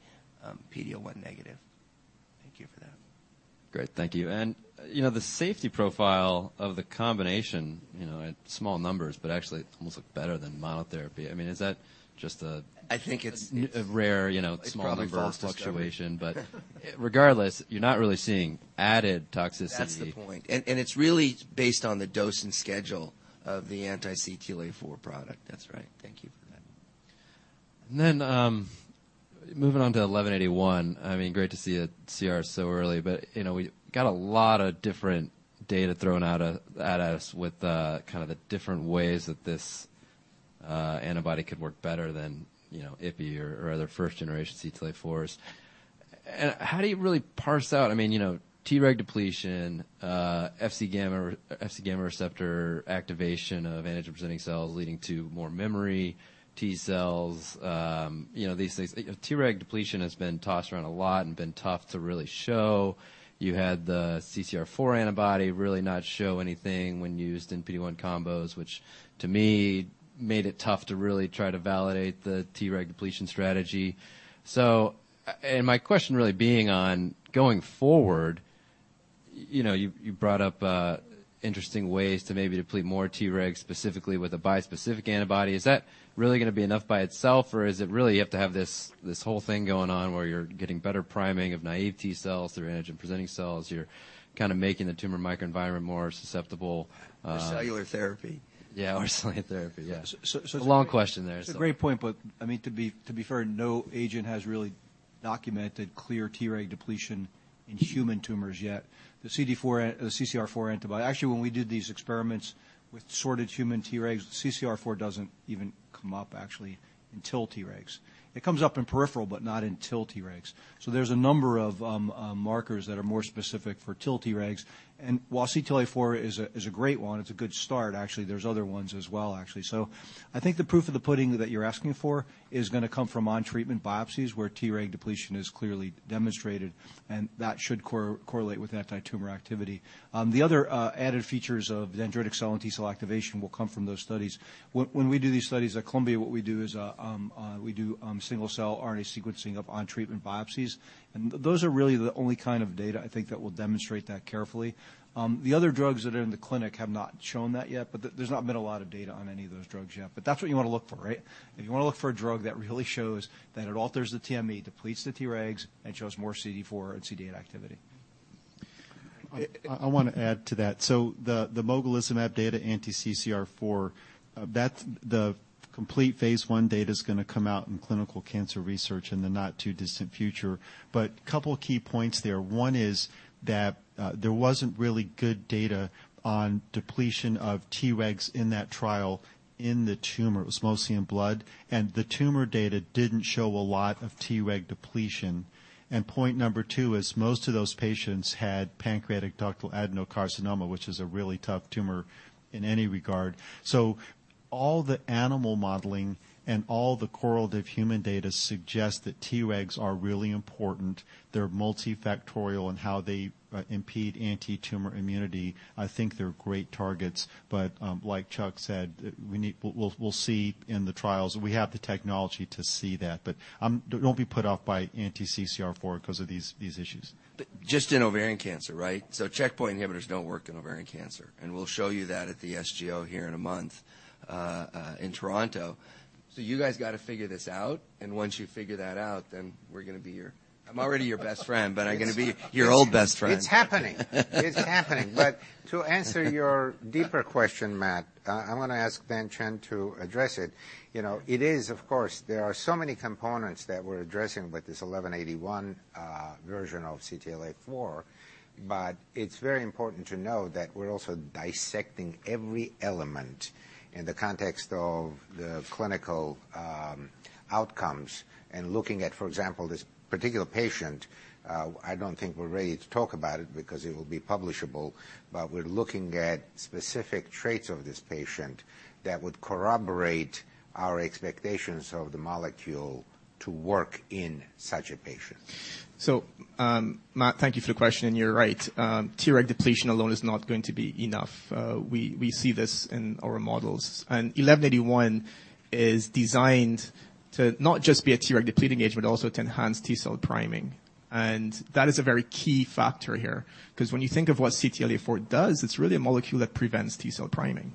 PD-L1 negative. Thank you for that. Great. Thank you. The safety profile of the combination, at small numbers, but actually it almost looked better than monotherapy. Is that just a? I think it's- a rare, small number fluctuation. It's probably false, though. Regardless, you're not really seeing added toxicity. That's the point. It's really based on the dose and schedule of the anti-CTLA-4 product. That's right. Thank you for that. Moving on to 1181. Great to see a CR so early, but we got a lot of different data thrown out at us with the different ways that this antibody could work better than ipi or other first generation CTLA-4s. How do you really parse out Treg depletion, Fc gamma receptor activation of antigen-presenting cells leading to more memory, T cells, these things? Treg depletion has been tossed around a lot and been tough to really show. You had the CCR4 antibody really not show anything when used in PD-1 combos, which to me made it tough to really try to validate the Treg depletion strategy. My question really being on going forward, you brought up interesting ways to maybe deplete more Tregs specifically with a bispecific antibody. Is that really going to be enough by itself, or is it really you have to have this whole thing going on where you're getting better priming of naive T cells through antigen-presenting cells, you're kind of making the tumor microenvironment more susceptible- Cellular therapy. Yeah, or cellular therapy. Yeah. A long question there. It's a great point, but to be fair, no agent has really documented clear Treg depletion in human tumors yet. The CCR4 antibody, when we did these experiments with sorted human Tregs, CCR4 doesn't even come up, actually, in TIL Tregs. It comes up in peripheral, but not in TIL Tregs. There's a number of markers that are more specific for TIL Tregs. While CTLA-4 is a great one, it's a good start, actually, there's other ones as well, actually. I think the proof of the pudding that you're asking for is going to come from on-treatment biopsies where Treg depletion is clearly demonstrated, and that should correlate with anti-tumor activity. The other added features of dendritic cell and T-cell activation will come from those studies. When we do these studies at Columbia, what we do is we do single-cell RNA sequencing of on-treatment biopsies. Those are really the only kind of data, I think, that will demonstrate that carefully. The other drugs that are in the clinic have not shown that yet, there's not been a lot of data on any of those drugs yet. That's what you want to look for, right? You want to look for a drug that really shows that it alters the TME, depletes the Tregs, and shows more CD4 and CD8 activity. I want to add to that. The mogalizumab data anti-CCR4, the complete phase I data's going to come out in Clinical Cancer Research in the not too distant future. Couple of key points there. One is that there wasn't really good data on depletion of Tregs in that trial in the tumor. It was mostly in blood. The tumor data didn't show a lot of Treg depletion. Point number two is most of those patients had pancreatic ductal adenocarcinoma, which is a really tough tumor in any regard. All the animal modeling and all the correlative human data suggest that Tregs are really important. They're multifactorial in how they impede antitumor immunity. I think they're great targets. Like Chuck said, we'll see in the trials. We have the technology to see that, but don't be put off by anti-CCR4 because of these issues. Just in ovarian cancer, right? Checkpoint inhibitors don't work in ovarian cancer, and we'll show you that at the SGO here in a month, in Toronto. You guys got to figure this out, and once you figure that out, I'm already your best friend, but I'm going to be your old best friend. It's happening. It's happening. To answer your deeper question, Matt, I want to ask Dhan Chand to address it. It is, of course, there are so many components that we're addressing with this AGEN1181 version of CTLA-4, but it's very important to know that we're also dissecting every element in the context of the clinical outcomes and looking at, for example, this particular patient. I don't think we're ready to talk about it because it will be publishable, but we're looking at specific traits of this patient that would corroborate our expectations of the molecule to work in such a patient. Matt, thank you for the question, and you're right. Treg depletion alone is not going to be enough. We see this in our models. 1181 is designed to not just be a Treg depleting agent, but also to enhance T cell priming. That is a very key factor here because when you think of what CTLA-4 does, it's really a molecule that prevents T cell priming.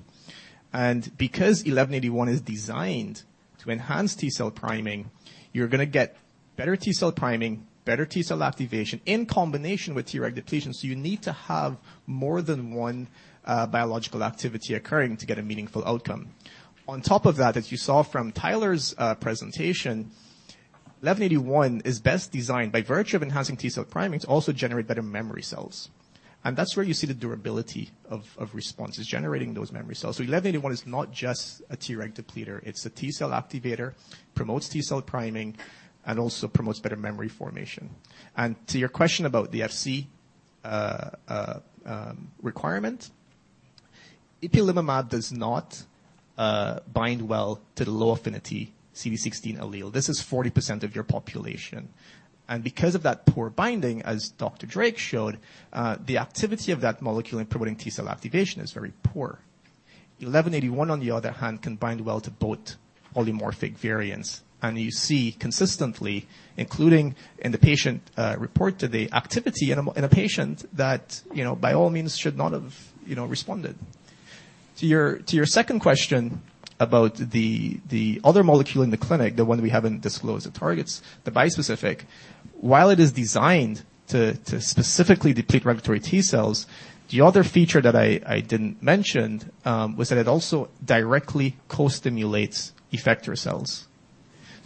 Because 1181 is designed to enhance T cell priming, you're going to get better T cell priming, better T cell activation in combination with Treg depletion. You need to have more than one biological activity occurring to get a meaningful outcome. On top of that, as you saw from Tyler's presentation, 1181 is best designed, by virtue of enhancing T cell priming, to also generate better memory cells. That's where you see the durability of responses, generating those memory cells. 1181 is not just a Treg depleter. It's a T cell activator, promotes T cell priming, and also promotes better memory formation. To your question about the Fc requirement, ipilimumab does not bind well to the low affinity CD16 allele. This is 40% of your population. Because of that poor binding, as Dr. Drake showed, the activity of that molecule in promoting T cell activation is very poor. 1181, on the other hand, can bind well to both polymorphic variants, and you see consistently, including in the patient report today, activity in a patient that by all means should not have responded. To your second question about the other molecule in the clinic, the one we haven't disclosed, the targets, the bispecific. While it is designed to specifically deplete regulatory T cells, the other feature that I didn't mention was that it also directly co-stimulates effector cells.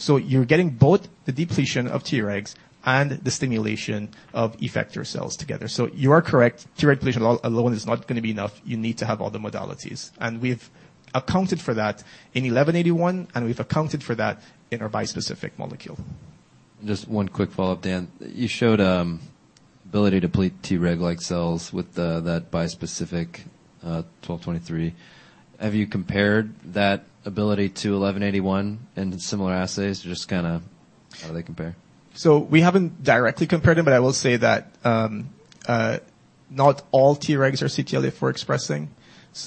You're getting both the depletion of Tregs and the stimulation of effector cells together. You are correct, Treg depletion alone is not going to be enough. You need to have other modalities. We've accounted for that in AGEN1181, and we've accounted for that in our bispecific molecule. Just one quick follow-up, Dhan. You showed ability to deplete Treg-like cells with that bispecific, 1223. Have you compared that ability to 1181 in similar assays? Just kind of how do they compare? We haven't directly compared them, but I will say that not all Tregs are CTLA-4 expressing. It's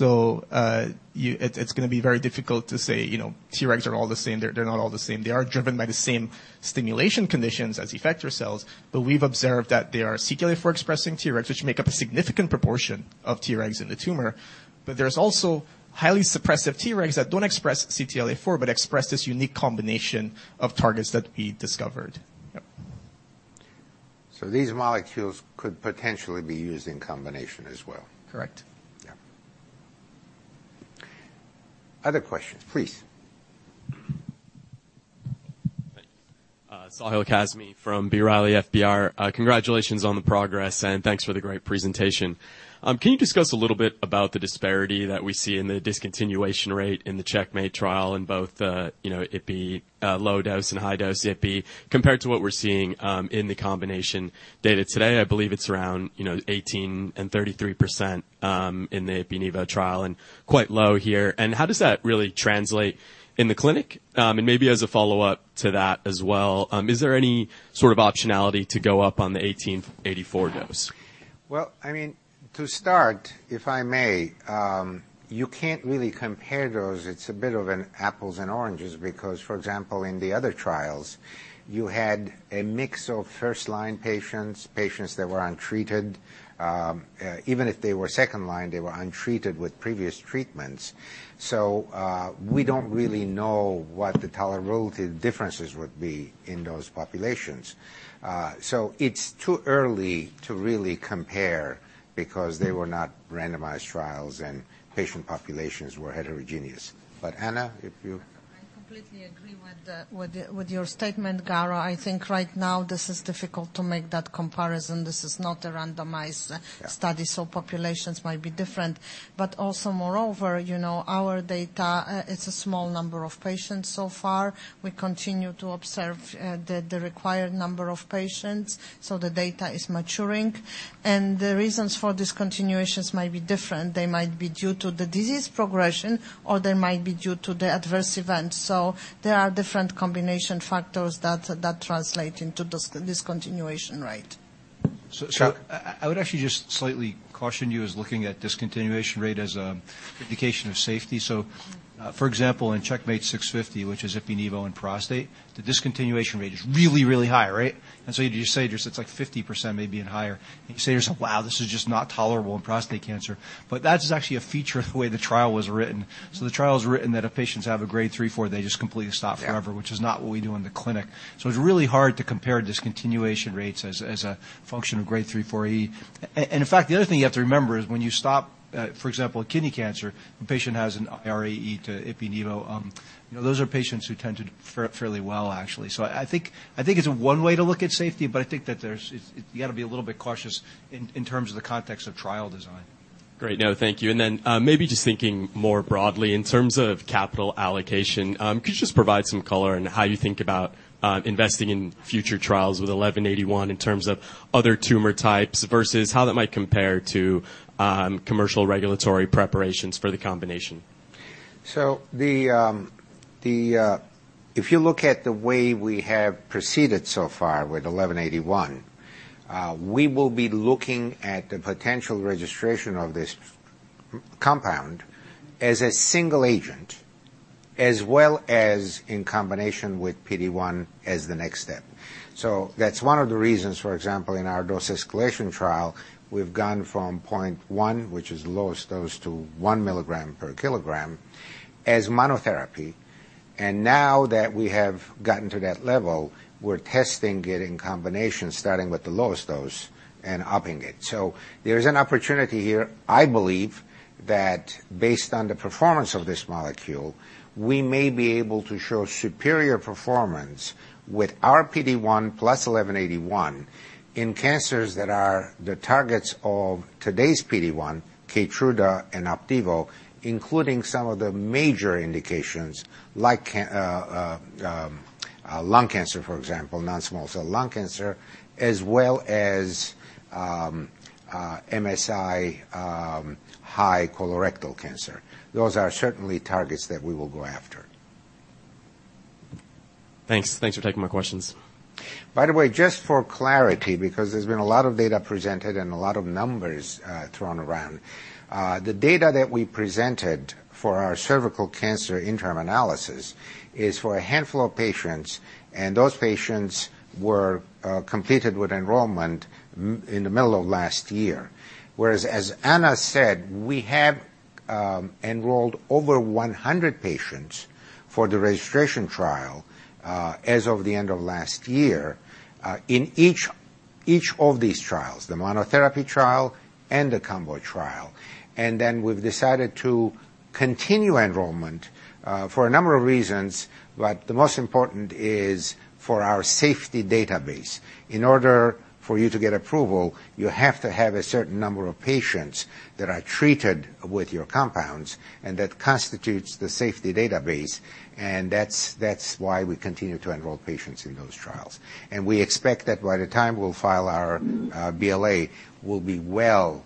going to be very difficult to say Tregs are all the same. They're not all the same. They are driven by the same stimulation conditions as effector cells. We've observed that there are CTLA-4 expressing Tregs, which make up a significant proportion of Tregs in the tumor. There's also highly suppressive Tregs that don't express CTLA-4 but express this unique combination of targets that we discovered. Yep. These molecules could potentially be used in combination as well. Correct. Yeah. Other questions, please. Sahil Kazmi from B. Riley FBR. Congratulations on the progress, and thanks for the great presentation. Can you discuss a little bit about the disparity that we see in the discontinuation rate in the CheckMate trial in both ipi, low dose and high dose ipi, compared to what we're seeing in the combination data today? I believe it's around 18% and 33% in the ipi/nivo trial and quite low here. How does that really translate in the clinic? Maybe as a follow-up to that as well, is there any sort of optionality to go up on the AGEN1884 dose? Well, to start, if I may, you can't really compare those. It's a bit of an apples and oranges because, for example, in the other trials, you had a mix of first-line patients that were untreated. Even if they were second line, they were untreated with previous treatments. We don't really know what the tolerability differences would be in those populations. It's too early to really compare because they were not randomized trials and patient populations were heterogeneous. Anna, if you Completely agree with your statement, Garo. I think right now, this is difficult to make that comparison. This is not a randomized study, so populations might be different. Also, moreover, our data, it's a small number of patients so far. We continue to observe the required number of patients, so the data is maturing. The reasons for discontinuations might be different. They might be due to the disease progression, or they might be due to the adverse events. There are different combination factors that translate into discontinuation rate. I would actually just slightly caution you as looking at discontinuation rate as an indication of safety. For example, in CheckMate 650, which is ipi/nivo in prostate, the discontinuation rate is really, really high, right? You just say it's like 50% maybe and higher, and you say to yourself, "Wow, this is just not tolerable in prostate cancer." That is actually a feature of the way the trial was written. The trial was written that if patients have a grade 3, 4, they just completely stop forever. Yeah. Which is not what we do in the clinic. It's really hard to compare discontinuation rates as a function of grade 3, 4E. In fact, the other thing you have to remember is when you stop, for example, kidney cancer, the patient has an irAE to ipi/nivo. Those are patients who tend to do fairly well, actually. I think it's one way to look at safety, but I think that you've got to be a little bit cautious in terms of the context of trial design. Great. No, thank you. Maybe just thinking more broadly in terms of capital allocation, could you just provide some color on how you think about investing in future trials with 1181 in terms of other tumor types versus how that might compare to commercial regulatory preparations for the combination? If you look at the way we have proceeded so far with AGEN1181, we will be looking at the potential registration of this compound as a single agent, as well as in combination with PD-1 as the next step. That's one of the reasons, for example, in our dose escalation trial, we've gone from 0.1, which is the lowest dose, to one milligram per kilogram as monotherapy. Now that we have gotten to that level, we're testing it in combination, starting with the lowest dose and upping it. There is an opportunity here. I believe that based on the performance of this molecule, we may be able to show superior performance with our PD-1 plus 1181 in cancers that are the targets of today's PD-1, KEYTRUDA and OPDIVO, including some of the major indications like lung cancer, for example, non-small cell lung cancer, as well as MSI-high colorectal cancer. Those are certainly targets that we will go after. Thanks. Thanks for taking my questions. By the way, just for clarity, because there's been a lot of data presented and a lot of numbers thrown around. The data that we presented for our cervical cancer interim analysis is for a handful of patients, and those patients were completed with enrollment in the middle of last year. As Anna said, we have enrolled over 100 patients for the registration trial as of the end of last year in each of these trials, the monotherapy trial and the combo trial. We've decided to continue enrollment for a number of reasons. The most important is for our safety database. In order for you to get approval, you have to have a certain number of patients that are treated with your compounds, and that constitutes the safety database, and that's why we continue to enroll patients in those trials. We expect that by the time we'll file our BLA, we'll be well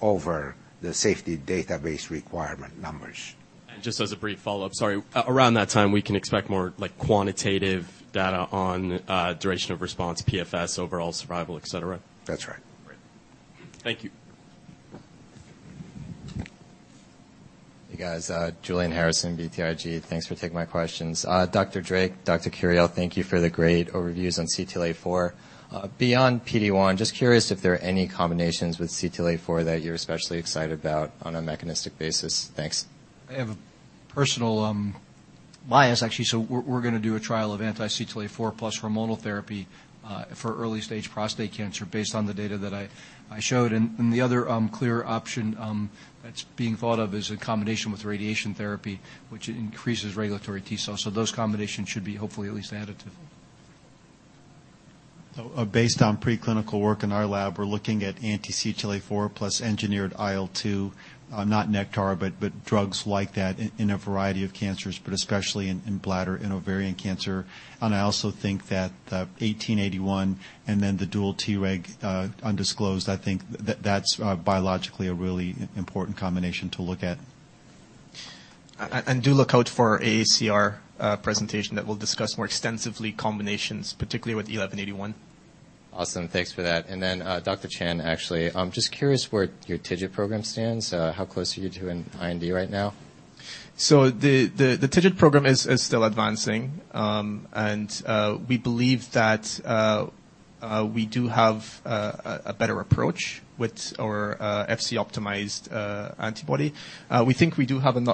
over the safety database requirement numbers. Just as a brief follow-up. Sorry. Around that time, we can expect more quantitative data on duration of response, PFS, overall survival, et cetera? That's right. Great. Thank you. Hey, guys. Julian Harrison, BTIG. Thanks for taking my questions. Dr. Drake, Dr. Curiel, thank you for the great overviews on CTLA-4. Beyond PD-1, just curious if there are any combinations with CTLA-4 that you're especially excited about on a mechanistic basis. Thanks. I have a personal bias, actually. We're going to do a trial of anti-CTLA-4 plus hormonal therapy for early-stage prostate cancer based on the data that I showed. The other clear option that's being thought of is a combination with radiation therapy, which increases regulatory T cells. Those combinations should be hopefully at least additive. Based on preclinical work in our lab, we're looking at anti-CTLA-4 plus engineered IL-2. Not Nektar, but drugs like that in a variety of cancers, but especially in bladder and ovarian cancer. I also think that 1881 and then the dual Tregs undisclosed, I think that's biologically a really important combination to look at. Do look out for our AACR presentation that will discuss more extensively combinations, particularly with 1181. Awesome. Thanks for that. Dr. Chand, actually, I'm just curious where your TIGIT program stands. How close are you to an IND right now? The TIGIT program is still advancing. We believe that we do have a better approach with our Fc-optimized antibody. We think we do have an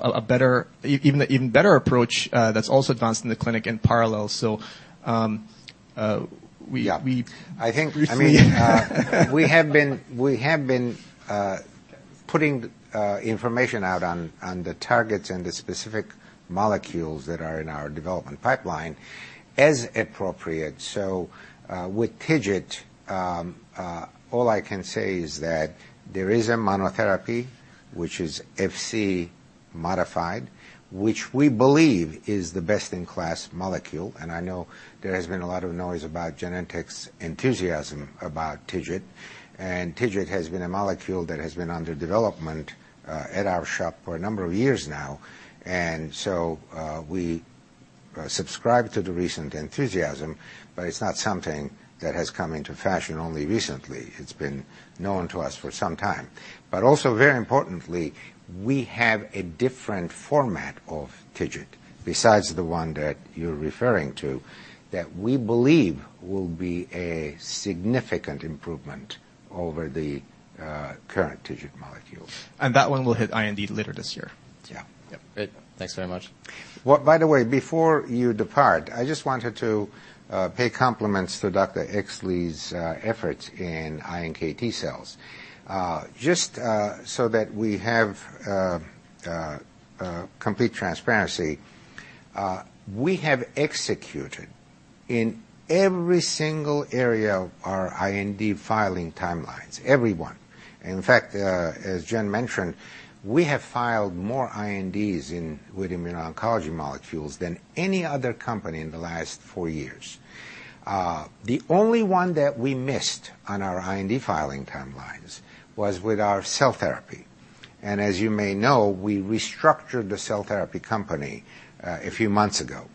even better approach that's also advanced in the clinic in parallel. Yeah. I think, I mean we have been Putting information out on the targets and the specific molecules that are in our development pipeline as appropriate. With TIGIT, all I can say is that there is a monotherapy which is Fc modified, which we believe is the best-in-class molecule. I know there has been a lot of noise about Genentech's enthusiasm about TIGIT. TIGIT has been a molecule that has been under development at our shop for a number of years now. We subscribe to the recent enthusiasm, but it's not something that has come into fashion only recently. It's been known to us for some time. Also, very importantly, we have a different format of TIGIT, besides the one that you're referring to, that we believe will be a significant improvement over the current TIGIT molecule. That one will hit IND later this year. Yeah. Yep. Great. Thanks very much. By the way, before you depart, I just wanted to pay compliments to Dr. Exley's efforts in iNKT cells. Just so that we have complete transparency, we have executed in every single area of our IND filing timelines. Every one. In fact, as Jen mentioned, we have filed more INDs with immuno-oncology molecules than any other company in the last four years. The only one that we missed on our IND filing timelines was with our cell therapy. As you may know, we restructured the cell therapy company a few months ago,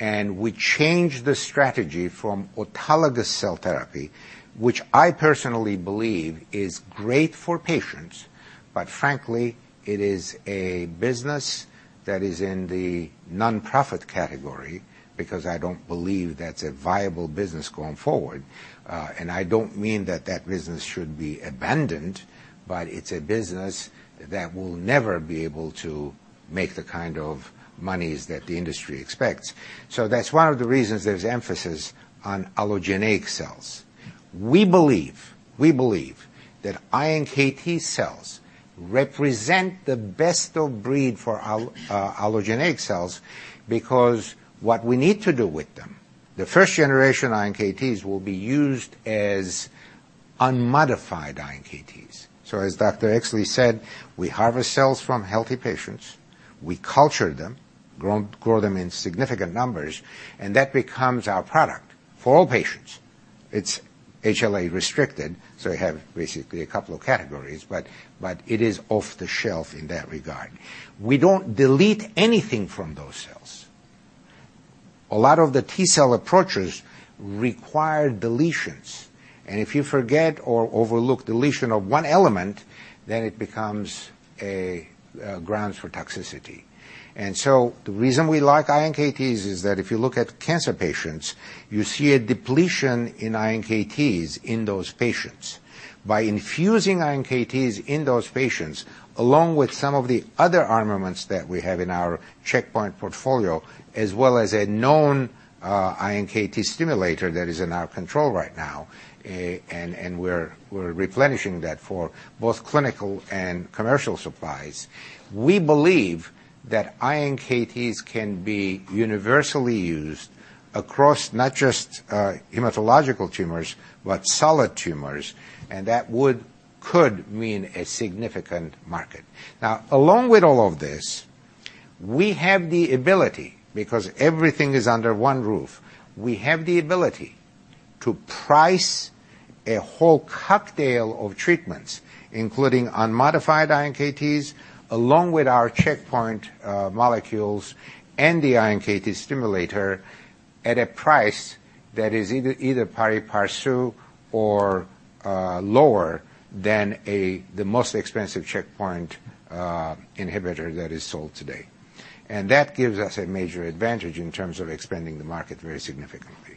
and we changed the strategy from autologous cell therapy, which I personally believe is great for patients, but frankly, it is a business that is in the nonprofit category because I don't believe that's a viable business going forward. I don't mean that that business should be abandoned, but it's a business that will never be able to make the kind of monies that the industry expects. That's one of the reasons there's emphasis on allogeneic cells. We believe that iNKT cells represent the best of breed for allogeneic cells because what we need to do with them, the first generation iNKTs will be used as unmodified iNKTs. As Dr. Exley said, we harvest cells from healthy patients, we culture them, grow them in significant numbers, and that becomes our product for all patients. It's HLA restricted, so you have basically a couple of categories, but it is off the shelf in that regard. We don't delete anything from those cells. A lot of the T-cell approaches require deletions, and if you forget or overlook deletion of one element, then it becomes grounds for toxicity. The reason we like iNKTs is that if you look at cancer patients, you see a depletion in iNKTs in those patients. By infusing iNKTs in those patients, along with some of the other armaments that we have in our checkpoint portfolio, as well as a known iNKT stimulator that is in our control right now, and we're replenishing that for both clinical and commercial supplies. We believe that iNKTs can be universally used across not just hematological tumors, but solid tumors, and that could mean a significant market. Now, along with all of this, we have the ability, because everything is under one roof. We have the ability to price a whole cocktail of treatments, including unmodified iNKTs, along with our checkpoint molecules and the iNKT stimulator, at a price that is either pari passu or lower than the most expensive checkpoint inhibitor that is sold today. That gives us a major advantage in terms of expanding the market very significantly.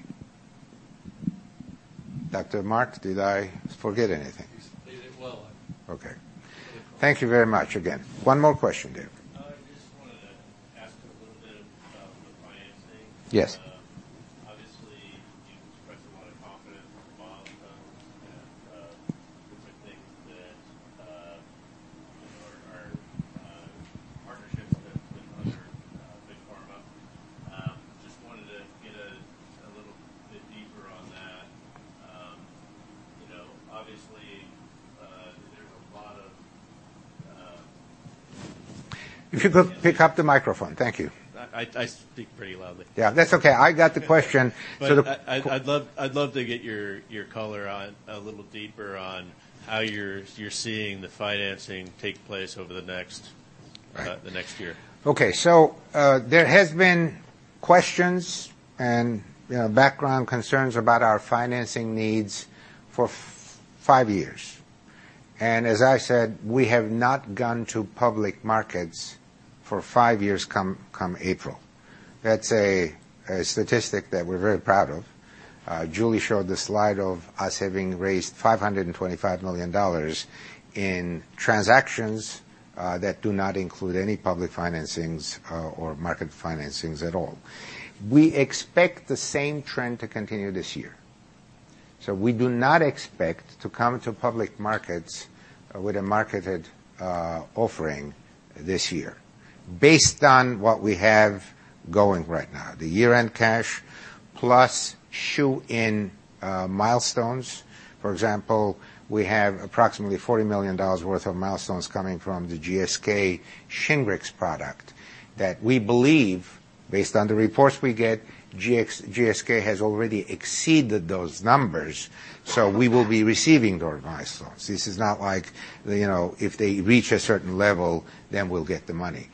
Dr. Mark, did I forget anything? You stated it well. Okay. Very clear. Thank you very much again. One more question, Dave. I just wanted to ask a little bit about the financing. Yes. Obviously, you expressed a lot of confidence in the molecules and the different things that, our partnerships with other big pharma. Just wanted to get a little bit deeper on that. Obviously, there's a lot of- If you could pick up the microphone. Thank you. I speak pretty loudly. Yeah. That's okay. I got the question. I'd love to get your color a little deeper on how you're seeing the financing take place over the next year. Okay. There has been questions and background concerns about our financing needs for five years. As I said, we have not gone to public markets for five years come April. That's a statistic that we're very proud of. Julie showed the slide of us having raised $525 million in transactions that do not include any public financings or market financings at all. We expect the same trend to continue this year. We do not expect to come to public markets with a marketed offering this year. Based on what we have going right now, the year-end cash plus shoe-in milestones. For example, we have approximately $40 million worth of milestones coming from the GSK SHINGRIX product that we believe, based on the reports we get, GSK has already exceeded those numbers, so we will be receiving those milestones. This is not like, if they reach a certain level, then we'll get the money.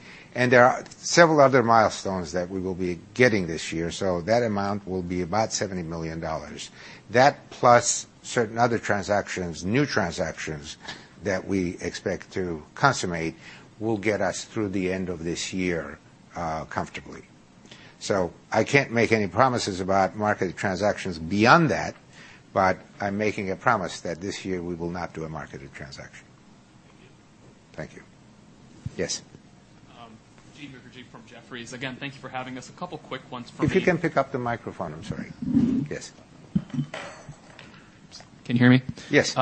There are several other milestones that we will be getting this year, so that amount will be about $70 million. That, plus certain other transactions, new transactions, that we expect to consummate, will get us through the end of this year comfortably. I can't make any promises about marketed transactions beyond that, but I'm making a promise that this year we will not do a marketed transaction. Thank you. Thank you. Yes. Jean-Michel Jean from Jefferies. Again, thank you for having us. A couple quick ones for me. If you can pick up the microphone. I'm sorry. Yes. Can you hear me? Yes.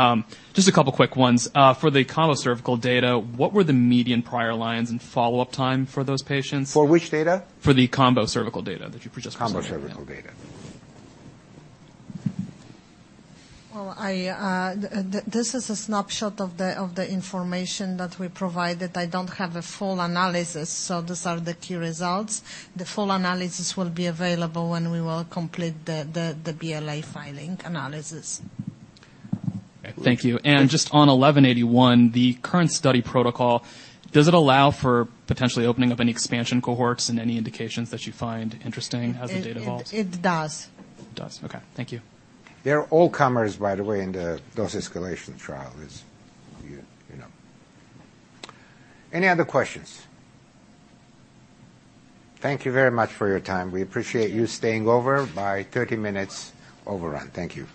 Just a couple quick ones. For the combo cervical data, what were the median prior lines and follow-up time for those patients? For which data? For the combo cervical data that you just presented. Combo cervical data. Well, this is a snapshot of the information that we provided. I don't have a full analysis, so these are the key results. The full analysis will be available when we will complete the BLA filing analysis. Thank you. Just on 1181, the current study protocol, does it allow for potentially opening up any expansion cohorts in any indications that you find interesting as the data evolves? It does. It does. Okay. Thank you. They're all comers, by the way, in the dose escalation trial, as you know. Any other questions? Thank you very much for your time. We appreciate you staying over by 30 minutes overrun. Thank you.